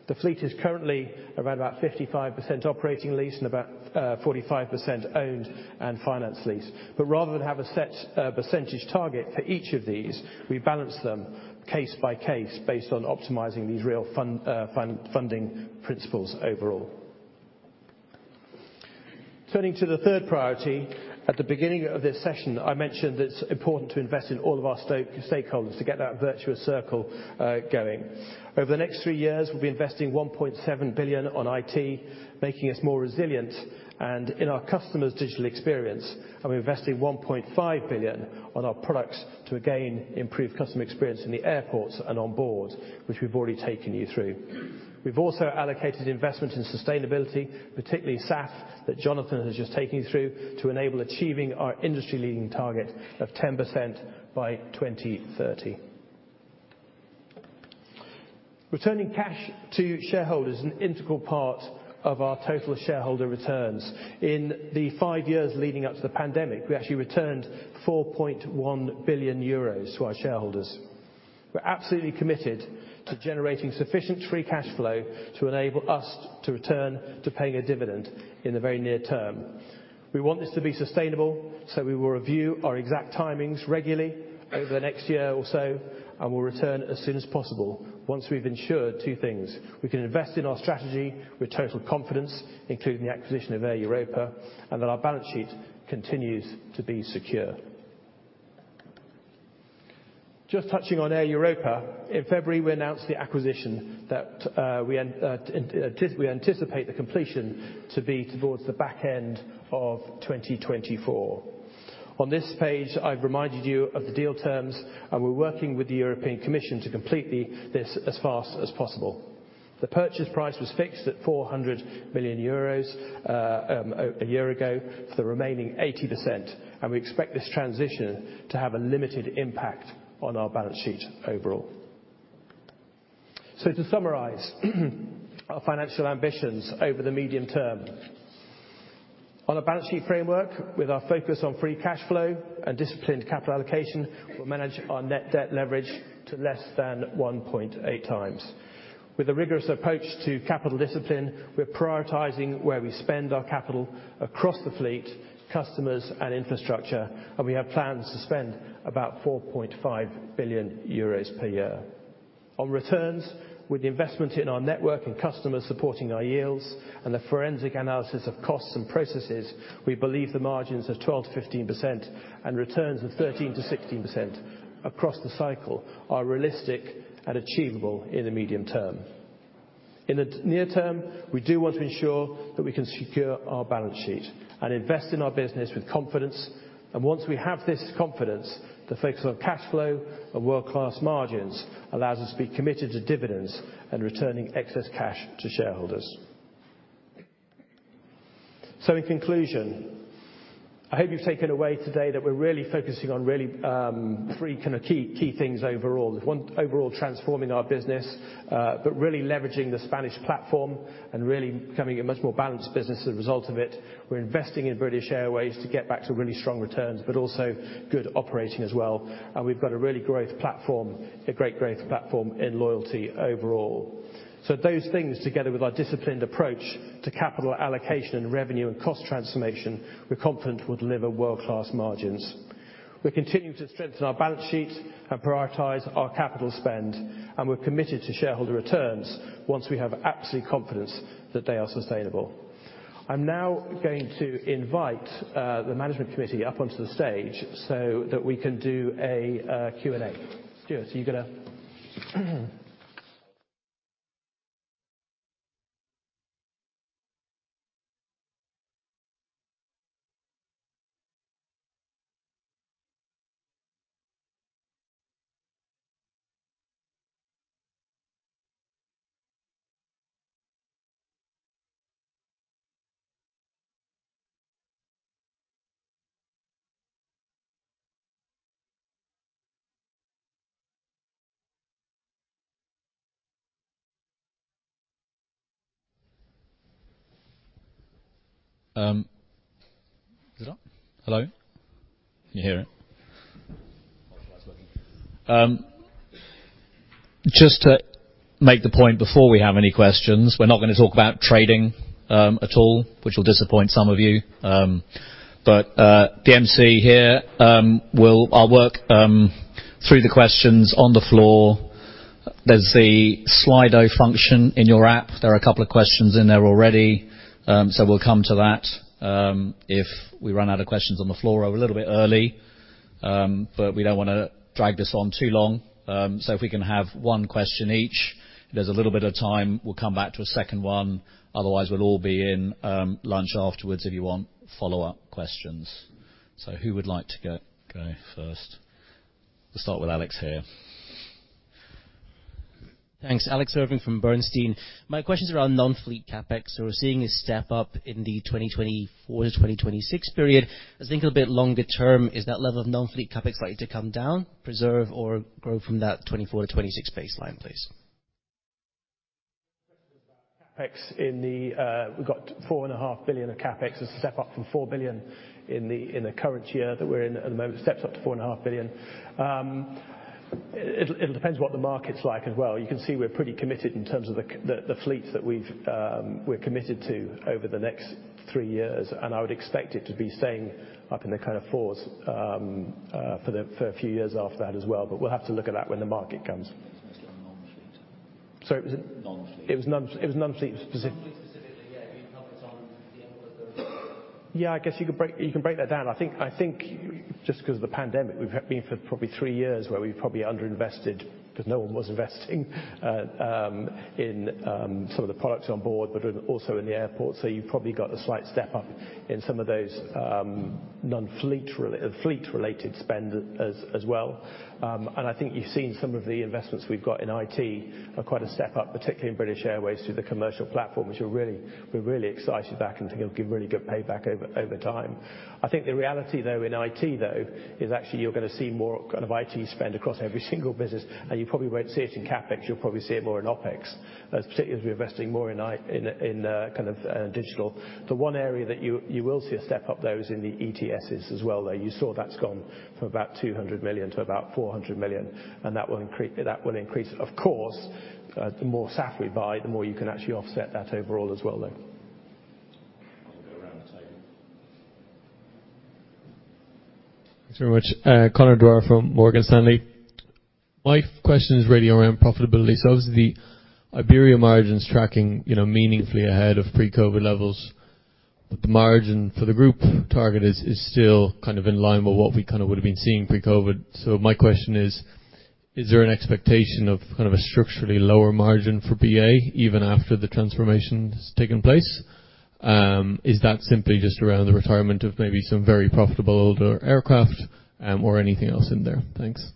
The fleet is currently around about 55% operating lease and about 45% owned and finance lease. But rather than have a set percentage target for each of these, we balance them case by case, based on optimizing these real fund, fund, funding principles overall. Turning to the third priority, at the beginning of this session, I mentioned that it's important to invest in all of our stakeholders to get that virtuous circle going. Over the next three years, we'll be investing 1.7 billion on IT, making us more resilient and in our customers' digital experience, and we're investing 1.5 billion on our products to again, improve customer experience in the airports and on board, which we've already taken you through. We've also allocated investment in sustainability, particularly SAF, that Jonathan has just taken you through, to enable achieving our industry-leading target of 10% by 2030. Returning cash to shareholders is an integral part of our total shareholder returns. In the five years leading up to the pandemic, we actually returned 4.1 billion euros to our shareholders. We're absolutely committed to generating sufficient free cash flow to enable us to return to paying a dividend in the very near term. We want this to be sustainable, so we will review our exact timings regularly over the next year or so, and we'll return as soon as possible once we've ensured two things: We can invest in our strategy with total confidence, including the acquisition of Air Europa, and that our balance sheet continues to be secure. Just touching on Air Europa, in February, we announced the acquisition that we anticipate the completion to be towards the back end of 2024. On this page, I've reminded you of the deal terms, and we're working with the European Commission to complete this as fast as possible. The purchase price was fixed at 400 million euros a year ago for the remaining 80%, and we expect this transition to have a limited impact on our balance sheet overall. So to summarize, our financial ambitions over the medium term. On a balance sheet framework, with our focus on free cash flow and disciplined capital allocation, we'll manage our net debt leverage to less than 1.8 times. With a rigorous approach to capital discipline, we're prioritizing where we spend our capital across the fleet, customers, and infrastructure, and we have plans to spend about 4.5 billion euros per year. On returns, with the investment in our network and customers supporting our yields and the forensic analysis of costs and processes, we believe the margins of 12%-15% and returns of 13%-16% across the cycle are realistic and achievable in the medium term. In the near term, we do want to ensure that we can secure our balance sheet and invest in our business with confidence. Once we have this confidence, the focus on cash flow and world-class margins allows us to be committed to dividends and returning excess cash to shareholders. In conclusion, I hope you've taken away today that we're really focusing on really, three kind of key, key things overall. One, overall, transforming our business, but really leveraging the Spanish platform and really becoming a much more balanced business as a result of it. We're investing in British Airways to get back to really strong returns, but also good operating as well. And we've got a really great platform, a great growth platform in loyalty overall. So those things, together with our disciplined approach to capital allocation and revenue and cost transformation, we're confident will deliver world-class margins. We're continuing to strengthen our balance sheet and prioritize our capital spend, and we're committed to shareholder returns once we have absolute confidence that they are sustainable. I'm now going to invite the management committee up onto the stage so that we can do a Q&A. Sure, so you're gonna... Hello? Can you hear it? Just to make the point before we have any questions, we're not gonna talk about trading at all, which will disappoint some of you. But the MC here, I'll work through the questions on the floor. There's the Slido function in your app. There are a couple of questions in there already, so we'll come to that if we run out of questions on the floor. We're a little bit early, but we don't wanna drag this on too long. So if we can have one question each, there's a little bit of time, we'll come back to a second one. Otherwise, we'll all be in lunch afterwards if you want follow-up questions. So who would like to go first? We'll start with Alex here. Thanks. Alex Irving from Bernstein. My question is around non-fleet CapEx. So we're seeing a step up in the 2024-2026 period. I was thinking a bit longer term, is that level of non-fleet CapEx likely to come down, preserve, or grow from that 2024-2026 baseline, please? CapEx in the, we've got 4.5 billion of CapEx. It's a step up from 4 billion in the, in the current year that we're in at the moment, steps up to 4.5 billion. It'll, it depends what the market's like as well. You can see we're pretty committed in terms of the fleet that we're committed to over the next three years, and I would expect it to be staying up in the kind of fours for a few years after that as well. But we'll have to look at that when the market comes. Non-fleet. So it was Non-fleet. It was non-fleet specific. Non-fleet specifically, yeah, I mean, focus on the end of the- Yeah, I guess you could break that down. I think just because of the pandemic, we've been for probably three years where we've probably underinvested, because no one was investing in some of the products on board, but also in the airport. So you've probably got a slight step up in some of those non-fleet-related spend as well. And I think you've seen some of the investments we've got in IT are quite a step up, particularly in British Airways, through the commercial platform, which we're really excited about and think it'll give really good payback over time. I think the reality, though, in IT, though, is actually you're going to see more kind of IT spend across every single business, and you probably won't see it in CapEx. You'll probably see it more in OpEx, particularly as we're investing more in kind of digital. The one area that you will see a step up, though, is in the ETSs as well, though. You saw that's gone from about 200 million to about 400 million, and that will increase. Of course, the more SAF we buy, the more you can actually offset that overall as well, though. I'll go around the table. Thanks very much. Conor Dwyer from Morgan Stanley. My question is really around profitability. So obviously, the Iberia margin's tracking, you know, meaningfully ahead of pre-COVID levels. But the margin for the group target is still kind of in line with what we kind of would have been seeing pre-COVID. So my question is: Is there an expectation of kind of a structurally lower margin for BA even after the transformation has taken place? Is that simply just around the retirement of maybe some very profitable older aircraft, or anything else in there? Thanks.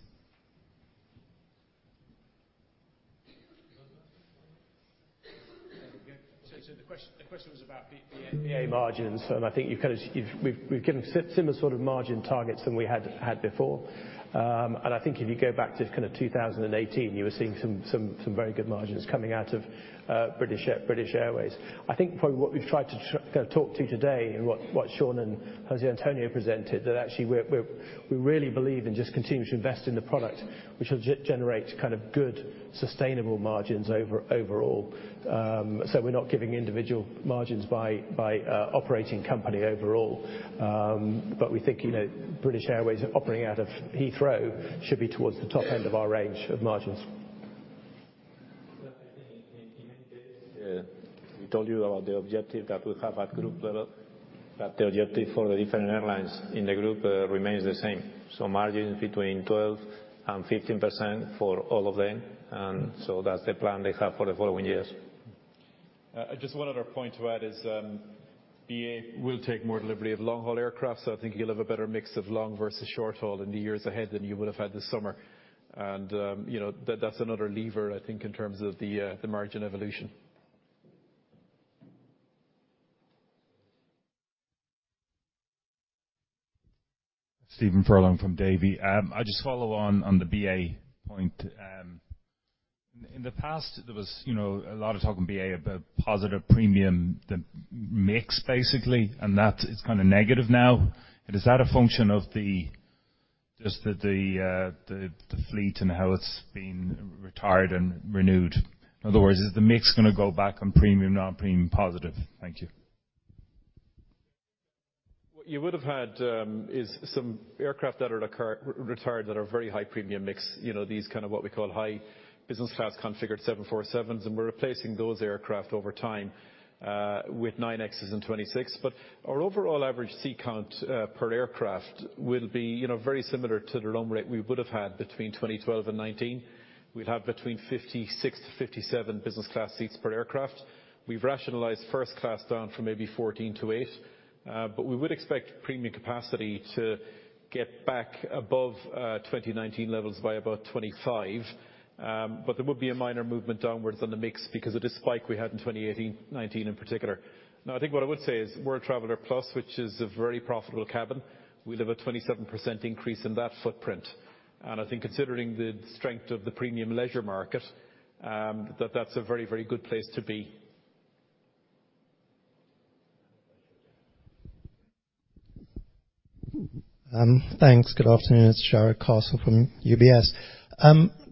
So the question was about BA margins, and I think we've given similar sort of margin targets than we had before. And I think if you go back to kind of 2018, you were seeing some very good margins coming out of British Airways. I think probably what we've tried to kind of talk to you today and what Sean and José Antonio presented, that actually we really believe in just continuing to invest in the product, which will generate kind of good, sustainable margins overall. So we're not giving individual margins by operating company overall. But we think, you know, British Airways operating out of Heathrow should be towards the top end of our range of margins. Yeah, we told you about the objective that we have at group level, that the objective for the different airlines in the group remains the same. So margins between 12%-15% for all of them, and so that's the plan they have for the following years. Just one other point to add is, BA will take more delivery of long-haul aircraft, so I think you'll have a better mix of long versus short-haul in the years ahead than you would have had this summer. And, you know, that, that's another lever, I think, in terms of the, the margin evolution. Stephen Furlong from Davy. I'll just follow on, on the BA point. In the past, there was, you know, a lot of talk in BA about positive premium, the mix, basically, and that is kind of negative now. And is that a function of the, just the fleet and how it's been retired and renewed? In other words, is the mix going to go back on premium, non-premium positive? Thank you. What you would have had is some aircraft that are retired that are very high premium mix. You know, these kind of what we call high business class configured 747s, and we're replacing those aircraft over time with 787s and 777s. But our overall average seat count per aircraft will be, you know, very similar to the run rate we would have had between 2012 and 2019. We'd have between 56-57 business class seats per aircraft. We've rationalized first class down from maybe 14-8, but we would expect premium capacity to get back above 2019 levels by about 2025. But there would be a minor movement downwards on the mix because of this spike we had in 2018, 2019 in particular. Now, I think what I would say is, World Traveller Plus, which is a very profitable cabin, we'll have a 27% increase in that footprint. And I think considering the strength of the premium leisure market, that that's a very, very good place to be. Thanks. Good afternoon. It's Jarrod Castle from UBS.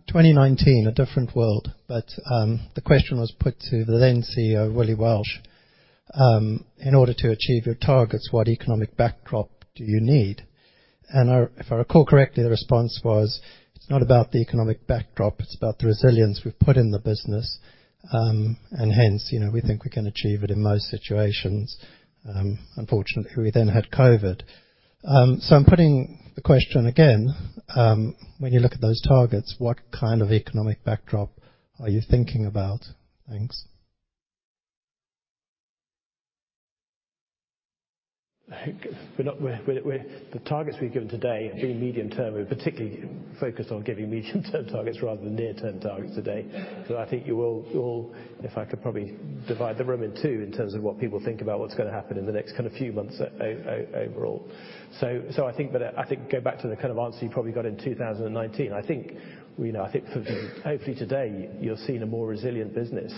2019, a different world, but the question was put to the then CEO, Willie Walsh. In order to achieve your targets, what economic backdrop do you need? And if I recall correctly, the response was, "It's not about the economic backdrop, it's about the resilience we've put in the business, and hence, you know, we think we can achieve it in most situations." Unfortunately, we then had COVID. So I'm putting the question again, when you look at those targets, what kind of economic backdrop are you thinking about? Thanks. I think we're not. The targets we've given today are being medium term. We're particularly focused on giving medium-term targets rather than near-term targets today. So I think you will all, if I could probably divide the room in two in terms of what people think about what's going to happen in the next kind of few months overall. So I think, but I think go back to the kind of answer you probably got in 2019. I think, you know, I think hopefully today, you're seeing a more resilient business.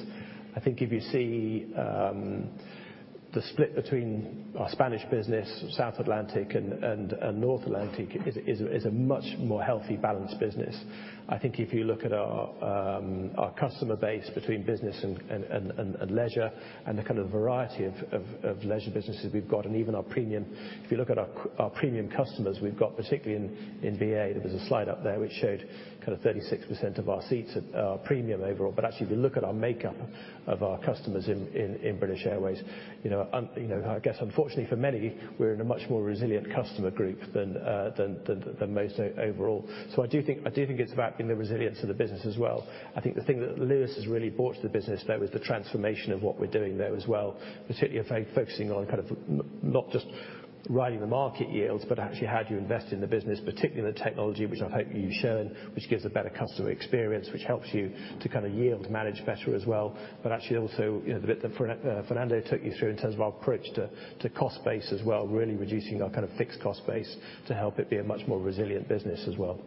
I think if you see the split between our Spanish business, South Atlantic, and North Atlantic is a much more healthy, balanced business. I think if you look at our customer base between business and leisure, and the kind of variety of leisure businesses we've got, and even our premium. If you look at our premium customers, we've got particularly in BA, there was a slide up there which showed kind of 36% of our seats are premium overall. But actually, if you look at our makeup of our customers in British Airways, you know, you know, I guess, unfortunately for many, we're in a much more resilient customer group than most overall. So I do think, I do think it's about the resilience of the business as well. I think the thing that Luis has really brought to the business, though, is the transformation of what we're doing there as well. Particularly, focusing on kind of not just riding the market yields, but actually how do you invest in the business, particularly the technology, which I hope you've shown, which gives a better customer experience, which helps you to kind of yield manage better as well. But actually, also, you know, the bit that Fernando took you through in terms of our approach to cost base as well, really reducing our kind of fixed cost base to help it be a much more resilient business as well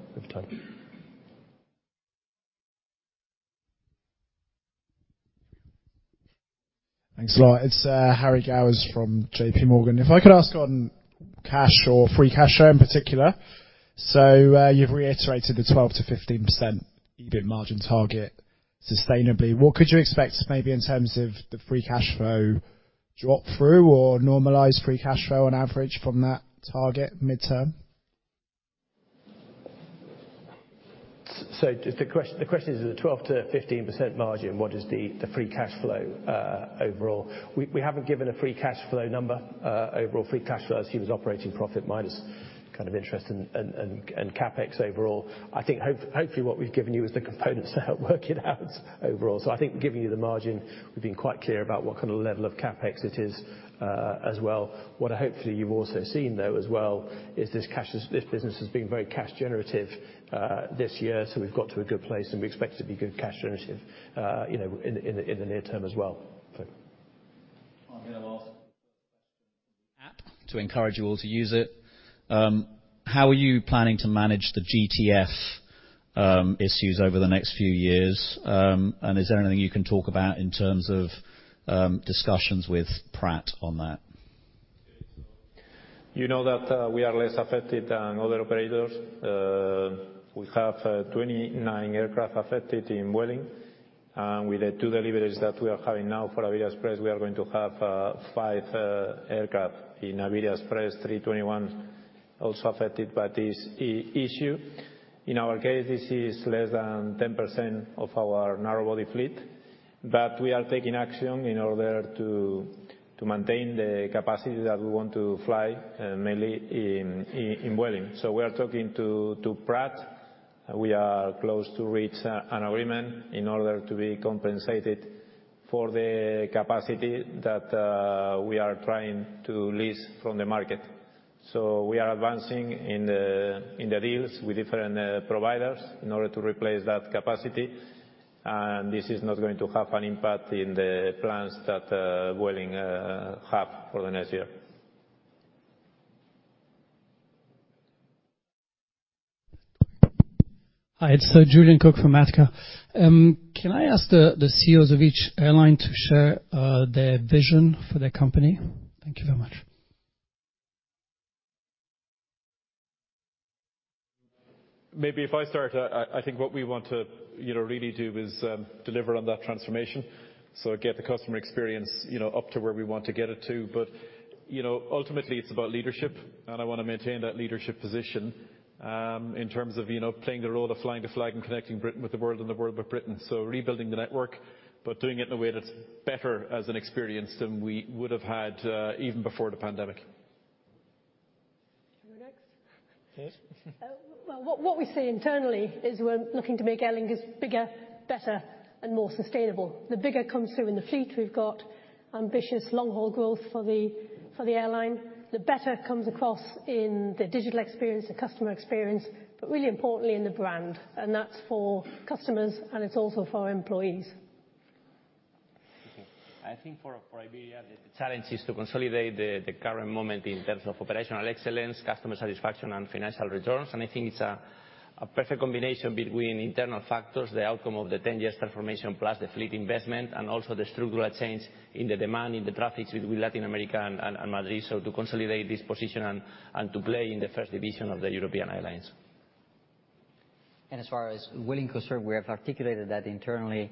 over time. Thanks a lot. It's Harry Gowers from JPMorgan. If I could ask on cash or free cash flow in particular. So, you've reiterated the 12%-15% EBIT margin target sustainably. What could you expect maybe in terms of the free cash flow drop through, or normalized free cash flow on average from that target midterm? So the question is, the 12%-15% margin, what is the free cash flow overall? We haven't given a free cash flow number. Overall free cash flow is seen as operating profit minus kind of interest and CapEx overall. I think hopefully, what we've given you is the components to help work it out overall. So I think giving you the margin, we've been quite clear about what kind of level of CapEx it is, as well. What hopefully you've also seen, though, as well, is this cash, this business has been very cash generative this year. So we've got to a good place, and we expect to be good cash generative, you know, in the near term as well. I'm going to ask a question on the app to encourage you all to use it. How are you planning to manage the GTF issues over the next few years? And is there anything you can talk about in terms of discussions with Pratt on that? You know that we are less affected than other operators. We have 29 aircraft affected in Vueling, and with the two deliveries that we are having now for Iberia Express, we are going to have five aircraft in Iberia Express, 321, also affected by this issue. In our case, this is less than 10% of our narrow body fleet. But we are taking action in order to maintain the capacity that we want to fly, mainly in Vueling. So we are talking to Pratt. We are close to reach an agreement in order to be compensated for the capacity that we are trying to lease from the market. So we are advancing in the deals with different providers in order to replace that capacity. This is not going to have an impact in the plans that Vueling have for the next year. Hi, it's Julian Cook from Attica. Can I ask the CEOs of each airline to share their vision for their company? Thank you very much. Maybe if I start, I think what we want to, you know, really do is deliver on that transformation. So get the customer experience, you know, up to where we want to get it to. But, you know, ultimately, it's about leadership, and I want to maintain that leadership position in terms of, you know, playing the role of flying the flag and connecting Britain with the world and the world with Britain. So rebuilding the network, but doing it in a way that's better as an experience than we would have had even before the pandemic. Should I go next? Yes. Well, what we see internally is we're looking to make Aer Lingus bigger, better, and more sustainable. The bigger comes through in the fleet. We've got ambitious long-haul growth for the airline. The better comes across in the digital experience, the customer experience, but really importantly, in the brand, and that's for customers, and it's also for our employees. Thank you. I think for Iberia, the challenge is to consolidate the current moment in terms of operational excellence, customer satisfaction, and financial returns. I think it's a perfect combination between internal factors, the outcome of the ten-year transformation, plus the fleet investment, and also the structural change in the demand in the traffic between Latin America and Madrid. To consolidate this position and to play in the first division of the European airlines. As far as Vueling concerned, we have articulated that internally.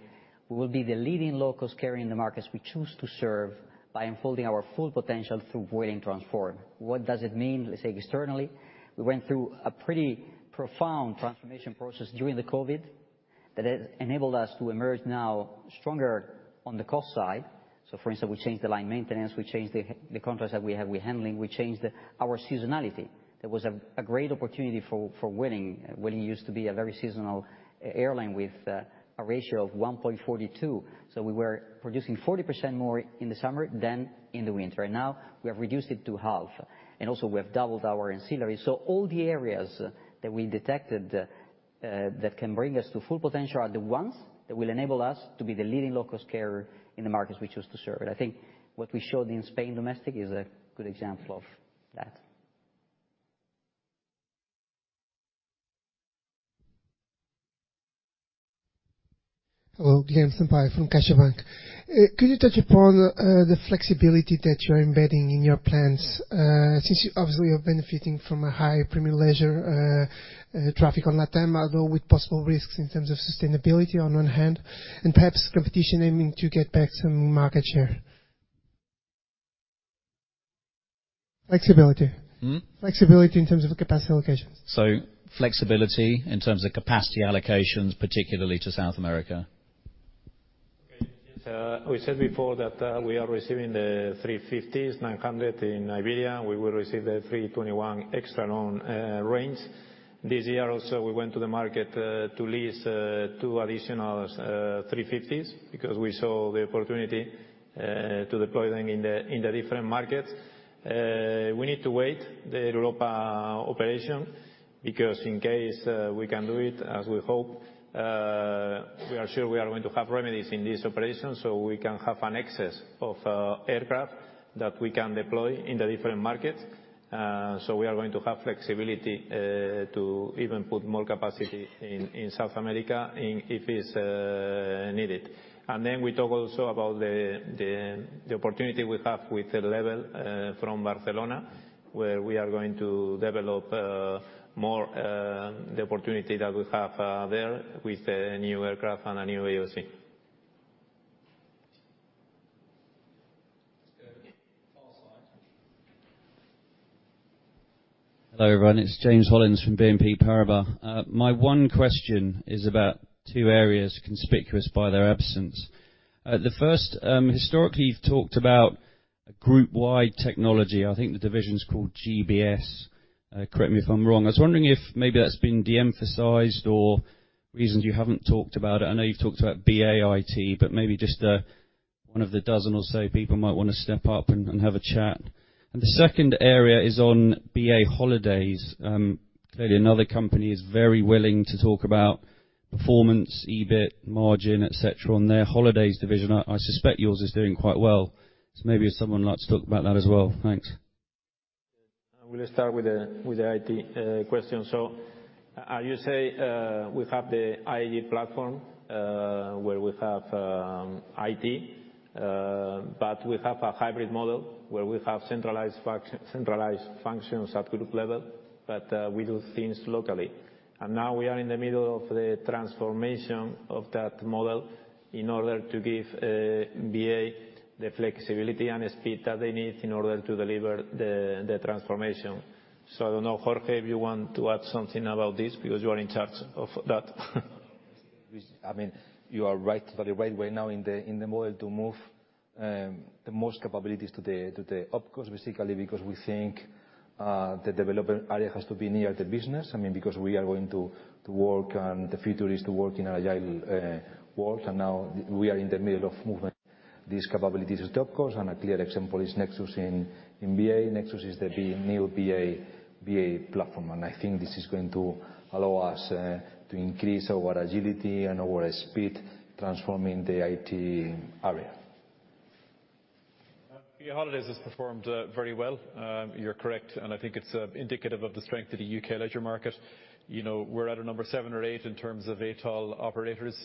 We will be the leading low-cost carrier in the markets we choose to serve by unfolding our full potential through Vueling Transform. What does it mean? Let's say externally, we went through a pretty profound transformation process during the COVID that has enabled us to emerge now stronger on the cost side. So for instance, we changed the line maintenance, we changed the contracts that we have with handling. We changed our seasonality. That was a great opportunity for Vueling. Vueling used to be a very seasonal airline, with a ratio of 1.42. So we were producing 40% more in the summer than in the winter. Right now, we have reduced it to half, and also we have doubled our ancillary. All the areas that we detected that can bring us to full potential are the ones that will enable us to be the leading low-cost carrier in the markets we choose to serve. I think what we showed in Spain domestic is a good example of that. ... Hello, Guilherme Sampaio from CaixaBank. Could you touch upon the flexibility that you're embedding in your plans? Since you obviously are benefiting from a high premium leisure traffic on LatAm, although with possible risks in terms of sustainability on one hand, and perhaps competition aiming to get back some market share. Flexibility. Hmm? Flexibility in terms of capacity allocations. Flexibility in terms of capacity allocations, particularly to South America. Okay. Yes, we said before that we are receiving the A350-900s in Iberia. We will receive the A321XLR. This year also, we went to the market to lease two additional A350s because we saw the opportunity to deploy them in the different markets. We need to wait the Air Europa operation, because in case we can do it as we hope, we are sure we are going to have remedies in this operation, so we can have an excess of aircraft that we can deploy in the different markets. So we are going to have flexibility to even put more capacity in South America, if it's needed. And then we talk also about the opportunity we have with LEVEL from Barcelona, where we are going to develop more the opportunity that we have there with the new aircraft and a new AOC. Let's go far side. Hello, everyone. It's James Hollins from BNP Paribas. My one question is about two areas conspicuous by their absence. The first, historically, you've talked about a group-wide technology. I think the division is called GBS. Correct me if I'm wrong. I was wondering if maybe that's been de-emphasized or reasons you haven't talked about it. I know you've talked about BA IT, but maybe just one of the dozen or so people might want to step up and have a chat. And the second area is on BA Holidays. Clearly, another company is very willing to talk about performance, EBIT, margin, et cetera, on their holidays division. I suspect yours is doing quite well, so maybe someone would like to talk about that as well. Thanks. I'm gonna start with the IT question. So as you say, we have the IAG platform, where we have IT, but we have a hybrid model where we have centralized functions at group level, but we do things locally. And now we are in the middle of the transformation of that model in order to give BA the flexibility and the speed that they need in order to deliver the transformation. So I don't know, Jorge, if you want to add something about this because you are in charge of that. I mean, you are right, but right now, in the model to move the most capabilities to the opco, basically, because we think the development area has to be near the business. I mean, because we are going to work, and the future is to work in an agile world, and now we are in the middle of moving these capabilities to opco. And a clear example is Nexus in BA. Nexus is the new BA platform, and I think this is going to allow us to increase our agility and our speed, transforming the IT area. BA Holidays has performed very well. You're correct, and I think it's indicative of the strength of the UK leisure market. You know, we're at a number seven or eight in terms of ATOL operators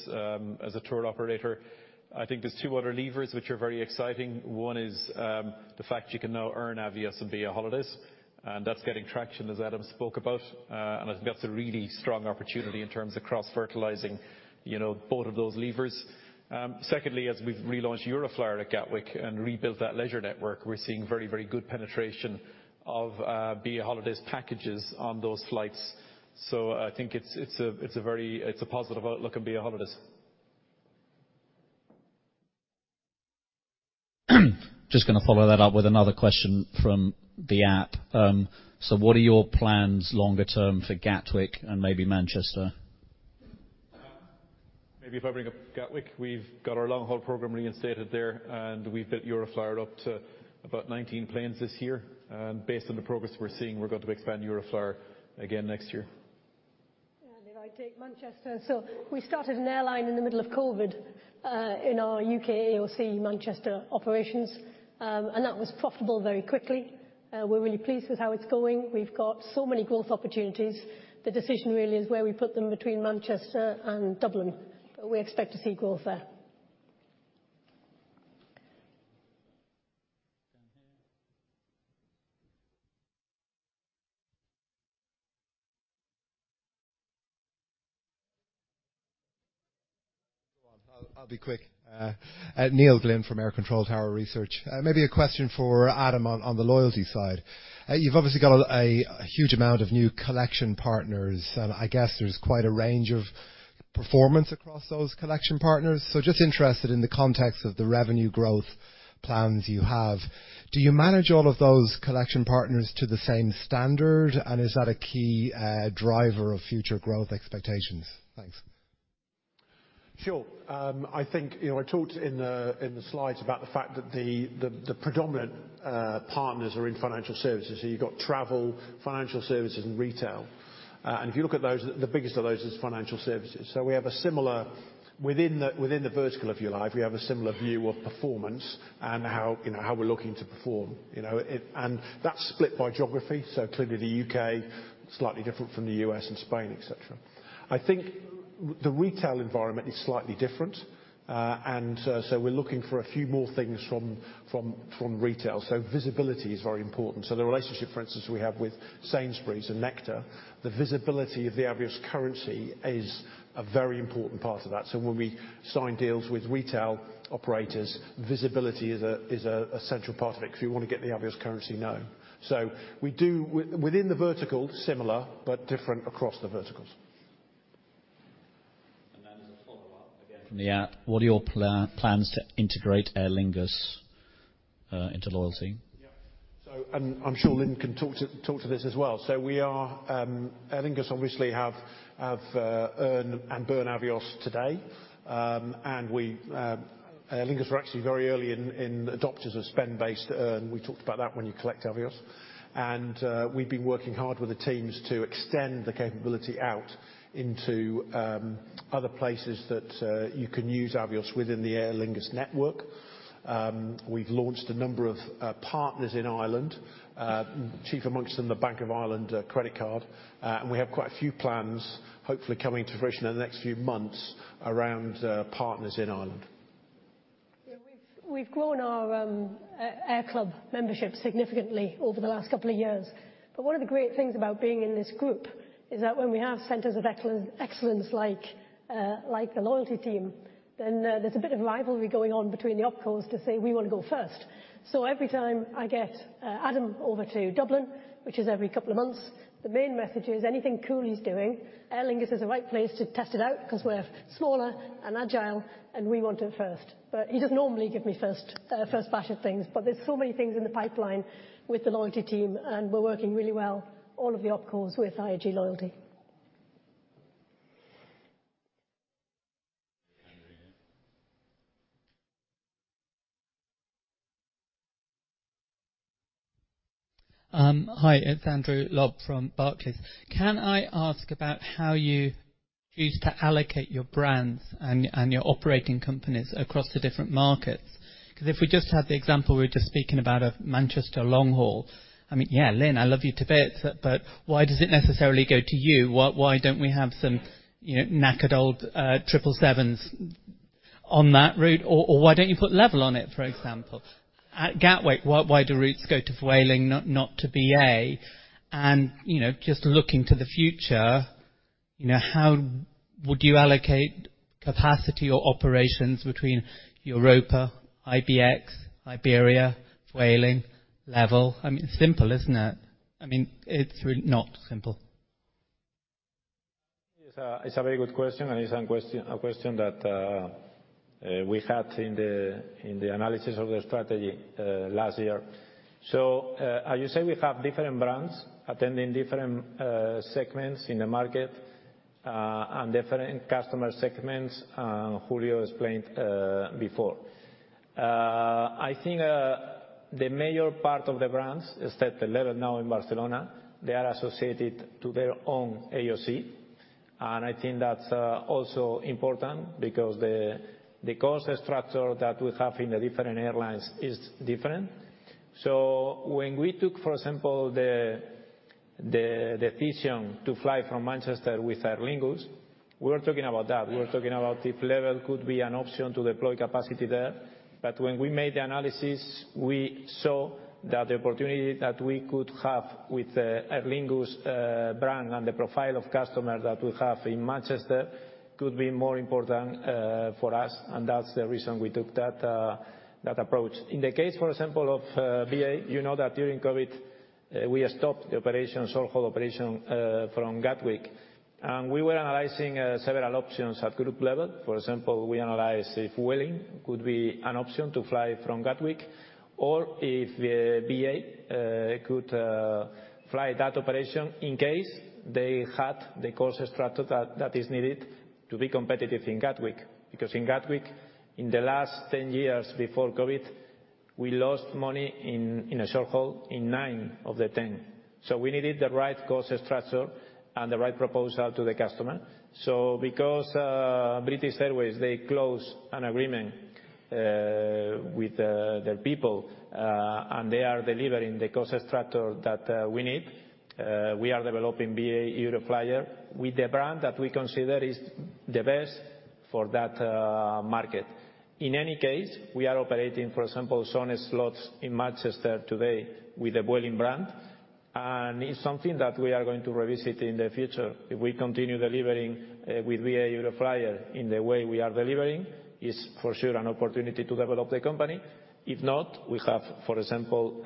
as a tour operator. I think there's two other levers which are very exciting. One is the fact you can now earn Avios on BA Holidays, and that's getting traction, as Adam spoke about. And I think that's a really strong opportunity in terms of cross-fertilizing, you know, both of those levers. Secondly, as we've relaunched Euroflyer at Gatwick and rebuilt that leisure network, we're seeing very, very good penetration of BA Holidays packages on those flights. So I think it's a very positive outlook on BA Holidays. Just going to follow that up with another question from the app. What are your plans longer term for Gatwick and maybe Manchester? Maybe if I bring up Gatwick, we've got our long-haul program reinstated there, and we've built Euroflyer up to about 19 planes this year. Based on the progress we're seeing, we're going to expand Euroflyer again next year. And if I take Manchester, so we started an airline in the middle of COVID, in our UK AOC Manchester operations, and that was profitable very quickly. We're really pleased with how it's going. We've got so many growth opportunities. The decision really is where we put them between Manchester and Dublin, but we expect to see growth there. Down here. I'll be quick. Neil Glynn from Air Control Tower Research. Maybe a question for Adam on the loyalty side. You've obviously got a huge amount of new collection partners, and I guess there's quite a range of performance across those collection partners. So just interested in the context of the revenue growth plans you have, do you manage all of those collection partners to the same standard? And is that a key driver of future growth expectations? Thanks. ... Sure. I think, you know, I talked in the, in the slides about the fact that the, the, the predominant partners are in financial services. So you've got travel, financial services, and retail. And if you look at those, the biggest of those is financial services. So we have a similar within the, within the vertical, if you like, we have a similar view of performance and how, you know, how we're looking to perform, you know. It- and that's split by geography, so clearly the UK, slightly different from the US and Spain, et cetera. I think the retail environment is slightly different. And, so we're looking for a few more things from, from, from retail. So visibility is very important. So the relationship, for instance, we have with Sainsbury's and Nectar, the visibility of the Avios currency is a very important part of that. So when we sign deals with retail operators, visibility is a central part of it, because we want to get the Avios currency known. So we do within the vertical, similar, but different across the verticals. Then as a follow-up, again, from the app, what are your plans to integrate Aer Lingus into loyalty? Yeah. So, and I'm sure Lynne can talk to this as well. So we are, Aer Lingus obviously have earn and burn Avios today. And we, Aer Lingus were actually very early adopters of spend-based earn. We talked about that when you collect Avios. And we've been working hard with the teams to extend the capability out into other places that you can use Avios within the Aer Lingus network. We've launched a number of partners in Ireland, chief amongst them, the Bank of Ireland credit card. And we have quite a few plans, hopefully coming to fruition in the next few months around partners in Ireland. Yeah, we've grown our AerClub membership significantly over the last couple of years. But one of the great things about being in this group is that when we have centers of excellence like the loyalty team, then there's a bit of rivalry going on between the opcos to say, "We want to go first." So every time I get Adam over to Dublin, which is every couple of months, the main message is: anything Cooley is doing, Aer Lingus is the right place to test it out, 'cause we're smaller and agile, and we want it first. But he doesn't normally give me first batch of things, but there's so many things in the pipeline with the loyalty team, and we're working really well, all of the opcos, with IAG Loyalty. Hi, it's Andrew Lobbenberg from Barclays. Can I ask about how you choose to allocate your brands and your operating companies across the different markets? Because if we just have the example we were just speaking about of Manchester long haul. I mean, yeah, Lynne, I love you to bits, but why does it necessarily go to you? Why don't we have some, you know, knackered old triple sevens on that route, or why don't you put Level on it, for example? At Gatwick, why do routes go to Vueling, not to BA? And, you know, just looking to the future, you know, how would you allocate capacity or operations between Europa, IBX, Iberia, Vueling, Level? I mean, simple, isn't it? I mean, it's really not simple. It's a very good question, and it's a question that we had in the analysis of the strategy last year. So, as you say, we have different brands attending different segments in the market, and different customer segments, Julio explained before. I think the major part of the brands, except LEVEL now in Barcelona, they are associated to their own AOC. And I think that's also important because the cost structure that we have in the different airlines is different. So when we took, for example, the decision to fly from Manchester with Aer Lingus, we were talking about that. Mm-hmm. We were talking about if LEVEL could be an option to deploy capacity there. But when we made the analysis, we saw that the opportunity that we could have with the Aer Lingus brand and the profile of customer that we have in Manchester, could be more important, for us, and that's the reason we took that, that approach. In the case, for example, of, BA, you know that during COVID, we stopped the operations, short-haul operation, from Gatwick. And we were analyzing, several options at group level. For example, we analyzed if Vueling could be an option to fly from Gatwick, or if, BA, could, fly that operation in case they had the cost structure that, that is needed to be competitive in Gatwick. Because in Gatwick, in the last 10 years before COVID, we lost money in a short-haul in nine of the 10. So we needed the right cost structure and the right proposal to the customer. So because British Airways they closed an agreement with their people and they are delivering the cost structure that we need, we are developing BA Euroflyer with the brand that we consider is the best for that market. In any case, we are operating, for example, summer slots in Manchester today with a Vueling brand, and it's something that we are going to revisit in the future. If we continue delivering with BA Euroflyer in the way we are delivering, it's for sure an opportunity to develop the company. If not, we have, for example,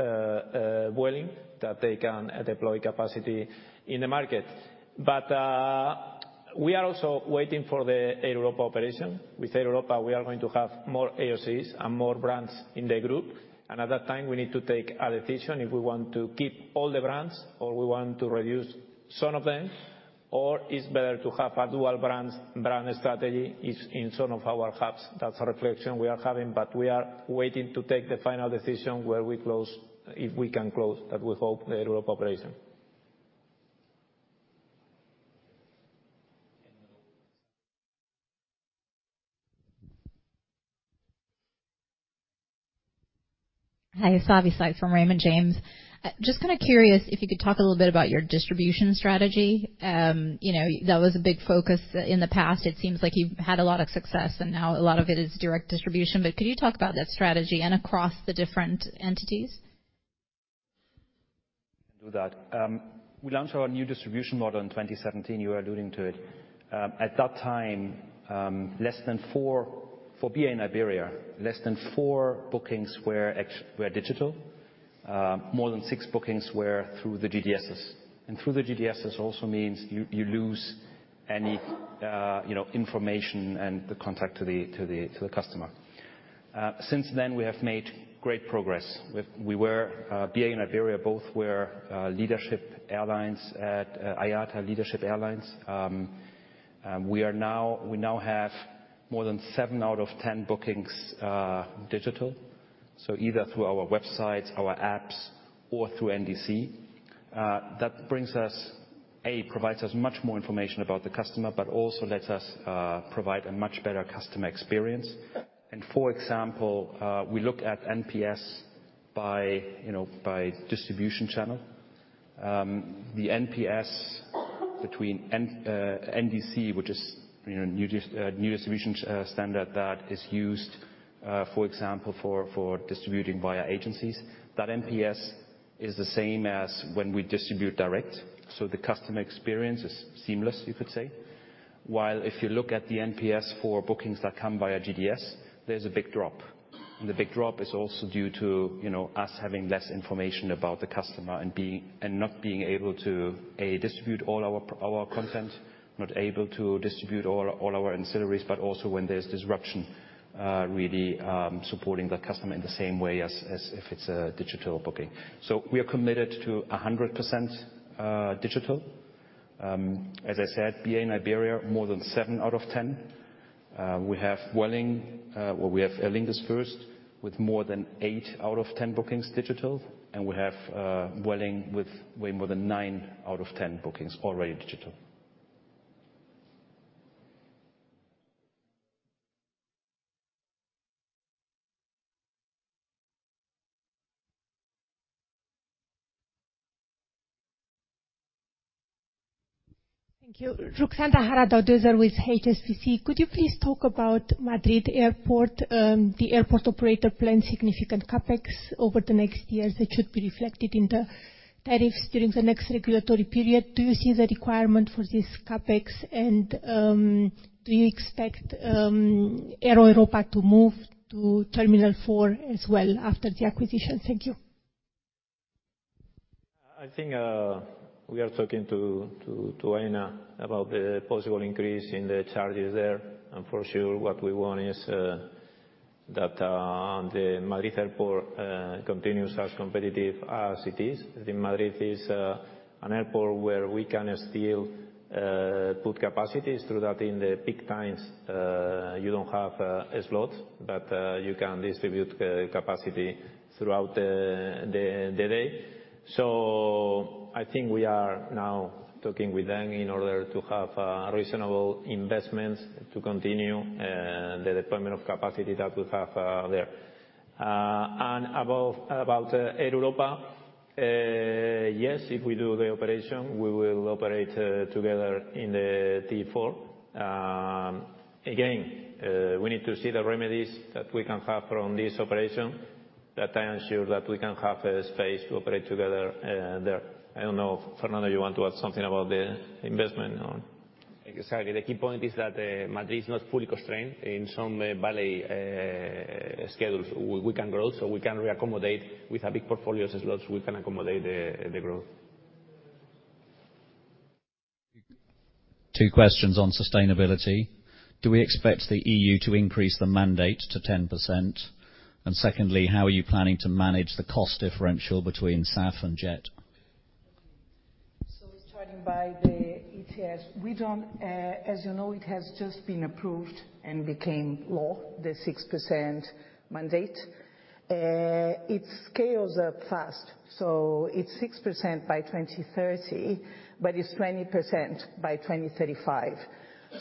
Vueling, that they can deploy capacity in the market. But we are also waiting for the Air Europa operation. With Air Europa, we are going to have more AOCs and more brands in the group, and at that time, we need to take a decision if we want to keep all the brands or we want to reduce some of them... or it's better to have a dual brands, brand strategy in some of our hubs. That's a reflection we are having, but we are waiting to take the final decision where we close, if we can close, that we hope the Air Europa operation. Hi, Savanthi Syth from Raymond James. Just kind of curious if you could talk a little bit about your distribution strategy. You know, that was a big focus in the past. It seems like you've had a lot of success, and now a lot of it is direct distribution. But could you talk about that strategy and across the different entities? Do that. We launched our new distribution model in 2017. You are alluding to it. At that time, less than 4 for BA Iberia, less than 4 bookings were digital. More than 6 bookings were through the GDSs. And through the GDSs also means you, you lose any, you know, information and the contact to the, to the, to the customer. Since then, we have made great progress. We were, BA Iberia both were leadership airlines at IATA Leadership Airlines. We now have more than 7 out of 10 bookings digital, so either through our websites, our apps, or through NDC. That provides us much more information about the customer, but also lets us provide a much better customer experience. For example, we look at NPS by, you know, by distribution channel. The NPS between NDC, which is, you know, new distribution standard that is used, for example, for distributing via agencies. That NPS is the same as when we distribute direct, so the customer experience is seamless, you could say. While if you look at the NPS for bookings that come via GDS, there's a big drop. The big drop is also due to, you know, us having less information about the customer and not being able to, A, distribute all our content, not able to distribute all our ancillaries, but also when there's disruption, really supporting the customer in the same way as if it's a digital booking. We are committed to 100% digital. As I said, BA, Iberia, more than 7 out of 10. We have Vueling, well, we have Aer Lingus first, with more than 8 out of 10 bookings digital, and we have Vueling with way more than 9 out of 10 bookings already digital. Thank you. Ruxandra Haradau-Doser with HSBC. Could you please talk about Madrid Airport, the airport operator planned significant CapEx over the next years? That should be reflected in the tariffs during the next regulatory period. Do you see the requirement for this CapEx, and, do you expect, Air Europa to move to Terminal Four as well after the acquisition? Thank you. I think, we are talking to Aena about the possible increase in the charges there. And for sure, what we want is, that the Madrid Airport continues as competitive as it is. I think Madrid is, an airport where we can still, put capacities through that in the peak times. You don't have, a slot, but, you can distribute, capacity throughout the day. So I think we are now talking with them in order to have, reasonable investments to continue, the deployment of capacity that we have, there. And about Air Europa, yes, if we do the operation, we will operate, together in the T4. Again, we need to see the remedies that we can have from this operation, that I am sure that we can have a space to operate together, there. I don't know, Fernando, you want to add something about the investment or? Exactly. The key point is that Madrid is not fully constrained. In some valley schedules, we can grow, so we can re-accommodate. With our big portfolios as well, we can accommodate the growth. Two questions on sustainability. Do we expect the EU to increase the mandate to 10%? And secondly, how are you planning to manage the cost differential between SAF and jet? Starting by the ETS, we don't, as you know, it has just been approved and became law, the 6% mandate. It scales up fast, so it's 6% by 2030, but it's 20% by 2035.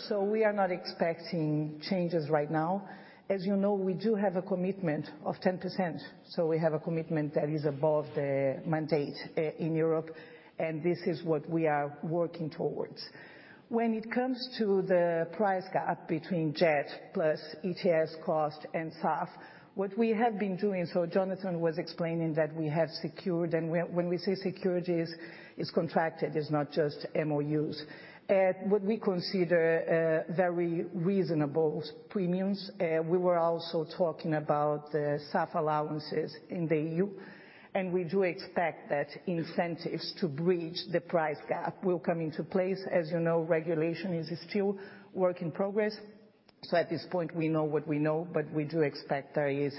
So we are not expecting changes right now. As you know, we do have a commitment of 10%, so we have a commitment that is above the mandate, in Europe, and this is what we are working towards. When it comes to the price gap between jet plus ETS cost and SAF, what we have been doing... So Jonathan was explaining that we have secured, and when we say secured, it is, it's contracted, it's not just MOUs, at what we consider, very reasonable premiums. We were also talking about the SAF allowances in the EU, and we do expect that incentives to bridge the price gap will come into place. As you know, regulation is still work in progress. So at this point, we know what we know, but we do expect there is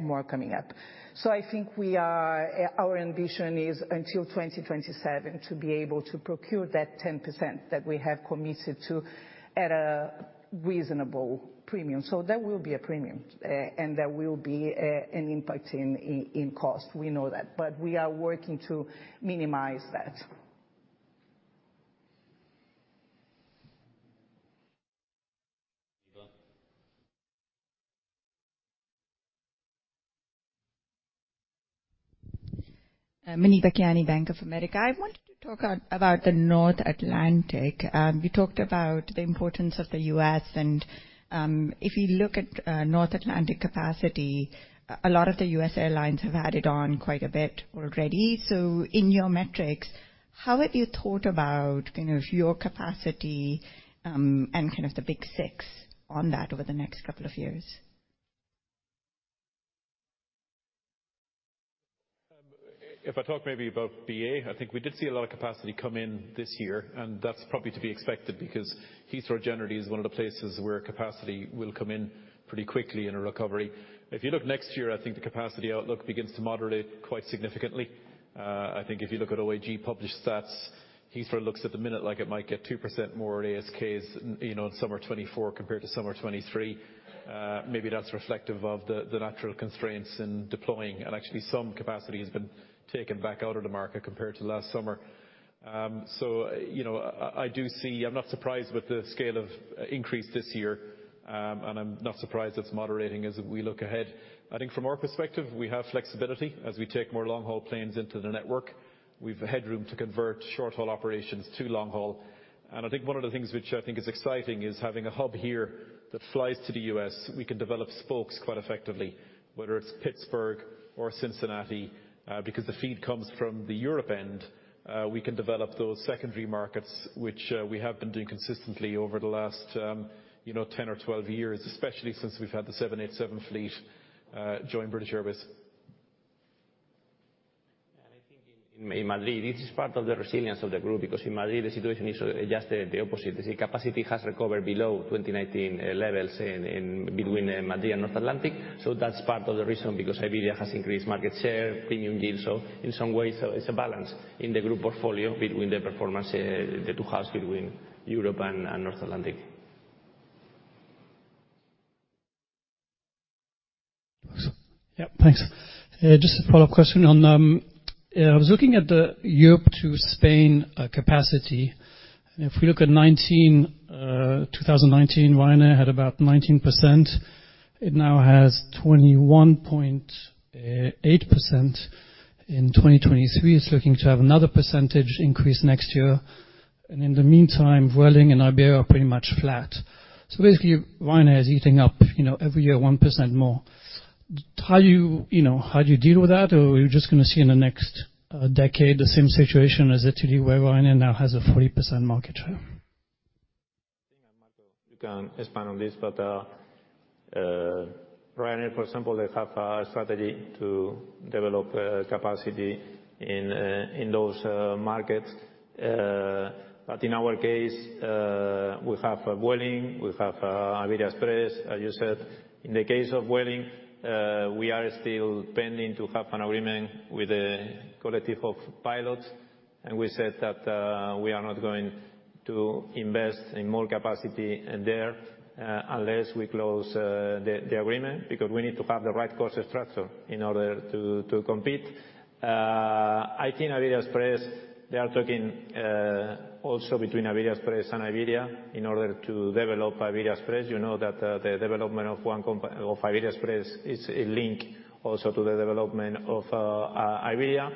more coming up. So I think we are our ambition is until 2027 to be able to procure that 10% that we have committed to at a reasonable premium. So there will be a premium, and there will be an impact in cost, we know that, but we are working to minimize that. Eva? Mehvish Kiani, Bank of America. I wanted to talk about the North Atlantic. We talked about the importance of the U.S., and if you look at North Atlantic capacity, a lot of the U.S. airlines have added on quite a bit already. So in your metrics, how have you thought about kind of your capacity, and kind of the big six on that over the next couple of years? If I talk maybe about BA, I think we did see a lot of capacity come in this year, and that's probably to be expected, because Heathrow generally is one of the places where capacity will come in pretty quickly in a recovery. If you look next year, I think the capacity outlook begins to moderate quite significantly. I think if you look at OAG published stats, Heathrow looks at the minute, like it might get 2% more ASKs, you know, in summer 2024 compared to summer 2023. Maybe that's reflective of the natural constraints in deploying, and actually some capacity has been taken back out of the market compared to last summer. So, you know, I do see... I'm not surprised with the scale of increase this year, and I'm not surprised it's moderating as we look ahead. I think from our perspective, we have flexibility as we take more long-haul planes into the network. We've headroom to convert short-haul operations to long haul. And I think one of the things which I think is exciting is having a hub here that flies to the U.S. We can develop spokes quite effectively, whether it's Pittsburgh or Cincinnati. Because the feed comes from the Europe end, we can develop those secondary markets, which, we have been doing consistently over the last, you know, 10 or 12 years, especially since we've had the 787 fleet, join British Airways. I think in Madrid, this is part of the resilience of the group, because in Madrid, the situation is just the opposite. The capacity has recovered below 2019 levels in between Madrid and North Atlantic. So that's part of the reason, because Iberia has increased market share, premium deals. So in some ways, it's a balance in the group portfolio between the performance, the two halves between Europe and North Atlantic. Yeah, thanks. Just a follow-up question on... I was looking at the Europe to Spain capacity. And if we look at 2019, Ryanair had about 19%. It now has 21.8%. In 2023, it's looking to have another percentage increase next year. And in the meantime, Vueling and Iberia are pretty much flat. So basically, Ryanair is eating up, you know, every year, 1% more. How you, you know, how do you deal with that? Or are you just gonna see in the next decade, the same situation as Italy, where Ryanair now has a 40% market share? You can expand on this, but Ryanair, for example, they have a strategy to develop capacity in those markets. But in our case, we have Vueling, we have Iberia Express, as you said. In the case of Vueling, we are still pending to have an agreement with a collective of pilots, and we said that we are not going to invest in more capacity there unless we close the agreement, because we need to have the right cost structure in order to compete. I think Iberia Express, they are talking also between Iberia Express and Iberia in order to develop Iberia Express. You know, that the development of one company, of Iberia Express, is a link also to the development of Iberia.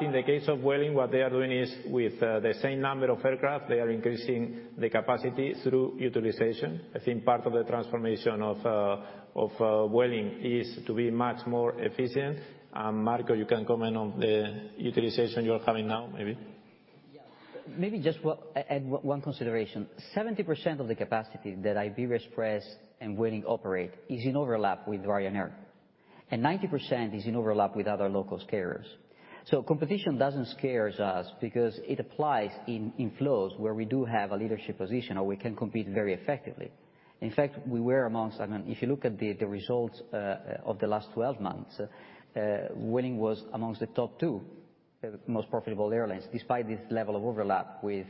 In the case of Vueling, what they are doing is, with the same number of aircraft, they are increasing the capacity through utilization. I think part of the transformation of Vueling is to be much more efficient. Marco, you can comment on the utilization you're having now, maybe. Yeah. Maybe just add one consideration. 70% of the capacity that Iberia Express and Vueling operate is in overlap with Ryanair, and 90% is in overlap with other local carriers. So competition doesn't scares us because it applies in flows where we do have a leadership position or we can compete very effectively. In fact, we were amongst... I mean, if you look at the results of the last 12 months, Vueling was amongst the top 2 most profitable airlines, despite this level of overlap with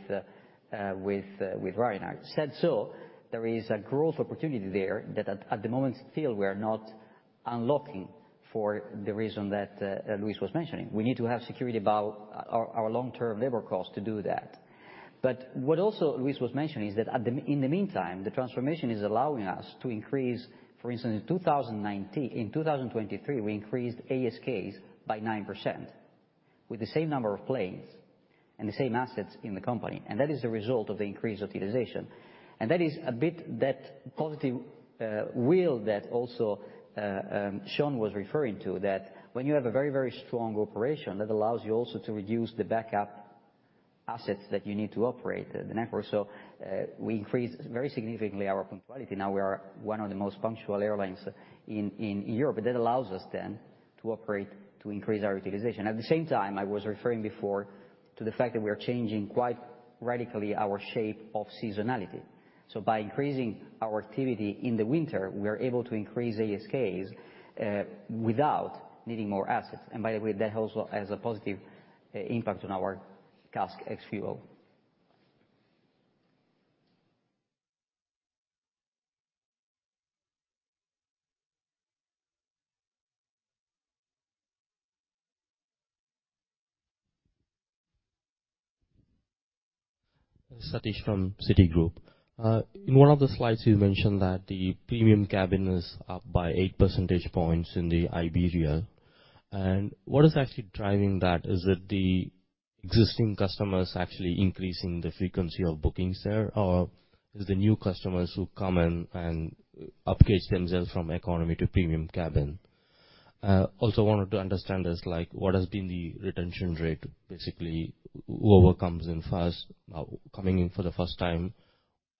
Ryanair. Said so, there is a growth opportunity there that at the moment, still we are not unlocking for the reason that Luis was mentioning. We need to have security about our long-term labor costs to do that. But what also Luis was mentioning is that in the meantime, the transformation is allowing us to increase. For instance, in 2023, we increased ASKs by 9% with the same number of planes and the same assets in the company, and that is a result of the increased utilization. And that is a bit, that positive wheel that also Sean was referring to, that when you have a very, very strong operation, that allows you also to reduce the backup assets that you need to operate the network. So, we increased very significantly our punctuality. Now, we are one of the most punctual airlines in Europe, and that allows us then to operate, to increase our utilization. At the same time, I was referring before to the fact that we are changing quite radically our shape of seasonality. So by increasing our activity in the winter, we are able to increase ASKs without needing more assets. And by the way, that also has a positive impact on our CASK ex-fuel. Satish from Citigroup. In one of the slides, you mentioned that the premium cabin is up by 8 percentage points in the Iberia. What is actually driving that? Is it the existing customers actually increasing the frequency of bookings there, or is the new customers who come in and upgrade themselves from economy to premium cabin? Also wanted to understand is like, what has been the retention rate? Basically, whoever comes in first, coming in for the first time,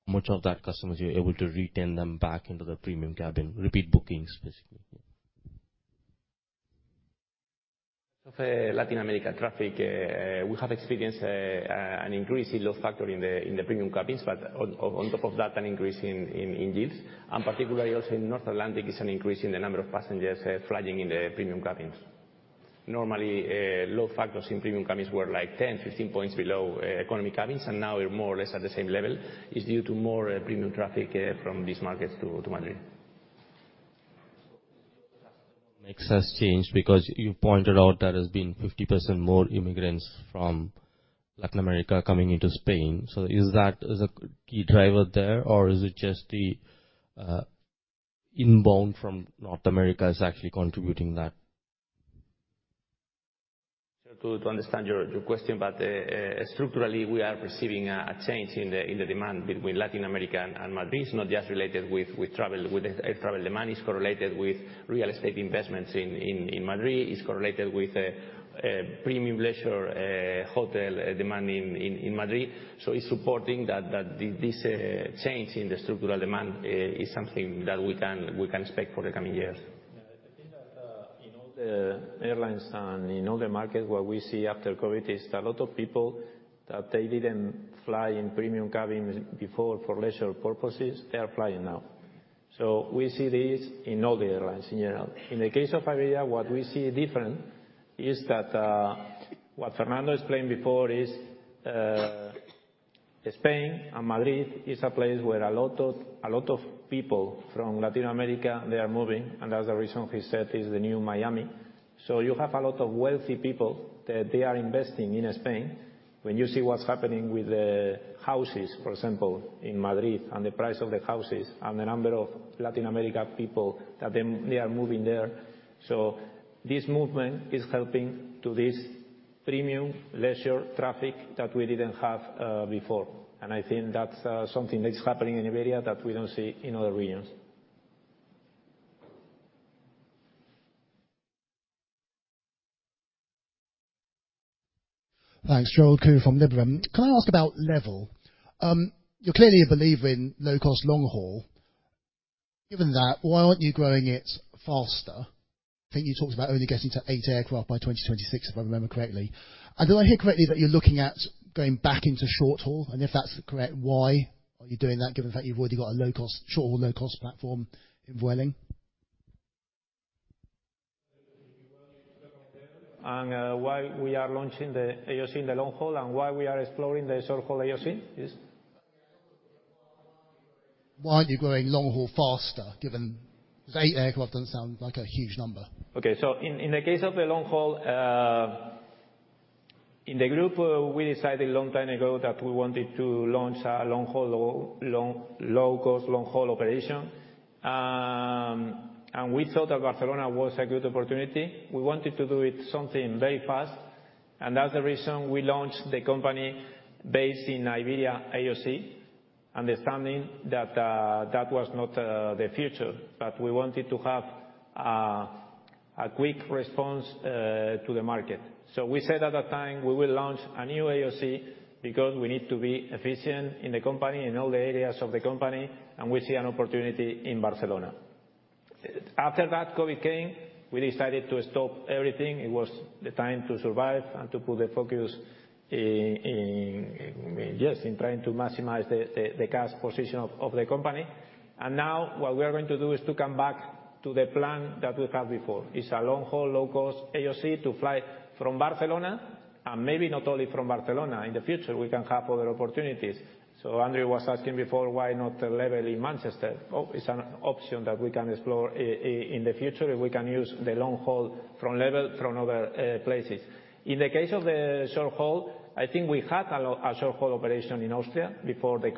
much of that customers, you're able to retain them back into the premium cabin. Repeat bookings, basically. Of Latin America traffic, we have experienced an increase in load factor in the premium cabins, but on top of that, an increase in yields. Particularly also in North Atlantic, is an increase in the number of passengers flying in the premium cabins. Normally, load factors in premium cabins were like 10, 15 points below economy cabins, and now we're more or less at the same level. It's due to more premium traffic from these markets to Madrid. Makes us change, because you pointed out there has been 50% more immigrants from Latin America coming into Spain. So is that the key driver there, or is it just the inbound from North America actually contributing that? So to understand your question, but structurally, we are receiving a change in the demand between Latin America and Madrid. It's not just related with travel, with air travel. Demand is correlated with real estate investments in Madrid. It's correlated with premium leisure hotel demand in Madrid. So it's supporting that this change in the structural demand is something that we can expect for the coming years. Yeah. I think that in all the airlines and in all the markets, what we see after COVID is that a lot of people that they didn't fly in premium cabins before for leisure purposes, they are flying now. So we see this in all the airlines in general. In the case of Iberia, what we see different is that, what Fernando explained before is, Spain and Madrid is a place where a lot of, a lot of people from Latin America, they are moving, and that's the reason he said, is the new Miami. So you have a lot of wealthy people that they are investing in Spain. When you see what's happening with the houses, for example, in Madrid, and the price of the houses, and the number of Latin America people, that they, they are moving there. So this movement is helping to this premium leisure traffic that we didn't have, before. And I think that's, something that's happening in Iberia that we don't see in other regions. Thanks. Gerald Khoo from Liberum. Can I ask about LEVEL? You're clearly a believer in low-cost long haul. Given that, why aren't you growing it faster? I think you talked about only getting to 8 aircraft by 2026, if I remember correctly. And do I hear correctly that you're looking at going back into short haul? And if that's correct, why are you doing that, given that you've already got a low-cost, short-haul, low-cost platform in Vueling? Why we are launching the AOC in the long haul and why we are exploring the short haul AOC? Yes. Why aren't you growing long haul faster, given... 8 aircraft doesn't sound like a huge number. Okay. So in the case of the long haul, in the group, we decided a long time ago that we wanted to launch a long haul, low-cost, long-haul operation. We thought that Barcelona was a good opportunity. We wanted to do it something very fast, and that's the reason we launched the company based in Iberia, AOC, understanding that that was not the future. But we wanted to have a quick response to the market. We said at that time, we will launch a new AOC because we need to be efficient in the company, in all the areas of the company, and we see an opportunity in Barcelona. After that, COVID came, we decided to stop everything. It was the time to survive and to put the focus in, yes, in trying to maximize the, the, the cash position of, of the company. Now what we are going to do is to come back to the plan that we had before. It's a long-haul, low-cost AOC to fly from Barcelona, and maybe not only from Barcelona. In the future, we can have other opportunities. Andrew was asking before, why not LEVEL in Manchester? Oh, it's an option that we can explore in, in the future, if we can use the long haul from LEVEL, from other places. In the case of the short haul, I think we had a short-haul operation in Austria before the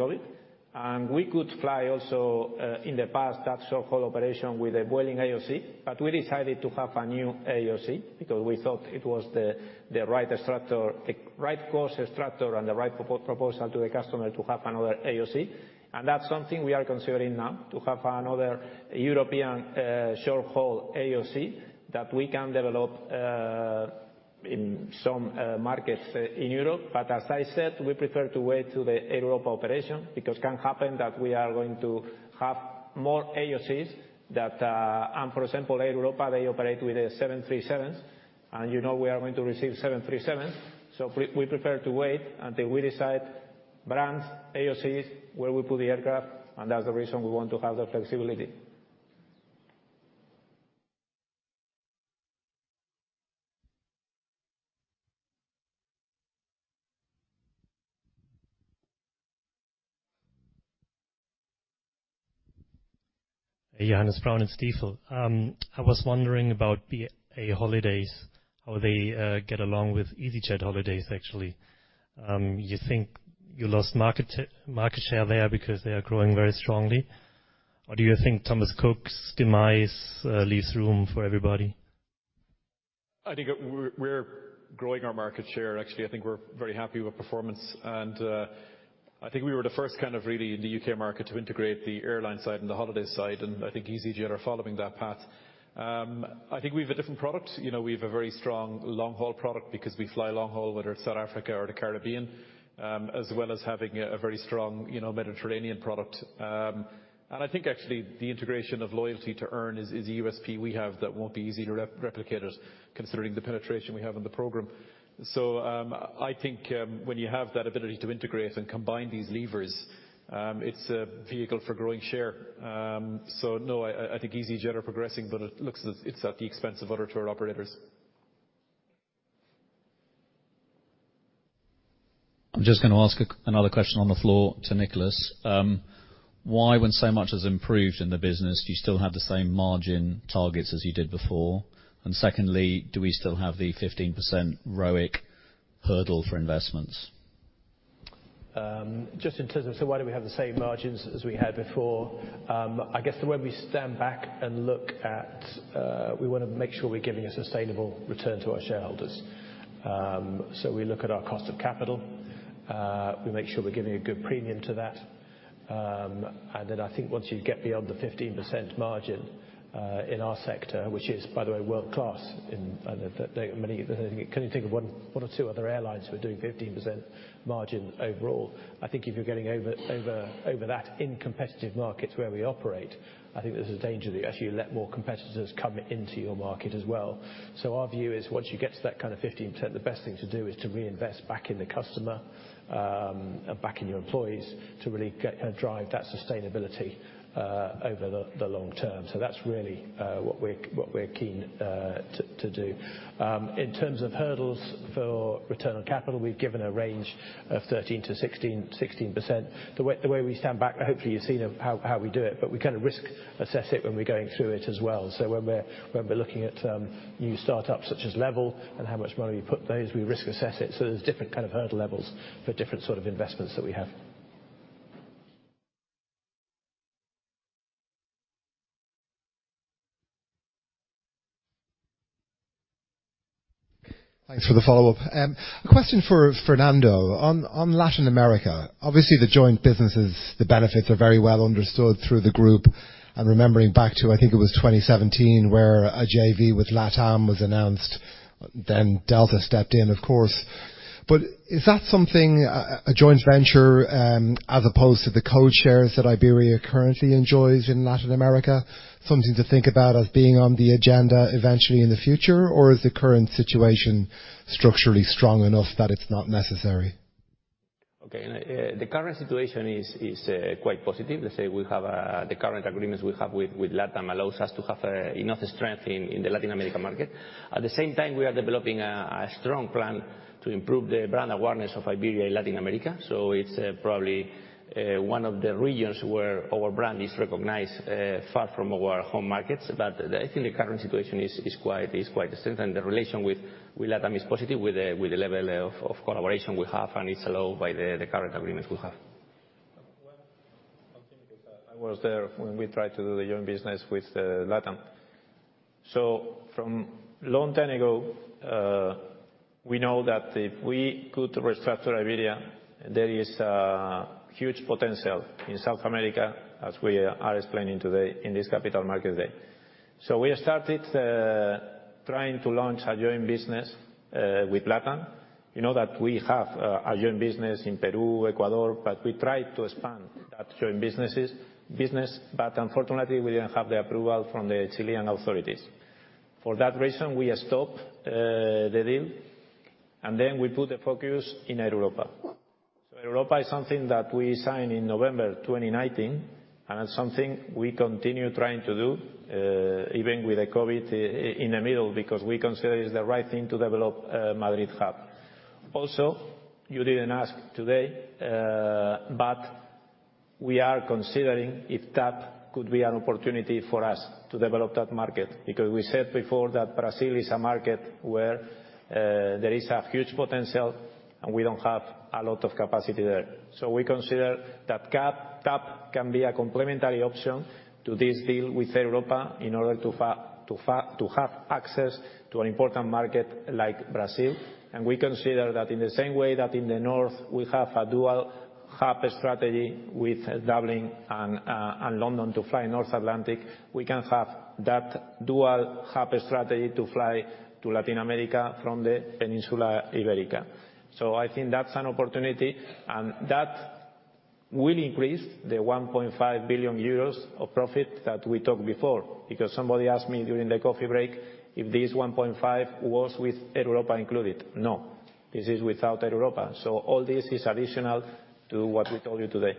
COVID, and we could fly also, in the past, that short-haul operation with the Vueling AOC. But we decided to have a new AOC because we thought it was the right structure, the right cost structure, and the right proposal to the customer to have another AOC. And that's something we are considering now, to have another European short-haul AOC that we can develop in some markets in Europe, but as I said, we prefer to wait to the Air Europa operation, because can happen that we are going to have more AOCs that. And for example, Air Europa, they operate with the 737s, and you know we are going to receive 737s. So we prefer to wait until we decide brands, AOCs, where we put the aircraft, and that's the reason we want to have the flexibility. Johannes Braun at Stifel. I was wondering about the BA Holidays, how they get along with easyJet Holidays, actually. You think you lost market share, market share there because they are growing very strongly? Or do you think Thomas Cook's demise leaves room for everybody? I think we're growing our market share, actually. I think we're very happy with performance, and I think we were the first kind of really in the U.K. market to integrate the airline side and the holiday side, and I think easyJet are following that path. I think we have a different product. You know, we have a very strong long-haul product because we fly long haul, whether it's South Africa or the Caribbean, as well as having a very strong, you know, Mediterranean product. And I think actually the integration of loyalty to earn is a USP we have that won't be easy to replicate, especially considering the penetration we have in the program. So, I think when you have that ability to integrate and combine these levers, it's a vehicle for growing share. So, no, I think easyJet are progressing, but it looks it's at the expense of other tour operators. I'm just gonna ask another question on the floor to Nicholas. Why, when so much has improved in the business, do you still have the same margin targets as you did before? And secondly, do we still have the 15% ROIC hurdle for investments? Just in terms of so why do we have the same margins as we had before, I guess the way we stand back and look at, we want to make sure we're giving a sustainable return to our shareholders. So we look at our cost of capital, we make sure we're giving a good premium to that. And then I think once you get beyond the 15% margin, in our sector, which is, by the way, world-class in the many. I can only think of one or two other airlines who are doing 15% margin overall. I think if you're getting over that in competitive markets where we operate, I think there's a danger that you actually let more competitors come into your market as well. So our view is once you get to that kind of 15%, the best thing to do is to reinvest back in the customer, and back in your employees, to really get, drive that sustainability, over the, the long term. So that's really, what we're, what we're keen, to, to do. In terms of hurdles for return on capital, we've given a range of 13%-16%. The way, the way we stand back, hopefully you've seen of how, how we do it, but we kind of risk assess it when we're going through it as well. So when we're, when we're looking at, new startups such as LEVEL and how much money we put those, we risk assess it. So there's different kind of hurdle levels for different sort of investments that we have. Thanks for the follow-up. A question for Fernando. On, on Latin America, obviously, the joint businesses, the benefits are very well understood through the group. And remembering back to, I think it was 2017, where a JV with LATAM was announced, then Delta stepped in, of course. But is that something, a joint venture, as opposed to the code shares that Iberia currently enjoys in Latin America, something to think about as being on the agenda eventually in the future? Or is the current situation structurally strong enough that it's not necessary? Okay. The current situation is, is, quite positive. Let's say we have, the current agreements we have with, with LATAM allows us to have, enough strength in, in the Latin America market. At the same time, we are developing a, a strong plan to improve the brand awareness of Iberia in Latin America. So it's, probably, one of the regions where our brand is recognized, far from our home markets. But I think the current situation is, is quite, is quite the same, and the relation with, with LATAM is positive with the, with the level of, of collaboration we have, and it's allowed by the, the current agreements we have. One thing is that I was there when we tried to do the joint business with LATAM. So from long time ago, we know that if we could restructure Iberia, there is huge potential in South America, as we are explaining today in this Capital Markets Day. So we started trying to launch a joint business with LATAM. You know, that we have a joint business in Peru, Ecuador, but we tried to expand that joint business, but unfortunately, we didn't have the approval from the Chilean authorities. For that reason, we stopped the deal, and then we put the focus in Air Europa. So Air Europa is something that we signed in November 2019, and it's something we continue trying to do, even with the COVID in the middle, because we consider it's the right thing to develop, Madrid hub. Also, you didn't ask today, but we are considering if TAP could be an opportunity for us to develop that market. Because we said before that Brazil is a market where, there is a huge potential, and we don't have a lot of capacity there. So we consider that, TAP can be a complementary option to this deal with Air Europa in order to have access to an important market like Brazil. We consider that in the same way that in the North, we have a dual hub strategy with Dublin and London to fly North Atlantic, we can have that dual hub strategy to fly to Latin America from the Iberian Peninsula. So I think that's an opportunity, and that will increase the 1.5 billion euros of profit that we talked before. Because somebody asked me during the coffee break if this 1.5 billion was with Air Europa included. No, this is without Air Europa. So all this is additional to what we told you today.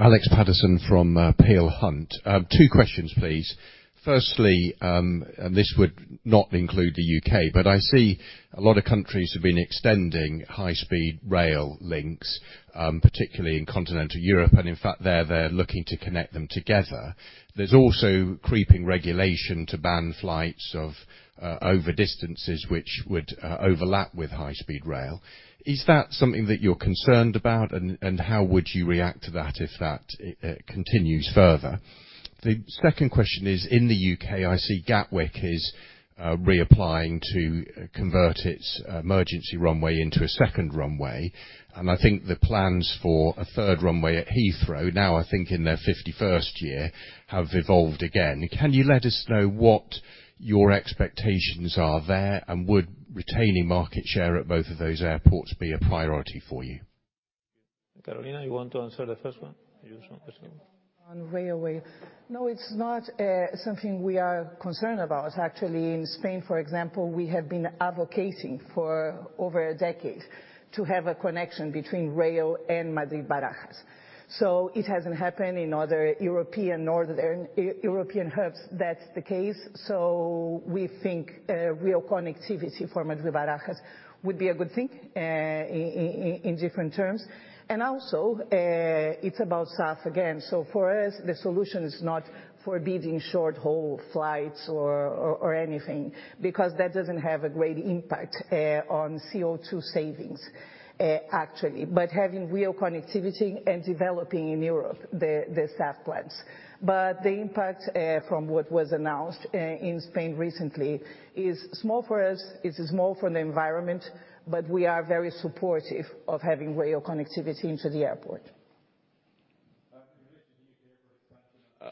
Alex Paterson from Peel Hunt. Two questions, please. Firstly, and this would not include the UK, but I see a lot of countries have been extending high-speed rail links, particularly in continental Europe, and in fact, they're looking to connect them together. There's also creeping regulation to ban flights of over distances which would overlap with high-speed rail. Is that something that you're concerned about? And how would you react to that if that continues further? The second question is, in the UK, I see Gatwick is reapplying to convert its emergency runway into a second runway, and I think the plans for a third runway at Heathrow, now, I think in their 51st year, have evolved again. Can you let us know what your expectations are there, and would retaining market share at both of those airports be a priority for you? Carolina, you want to answer the first one? You want first one. On railway. No, it's not something we are concerned about. Actually, in Spain, for example, we have been advocating for over a decade to have a connection between rail and Madrid-Barajas. So it hasn't happened in other European, Northern European hubs, that's the case. So we think rail connectivity for Madrid-Barajas would be a good thing in different terms. And also, it's about SAF again. So for us, the solution is not forbidding short-haul flights or anything, because that doesn't have a great impact on CO2 savings, actually, but having rail connectivity and developing in Europe the SAF plans. But the impact from what was announced in Spain recently is small for us, it's small for the environment, but we are very supportive of having rail connectivity into the airport.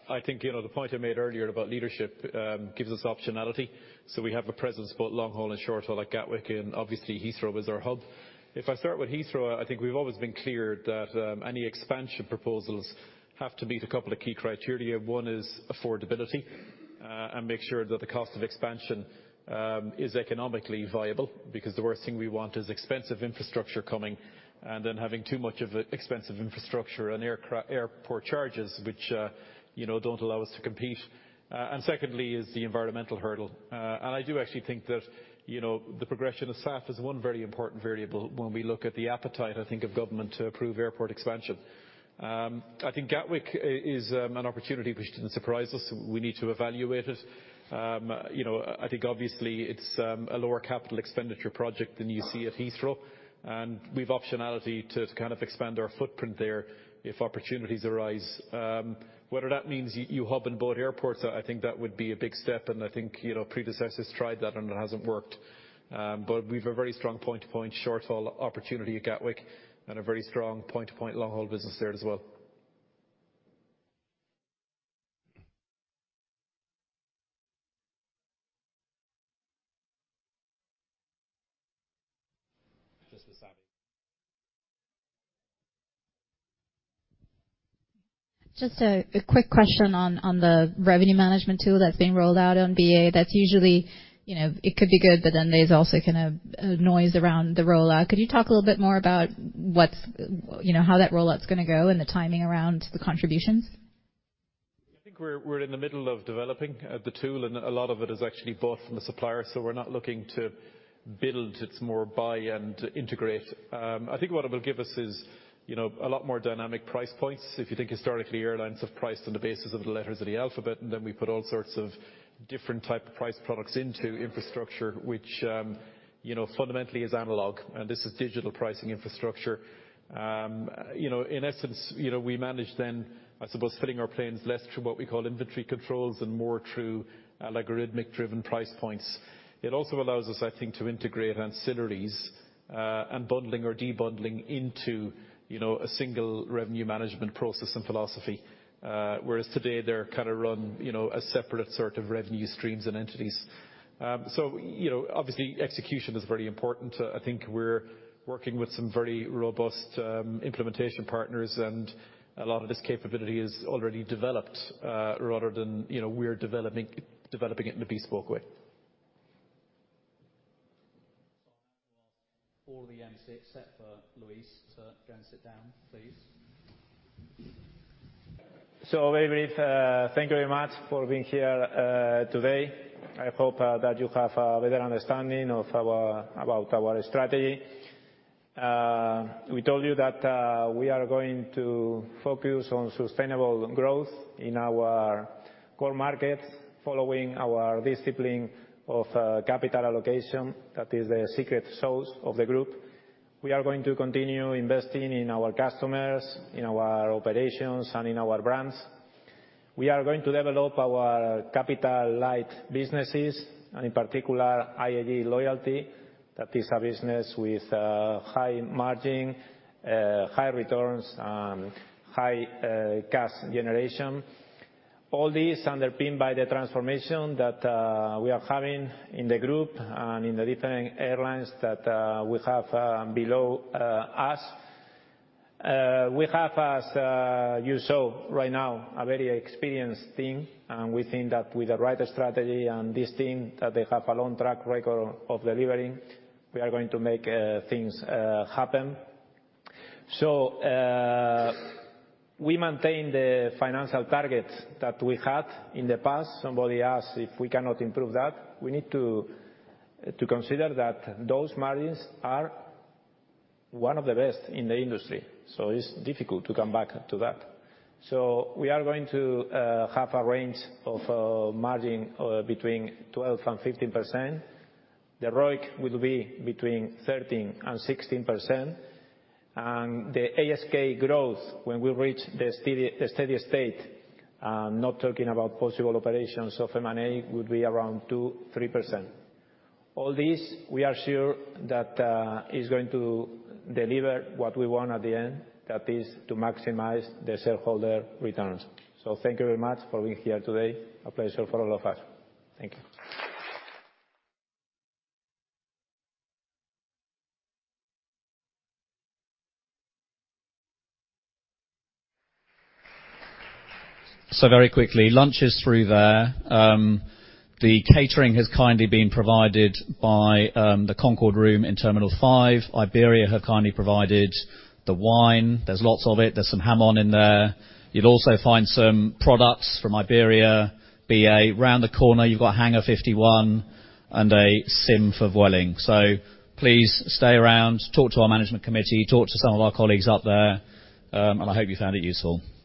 I think, you know, the point I made earlier about leadership, gives us optionality. So we have a presence, both long-haul and short-haul, like Gatwick, and obviously Heathrow is our hub. If I start with Heathrow, I think we've always been clear that, any expansion proposals have to meet a couple of key criteria. One is affordability, and make sure that the cost of expansion, is economically viable, because the worst thing we want is expensive infrastructure coming and then having too much of the expensive infrastructure and airport charges, which, you know, don't allow us to compete. And secondly, is the environmental hurdle. And I do actually think that, you know, the progression of SAF is one very important variable when we look at the appetite, I think, of government to approve airport expansion. I think Gatwick is an opportunity which didn't surprise us. We need to evaluate it. You know, I think obviously it's a lower capital expenditure project than you see at Heathrow, and we've optionality to kind of expand our footprint there if opportunities arise. Whether that means you hub in both airports, I think that would be a big step, and I think, you know, predecessors tried that and it hasn't worked. But we've a very strong point-to-point, short-haul opportunity at Gatwick and a very strong point-to-point, long-haul business there as well. Just a second. Just a quick question on the revenue management tool that's being rolled out on BA. That's usually... You know, it could be good, but then there's also kind of noise around the rollout. Could you talk a little bit more about what's you know, how that rollout's going to go and the timing around the contributions? I think we're in the middle of developing the tool, and a lot of it is actually bought from the supplier, so we're not looking to build, it's more buy and integrate. I think what it will give us is, you know, a lot more dynamic price points. If you think historically, airlines have priced on the basis of the letters of the alphabet, and then we put all sorts of different type of price products into infrastructure, which, you know, fundamentally is analog, and this is digital pricing infrastructure. You know, in essence, you know, we manage then, I suppose, filling our planes less through what we call inventory controls, and more through algorithmic-driven price points. It also allows us, I think, to integrate ancillaries and bundling or debundling into, you know, a single revenue management process and philosophy. Whereas today, they're kind of run, you know, as separate sort of revenue streams and entities. So, you know, obviously, execution is very important. I think we're working with some very robust implementation partners, and a lot of this capability is already developed, rather than, you know, we're developing it in a bespoke way. All the MC except for Luis to go and sit down, please. So very brief, thank you very much for being here today. I hope that you have a better understanding about our strategy. We told you that we are going to focus on sustainable growth in our core markets, following our discipline of capital allocation. That is the secret sauce of the group. We are going to continue investing in our customers, in our operations, and in our brands. We are going to develop our capital-light businesses, and in particular, IAG Loyalty. That is a business with high margin, high returns, and high cash generation. All these underpinned by the transformation that we are having in the group and in the different airlines that we have below us. We have, as you saw right now, a very experienced team, and we think that with the right strategy and this team, that they have a long track record of delivering, we are going to make things happen. So, we maintain the financial targets that we had in the past. Somebody asked if we cannot improve that. We need to consider that those margins are one of the best in the industry, so it's difficult to come back to that. So we are going to have a range of margin between 12%-15%. The ROIC will be between 13%-16%, and the ASK growth when we reach the steady state, not talking about possible operations of M&A, would be around 2-3%. All this, we are sure that, is going to deliver what we want at the end, that is to maximize the shareholder returns. So thank you very much for being here today. A pleasure for all of us. Thank you. So very quickly, lunch is through there. The catering has kindly been provided by the Concorde Room in Terminal 5. Iberia have kindly provided the wine. There's lots of it. There's some jamón in there. You'll also find some products from Iberia, BA. Round the corner, you've got Hangar 51 and a sim for Vueling. So please stay around, talk to our management committee, talk to some of our colleagues up there, and I hope you found it useful. Thank you.